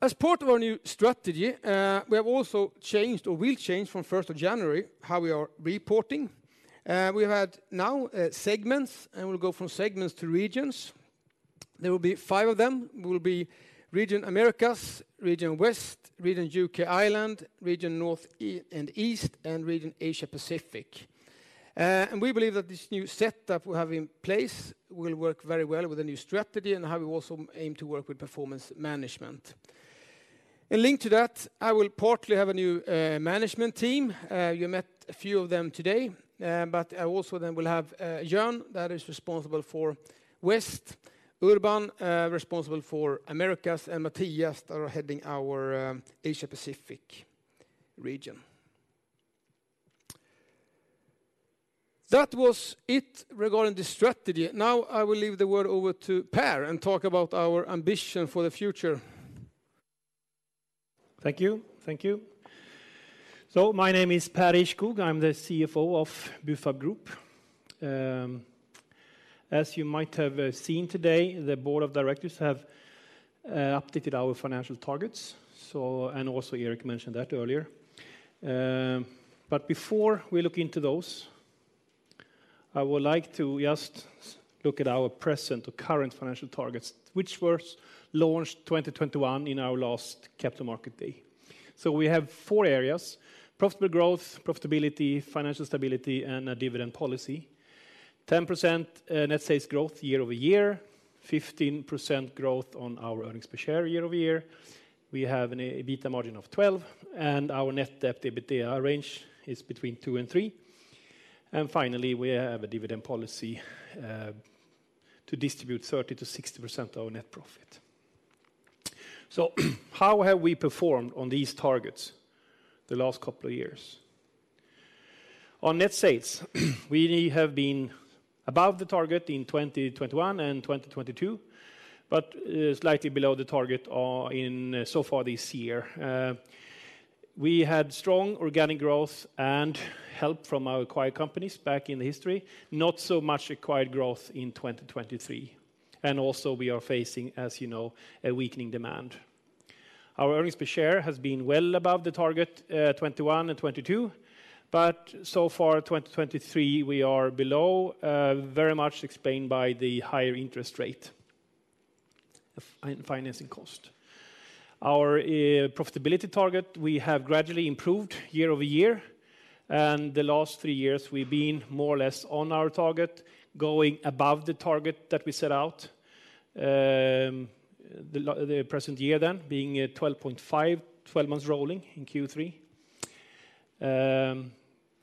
As part of our new strategy, we have also changed or will change from first of January, how we are reporting. We have had now segments, and we'll go from segments to regions. There will be five of them. Will be Region Americas, Region West, Region UK, Ireland, Region North and East, and Region Asia Pacific. And we believe that this new setup we have in place will work very well with the new strategy and how we also aim to work with performance management. And linked to that, I will partly have a new management team. You met a few of them today, but I also then will have, Johan, that is responsible for West, Urban, responsible for Americas, and Mathias that are heading our Asia Pacific region. That was it regarding the strategy. Now, I will leave the word over to Pär and talk about our ambition for the future. Thank you. Thank you. My name is Pär Ihrskog. I'm the CFO of Bufab Group. As you might have seen today, the board of directors have updated our financial targets. And also Erik mentioned that earlier. But before we look into those, I would like to just look at our present or current financial targets, which were launched 2021 in our last capital markets day. We have four areas: profitable growth, profitability, financial stability, and a dividend policy. 10% net sales growth year-over-year, 15% growth on our earnings per share year-over-year. We have an EBITDA margin of 12%, and our net debt EBITDA range is between 2 and 3. And finally, we have a dividend policy to distribute 30%-60% of our net profit. So, how have we performed on these targets the last couple of years? On net sales, we have been above the target in 2021 and 2022, but slightly below the target in so far this year. We had strong organic growth and help from our acquired companies back in the history, not so much acquired growth in 2023. And also, we are facing, as you know, a weakening demand. Our earnings per share has been well above the target 2021 and 2022, but so far, 2023, we are below, very much explained by the higher interest rate of financing cost. Our profitability target, we have gradually improved year-over-year, and the last three years, we've been more or less on our target, going above the target that we set out. The present year then being a 12.5, twelve months rolling in Q3.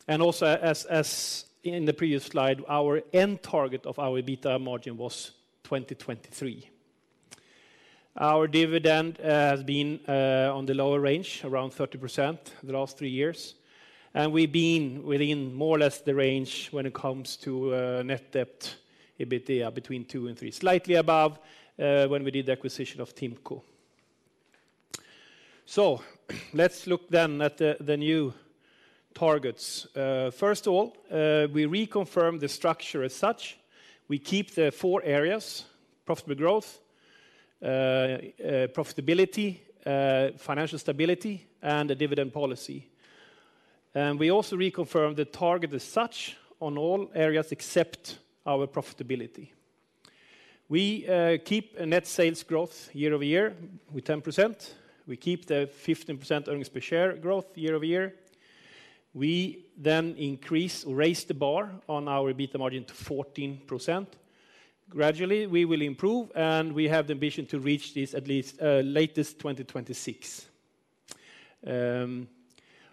And also as in the previous slide, our end target of our EBITDA margin was 2023. Our dividend has been on the lower range, around 30% the last three years, and we've been within more or less the range when it comes to net debt, EBITDA, between 2 and 3. Slightly above when we did the acquisition of TIMCO. Let's look then at the new targets. First of all, we reconfirm the structure as such. We keep the four areas: profitable growth, profitability, financial stability, and the dividend policy. And we also reconfirm the target as such on all areas except our profitability. We keep a net sales growth year-over-year with 10%. We keep the 15% earnings per share growth year-over-year. We then increase or raise the bar on our EBITDA margin to 14%. Gradually, we will improve, and we have the ambition to reach this at least, latest 2026.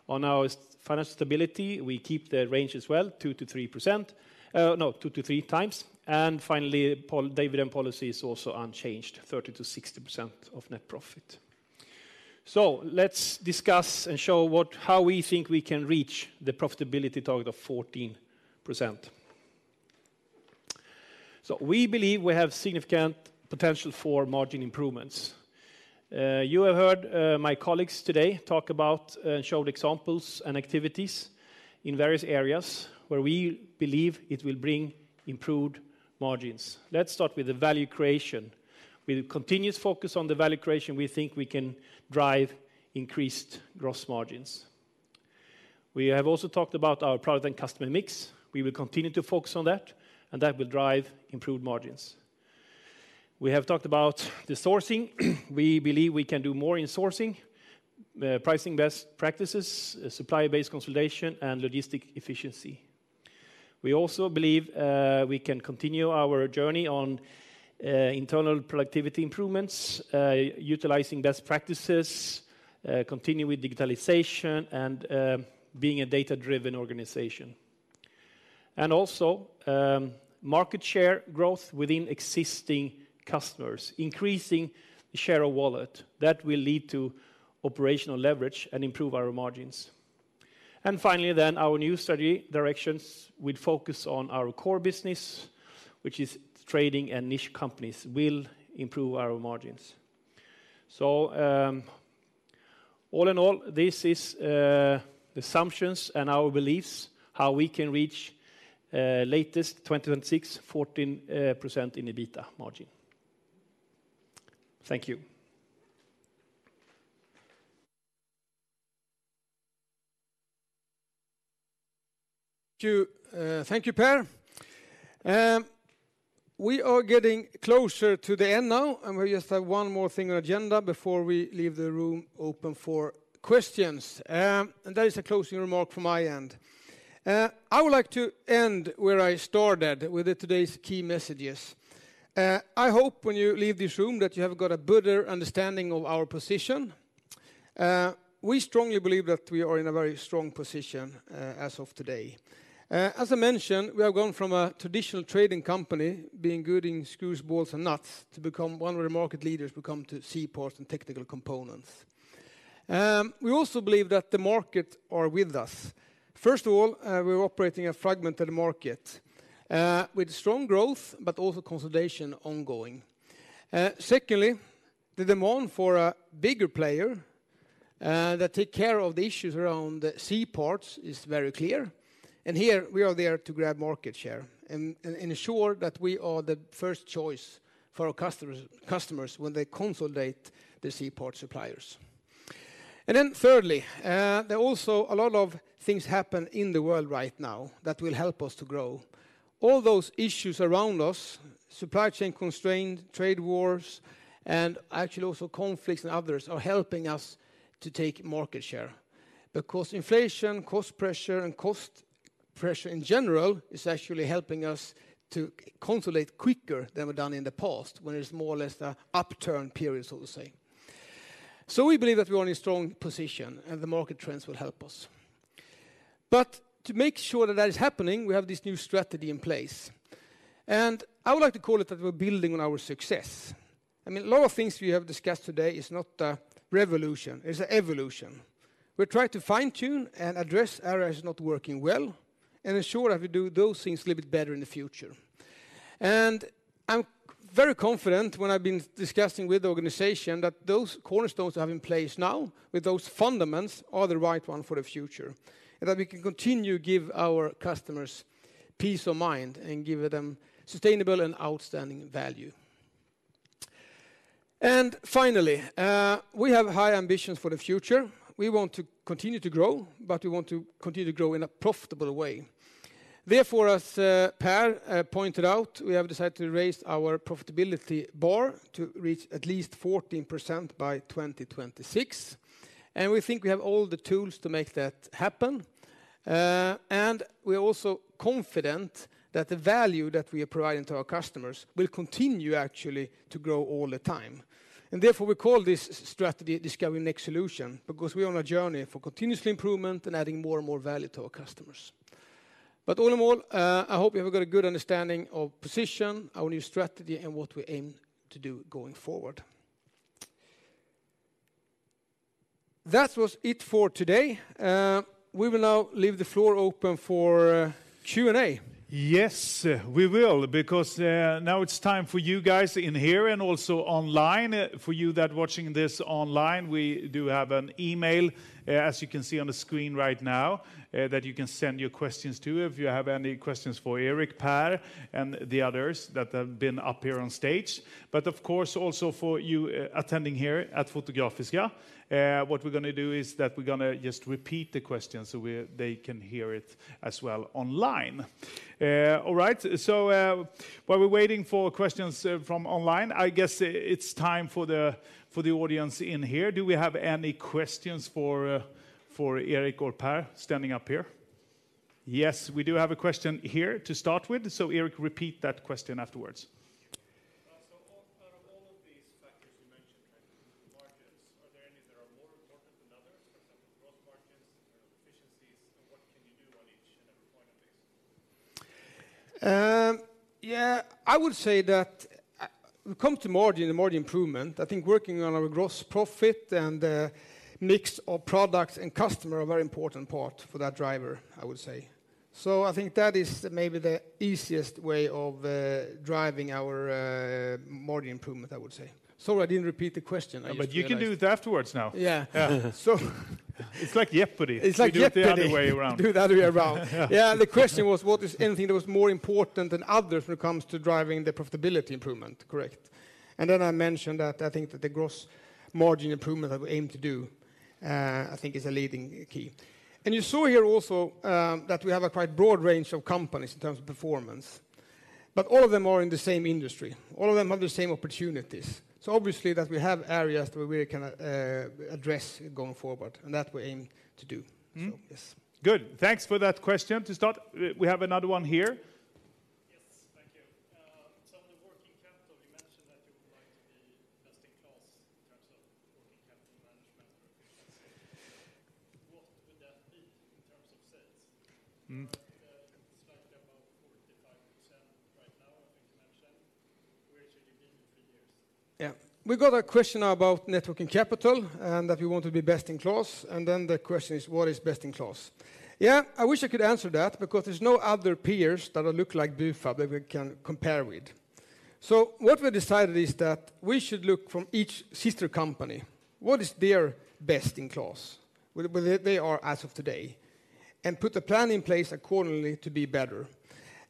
On our financial stability, we keep the range as well, 2%-3%. No, 2-3 times. And finally, dividend policy is also unchanged, 30%-60% of net profit. So let's discuss and show what, how we think we can reach the profitability target of 14%. So we believe we have significant potential for margin improvements. You have heard, my colleagues today talk about, showed examples and activities in various areas where we believe it will bring improved margins. Let's start with the value creation. With continuous focus on the value creation, we think we can drive increased gross margins. We have also talked about our product and customer mix. We will continue to focus on that, and that will drive improved margins. We have talked about the sourcing. We believe we can do more in sourcing, pricing best practices, supplier-based consolidation, and logistic efficiency. We also believe, we can continue our journey on, internal productivity improvements, utilizing best practices, continue with digitalization, and, being a data-driven organization. And also, market share growth within existing customers, increasing share of wallet, that will lead to operational leverage and improve our margins. And finally then, our new strategy directions will focus on our core business, which is trading and niche companies, will improve our margins. So, all in all, this is assumptions and our beliefs, how we can reach latest 2026, 14% in EBITDA margin. Thank you. Thank you. Thank you, Pär. We are getting closer to the end now, and we just have one more thing on agenda before we leave the room open for questions. And that is a closing remark from my end. I would like to end where I started, with today's key messages. I hope when you leave this room, that you have got a better understanding of our position. We strongly believe that we are in a very strong position, as of today. As I mentioned, we have gone from a traditional trading company, being good in screws, bolts, and nuts, to become one of the market leaders when it come to C-parts and technical components. We also believe that the market are with us. First of all, we're operating a fragmented market with strong growth, but also consolidation ongoing. Secondly, the demand for a bigger player that take care of the issues around the C-parts is very clear, and here we are there to grab market share and ensure that we are the first choice for our customers, customers when they consolidate their C-part suppliers. Then thirdly, there are also a lot of things happen in the world right now that will help us to grow. All those issues around us, supply chain constraint, trade wars, and actually also conflicts and others, are helping us to take market share. But cost inflation, cost pressure, and cost pressure in general, is actually helping us to consolidate quicker than we've done in the past, when it's more or less a upturn period, so to say. So we believe that we are in a strong position, and the market trends will help us. But to make sure that that is happening, we have this new strategy in place, and I would like to call it that we're building on our success. I mean, a lot of things we have discussed today is not a revolution. It's an evolution. We try to fine-tune and address areas not working well, and ensure that we do those things a little bit better in the future. I'm very confident, when I've been discussing with the organization, that those cornerstones we have in place now, with those fundamentals, are the right one for the future, and that we can continue to give our customers peace of mind and give them sustainable and outstanding value. Finally, we have high ambitions for the future. We want to continue to grow, but we want to continue to grow in a profitable way. Therefore, as Pär pointed out, we have decided to raise our profitability bar to reach at least 14% by 2026, and we think we have all the tools to make that happen. We are also confident that the value that we are providing to our customers will continue actually to grow all the time. And therefore, we call this strategy Discover Next Solution, because we're on a journey for continuous improvement and adding more and more value to our customers. But all in all, I hope you have got a good understanding of position, our new strategy, and what we aim to do going forward. That was it for today. We will now leave the floor open for Q&A. Yes, we will, because, now it's time for you guys in here and also online. For you that watching this online, we do have an email, as you can see on the screen right now, that you can send your questions to if you have any questions for Erik, Pär, and the others that have been up here on stage. But of course, also for you attending here at Fotografiska, what we're going to do is that we're going to just repeat the question so they can hear it as well online. All right, so while we're waiting for questions from online, I guess it's time for the audience in here. Do we have any questions for Erik or Pär standing up here? Yes, we do have a question here to start with. So Erik, repeat that question afterwards. So out of all of these factors you mentioned, like markets, are there any that are more important than others? For example, growth markets or efficiencies, and what can you do on each and every point of this? Yeah, I would say that when it come to margin and margin improvement, I think working on our gross profit and mix of products and customer are a very important part for that driver, I would say. So I think that is maybe the easiest way of driving our margin improvement, I would say. Sorry, I didn't repeat the question. I just- But you can do it afterwards now. Yeah. Yeah. So- It's like Jeopardy! It's like Jeopardy. You do it the other way around. Do it the other way around. Yeah. Yeah, the question was, what is anything that was more important than others when it comes to driving the profitability improvement? Correct. And then I mentioned that I think that the gross margin improvement that we aim to do, I think is a leading key. You saw here also that we have a quite broad range of companies in terms of performance, but all of them are in the same industry. All of them have the same opportunities. So obviously, that we have areas where we can address going forward, and that we aim to do. Mm-hmm. So yes. Good. Thanks for that question to start. We have another one here. Yes. Thank you. So the working capital, you mentioned that you would like to be best in class in terms of working capital management. What would that be in terms of sales? Yeah, we got a question about Net Working Capital, and that we want to be best in class, and then the question is: What is best in class? Yeah, I wish I could answer that because there's no other peers that look like Bufab that we can compare with. So what we decided is that we should look from each sister company, what is their best in class, where they are as of today, and put a plan in place accordingly to be better.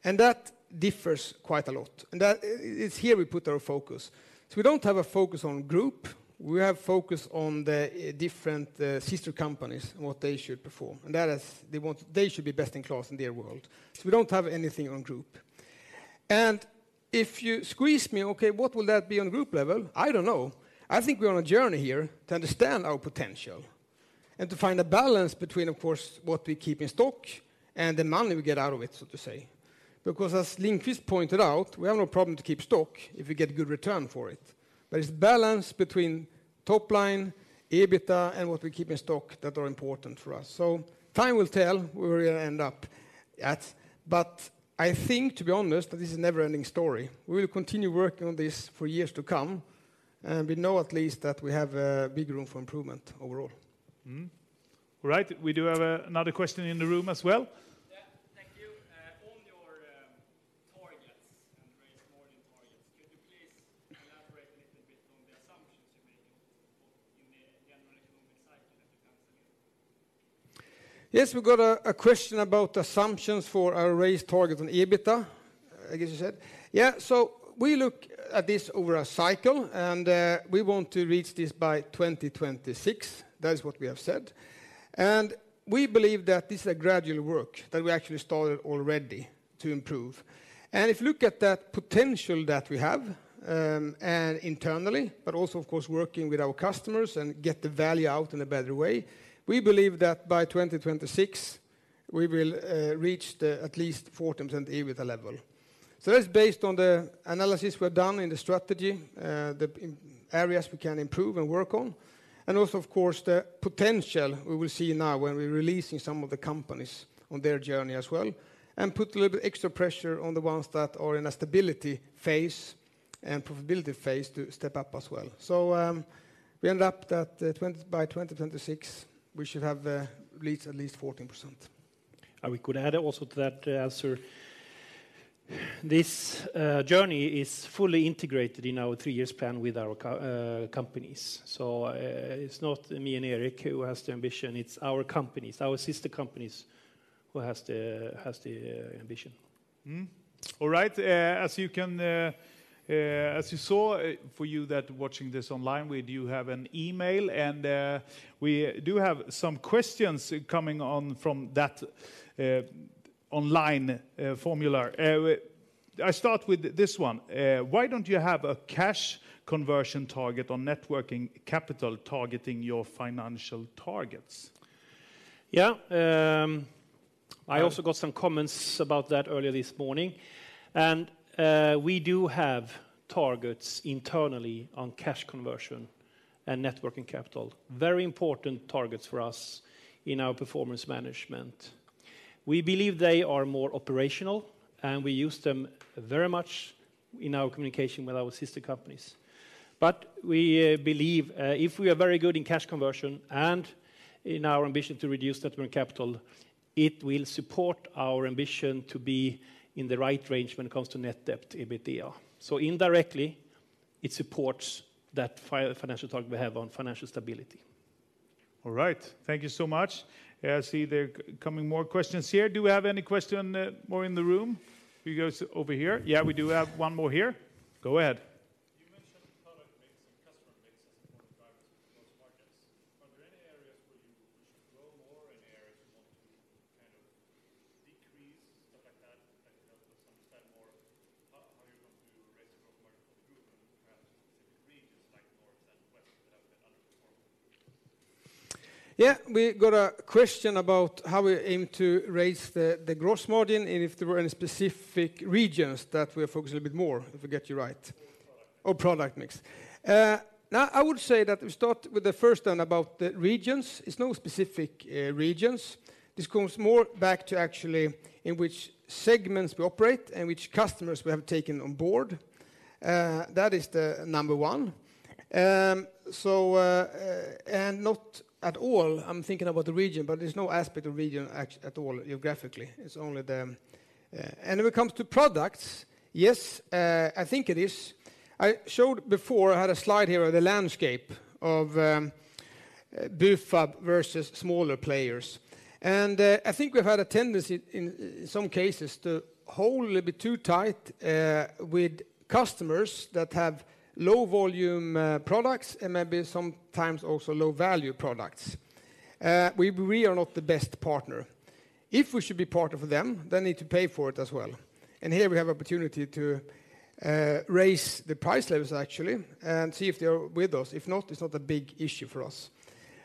And that differs quite a lot, and that it's here we put our focus. So we don't have a focus on group, we have focus on the different sister companies and what they should perform, and that is they should be best in class in their world. So we don't have anything on group. And if you squeeze me, okay, what will that be on group level? I don't know. I think we're on a journey here to understand our potential and to find a balance between, of course, what we keep in stock and the money we get out of it, so to say. Because as Lindqvist pointed out, we have no problem to keep stock if we get good return for it. But it's balance between top line, EBITDA, and what we keep in stock that are important for us. So time will tell where we're going to end up at, but I think, to be honest, that this is a never-ending story. We will continue working on this for years to come, and we know at least that we have big room for improvement overall. Mm-hmm. All right, we do have another question in the room as well. Yeah. Thank you. On your targets and raise margin targets, could you please elaborate a little bit on the assumptions you made in the generation of the cycle that you can see? Yes, we've got a question about assumptions for our raised target on EBITDA, I guess you said. Yeah, so we look at this over a cycle, and we want to reach this by 2026. That is what we have said. And we believe that this is a gradual work, that we actually started already to improve. And if you look at that potential that we have, and internally, but also, of course, working with our customers and get the value out in a better way, we believe that by 2026, we will reach the at least 14% EBITDA level. So that's based on the analysis we've done in the strategy, the areas we can improve and work on, and also, of course, the potential we will see now when we're releasing some of the companies on their journey as well, and put a little bit extra pressure on the ones that are in a stability phase and profitability phase to step up as well. So, we end up that, 20 by 2026, we should have, at least, at least 14%. We could add also to that answer, this journey is fully integrated in our three-year plan with our companies. It's not me and Erik who has the ambition, it's our companies, our sister companies, who has the ambition. Mm-hmm. All right, as you can, as you saw, for you that watching this online, we do have an email, and, we do have some questions coming on from that, online, formula. I start with this one. Why don't you have a cash conversion target on Net Working Capital targeting your financial targets? Yeah, I also got some comments about that earlier this morning, and we do have targets internally on cash conversion and Net Working Capital. Very important targets for us in our performance management. We believe they are more operational, and we use them very much in our communication with our sister companies. But we believe, if we are very good in cash conversion and in our ambition to reduce Net Working Capital, it will support our ambition to be in the right range when it comes to net debt EBITDA. So indirectly, it supports that financial target we have on financial stability. All right. Thank you so much. I see there coming more questions here. Do we have any question, more in the room? We goes over here. Yeah, we do have one more here. Go ahead. You mentioned product mix and customer mix as important drivers for gross margins. Are there any areas where you wish to grow more and areas you want to kind of decrease, stuff like that, that help us understand more how you want to raise your gross margin improvement, perhaps specific regions like north and west that have been underperforming? Yeah, we got a question about how we aim to raise the gross margin, and if there were any specific regions that we focus a little bit more, if I get you right. Or product mix. Or product mix. Now, I would say that we start with the first one about the regions. It's no specific regions. This comes more back to actually in which segments we operate and which customers we have taken on board. That is the number one. And not at all, I'm thinking about the region, but there's no aspect of region at all geographically. It's only the. And when it comes to products, yes, I think it is. I showed before, I had a slide here of the landscape of, Bufab versus smaller players. And, I think we've had a tendency in some cases to hold a little bit too tight, with customers that have low volume, products and maybe sometimes also low-value products. We are not the best partner. If we should be partner for them, they need to pay for it as well. And here, we have opportunity to raise the price levels, actually, and see if they are with us. If not, it's not a big issue for us.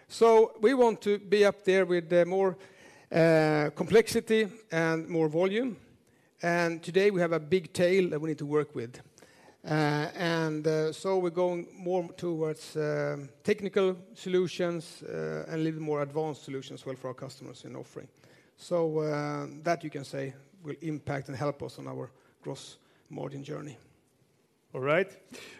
So we want to be up there with more complexity and more volume, and today we have a big tail that we need to work with. And so we're going more towards technical solutions and a little more advanced solutions as well for our customers in offering. So that you can say will impact and help us on our gross margin journey.... All right,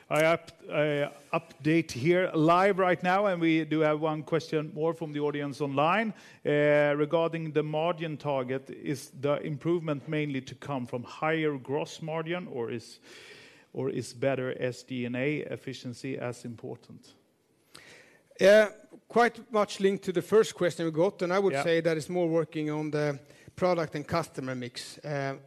I have an update here live right now, and we do have one question more from the audience online. Regarding the margin target, is the improvement mainly to come from higher gross margin, or is better SG&A efficiency as important? Quite much linked to the first question we got- Yeah. I would say that it's more working on the product and customer mix.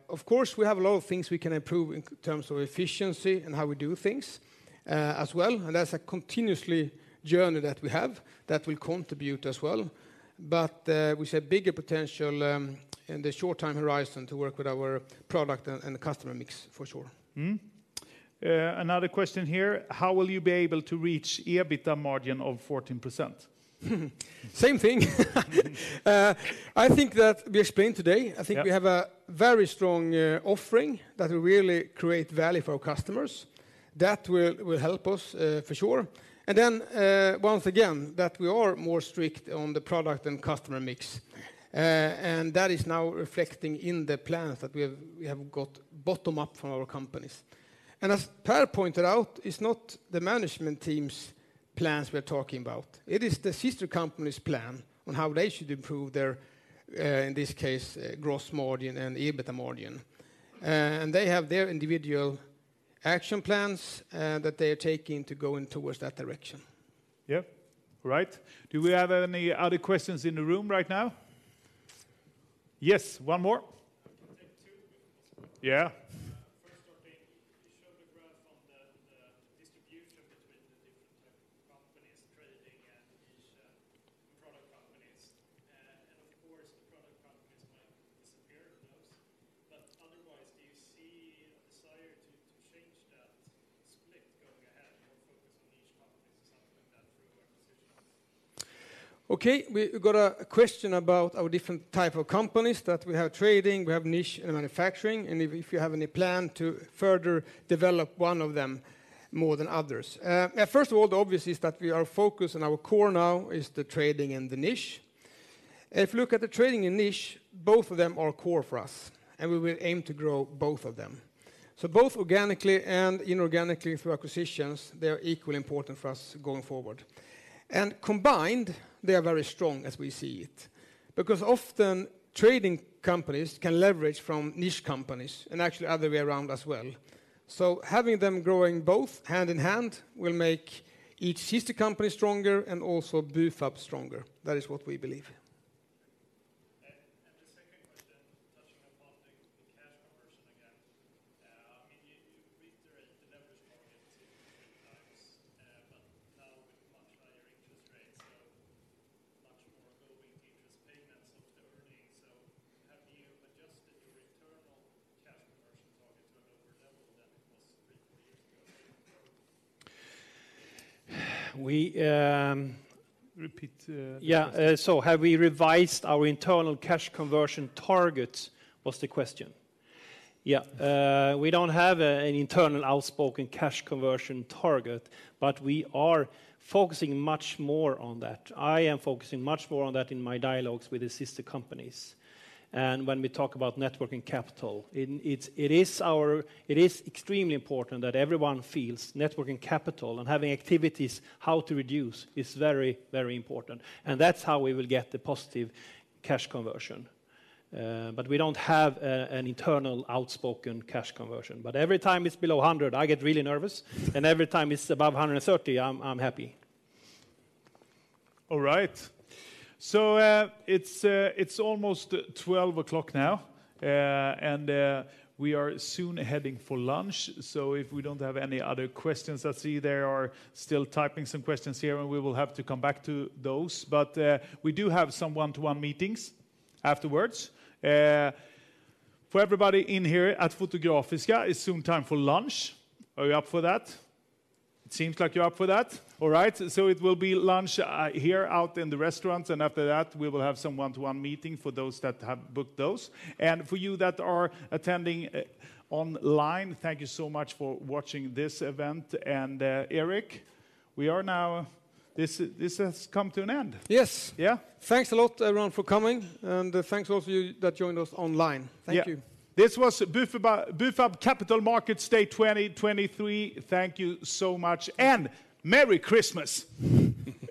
Of course, we have a lot of things we can improve in terms of efficiency and how we do things, as well, and that's a continuous journey that we have that will contribute as well. But, we see a bigger potential, in the short-term horizon to work with our product and, and the customer mix, for sure. Mm-hmm. Another question here: How will you be able to reach EBITDA margin of 14%? Same thing. I think that we explained today. Yeah. I think we have a very strong, offering that will really create value for our customers. That will, will help us, for sure. And then, once again, that we are more strict on the product and customer mix. And that is now reflecting in the plans that we have, we have got bottom up from our companies. And as Pär pointed out, it's not the management team's plans we're talking about. It is the sister company's plan on how they should improve their, in this case, gross margin and EBITDA margin. And they have their individual action plans, that they are taking to going towards that direction. Yep. All right. Do we have any other questions in the room right now? Yes, one more. I can take two. Yeah. First off, you showed a graph on the, the distribution between the different type of companies trading and each, product companies. And of course, the product companies might disappear on those. But otherwise, do you see a desire to change that split going ahead, more focus on niche companies and something like that through acquisitions? Okay, we got a question about our different type of companies, that we have trading, we have niche and manufacturing, and if you have any plan to further develop one of them more than others. First of all, the obvious is that we are focused on our core now is the trading and the niche. If you look at the trading and niche, both of them are core for us, and we will aim to grow both of them. So both organically and inorganically through acquisitions, they are equally important for us going forward. And combined, they are very strong as we see it, because often, trading companies can leverage from niche companies, and actually other way around as well. So having them growing both hand in hand will make each sister company stronger and also Bufab stronger. That is what we believe. The second question, touching upon the cash conversion again. I mean, you reiterate the leverage target 2-3 times, but now with much higher interest rates, so much more going to interest payments of the earnings. So have you adjusted your internal cash conversion target to a lower level than it was 3-4 years ago? We, um- Repeat, uh- Yeah, so have we revised our internal cash conversion targets, was the question. Yeah, we don't have a, an internal outspoken cash conversion target, but we are focusing much more on that. I am focusing much more on that in my dialogues with the sister companies. And when we talk about net working capital, it is our. It is extremely important that everyone feels net working capital and having activities, how to reduce is very, very important. And that's how we will get the positive cash conversion. But we don't have a, an internal outspoken cash conversion. But every time it's below 100, I get really nervous, and every time it's above 130, I'm happy. All right. So, it's almost 12 o'clock now, and we are soon heading for lunch. So if we don't have any other questions, I see there are still typing some questions here, and we will have to come back to those. But we do have some one-to-one meetings afterwards. For everybody in here at Fotografiska, it's soon time for lunch. Are you up for that? It seems like you're up for that. All right, so it will be lunch here out in the restaurant, and after that, we will have some one-to-one meeting for those that have booked those. And for you that are attending online, thank you so much for watching this event. And, Erik, we are now-- This, this has come to an end. Yes! Yeah. Thanks a lot, everyone, for coming. Thanks all of you that joined us online. Yeah. Thank you. This was Bufab Capital Markets Day 2023. Thank you so much, and Merry Christmas!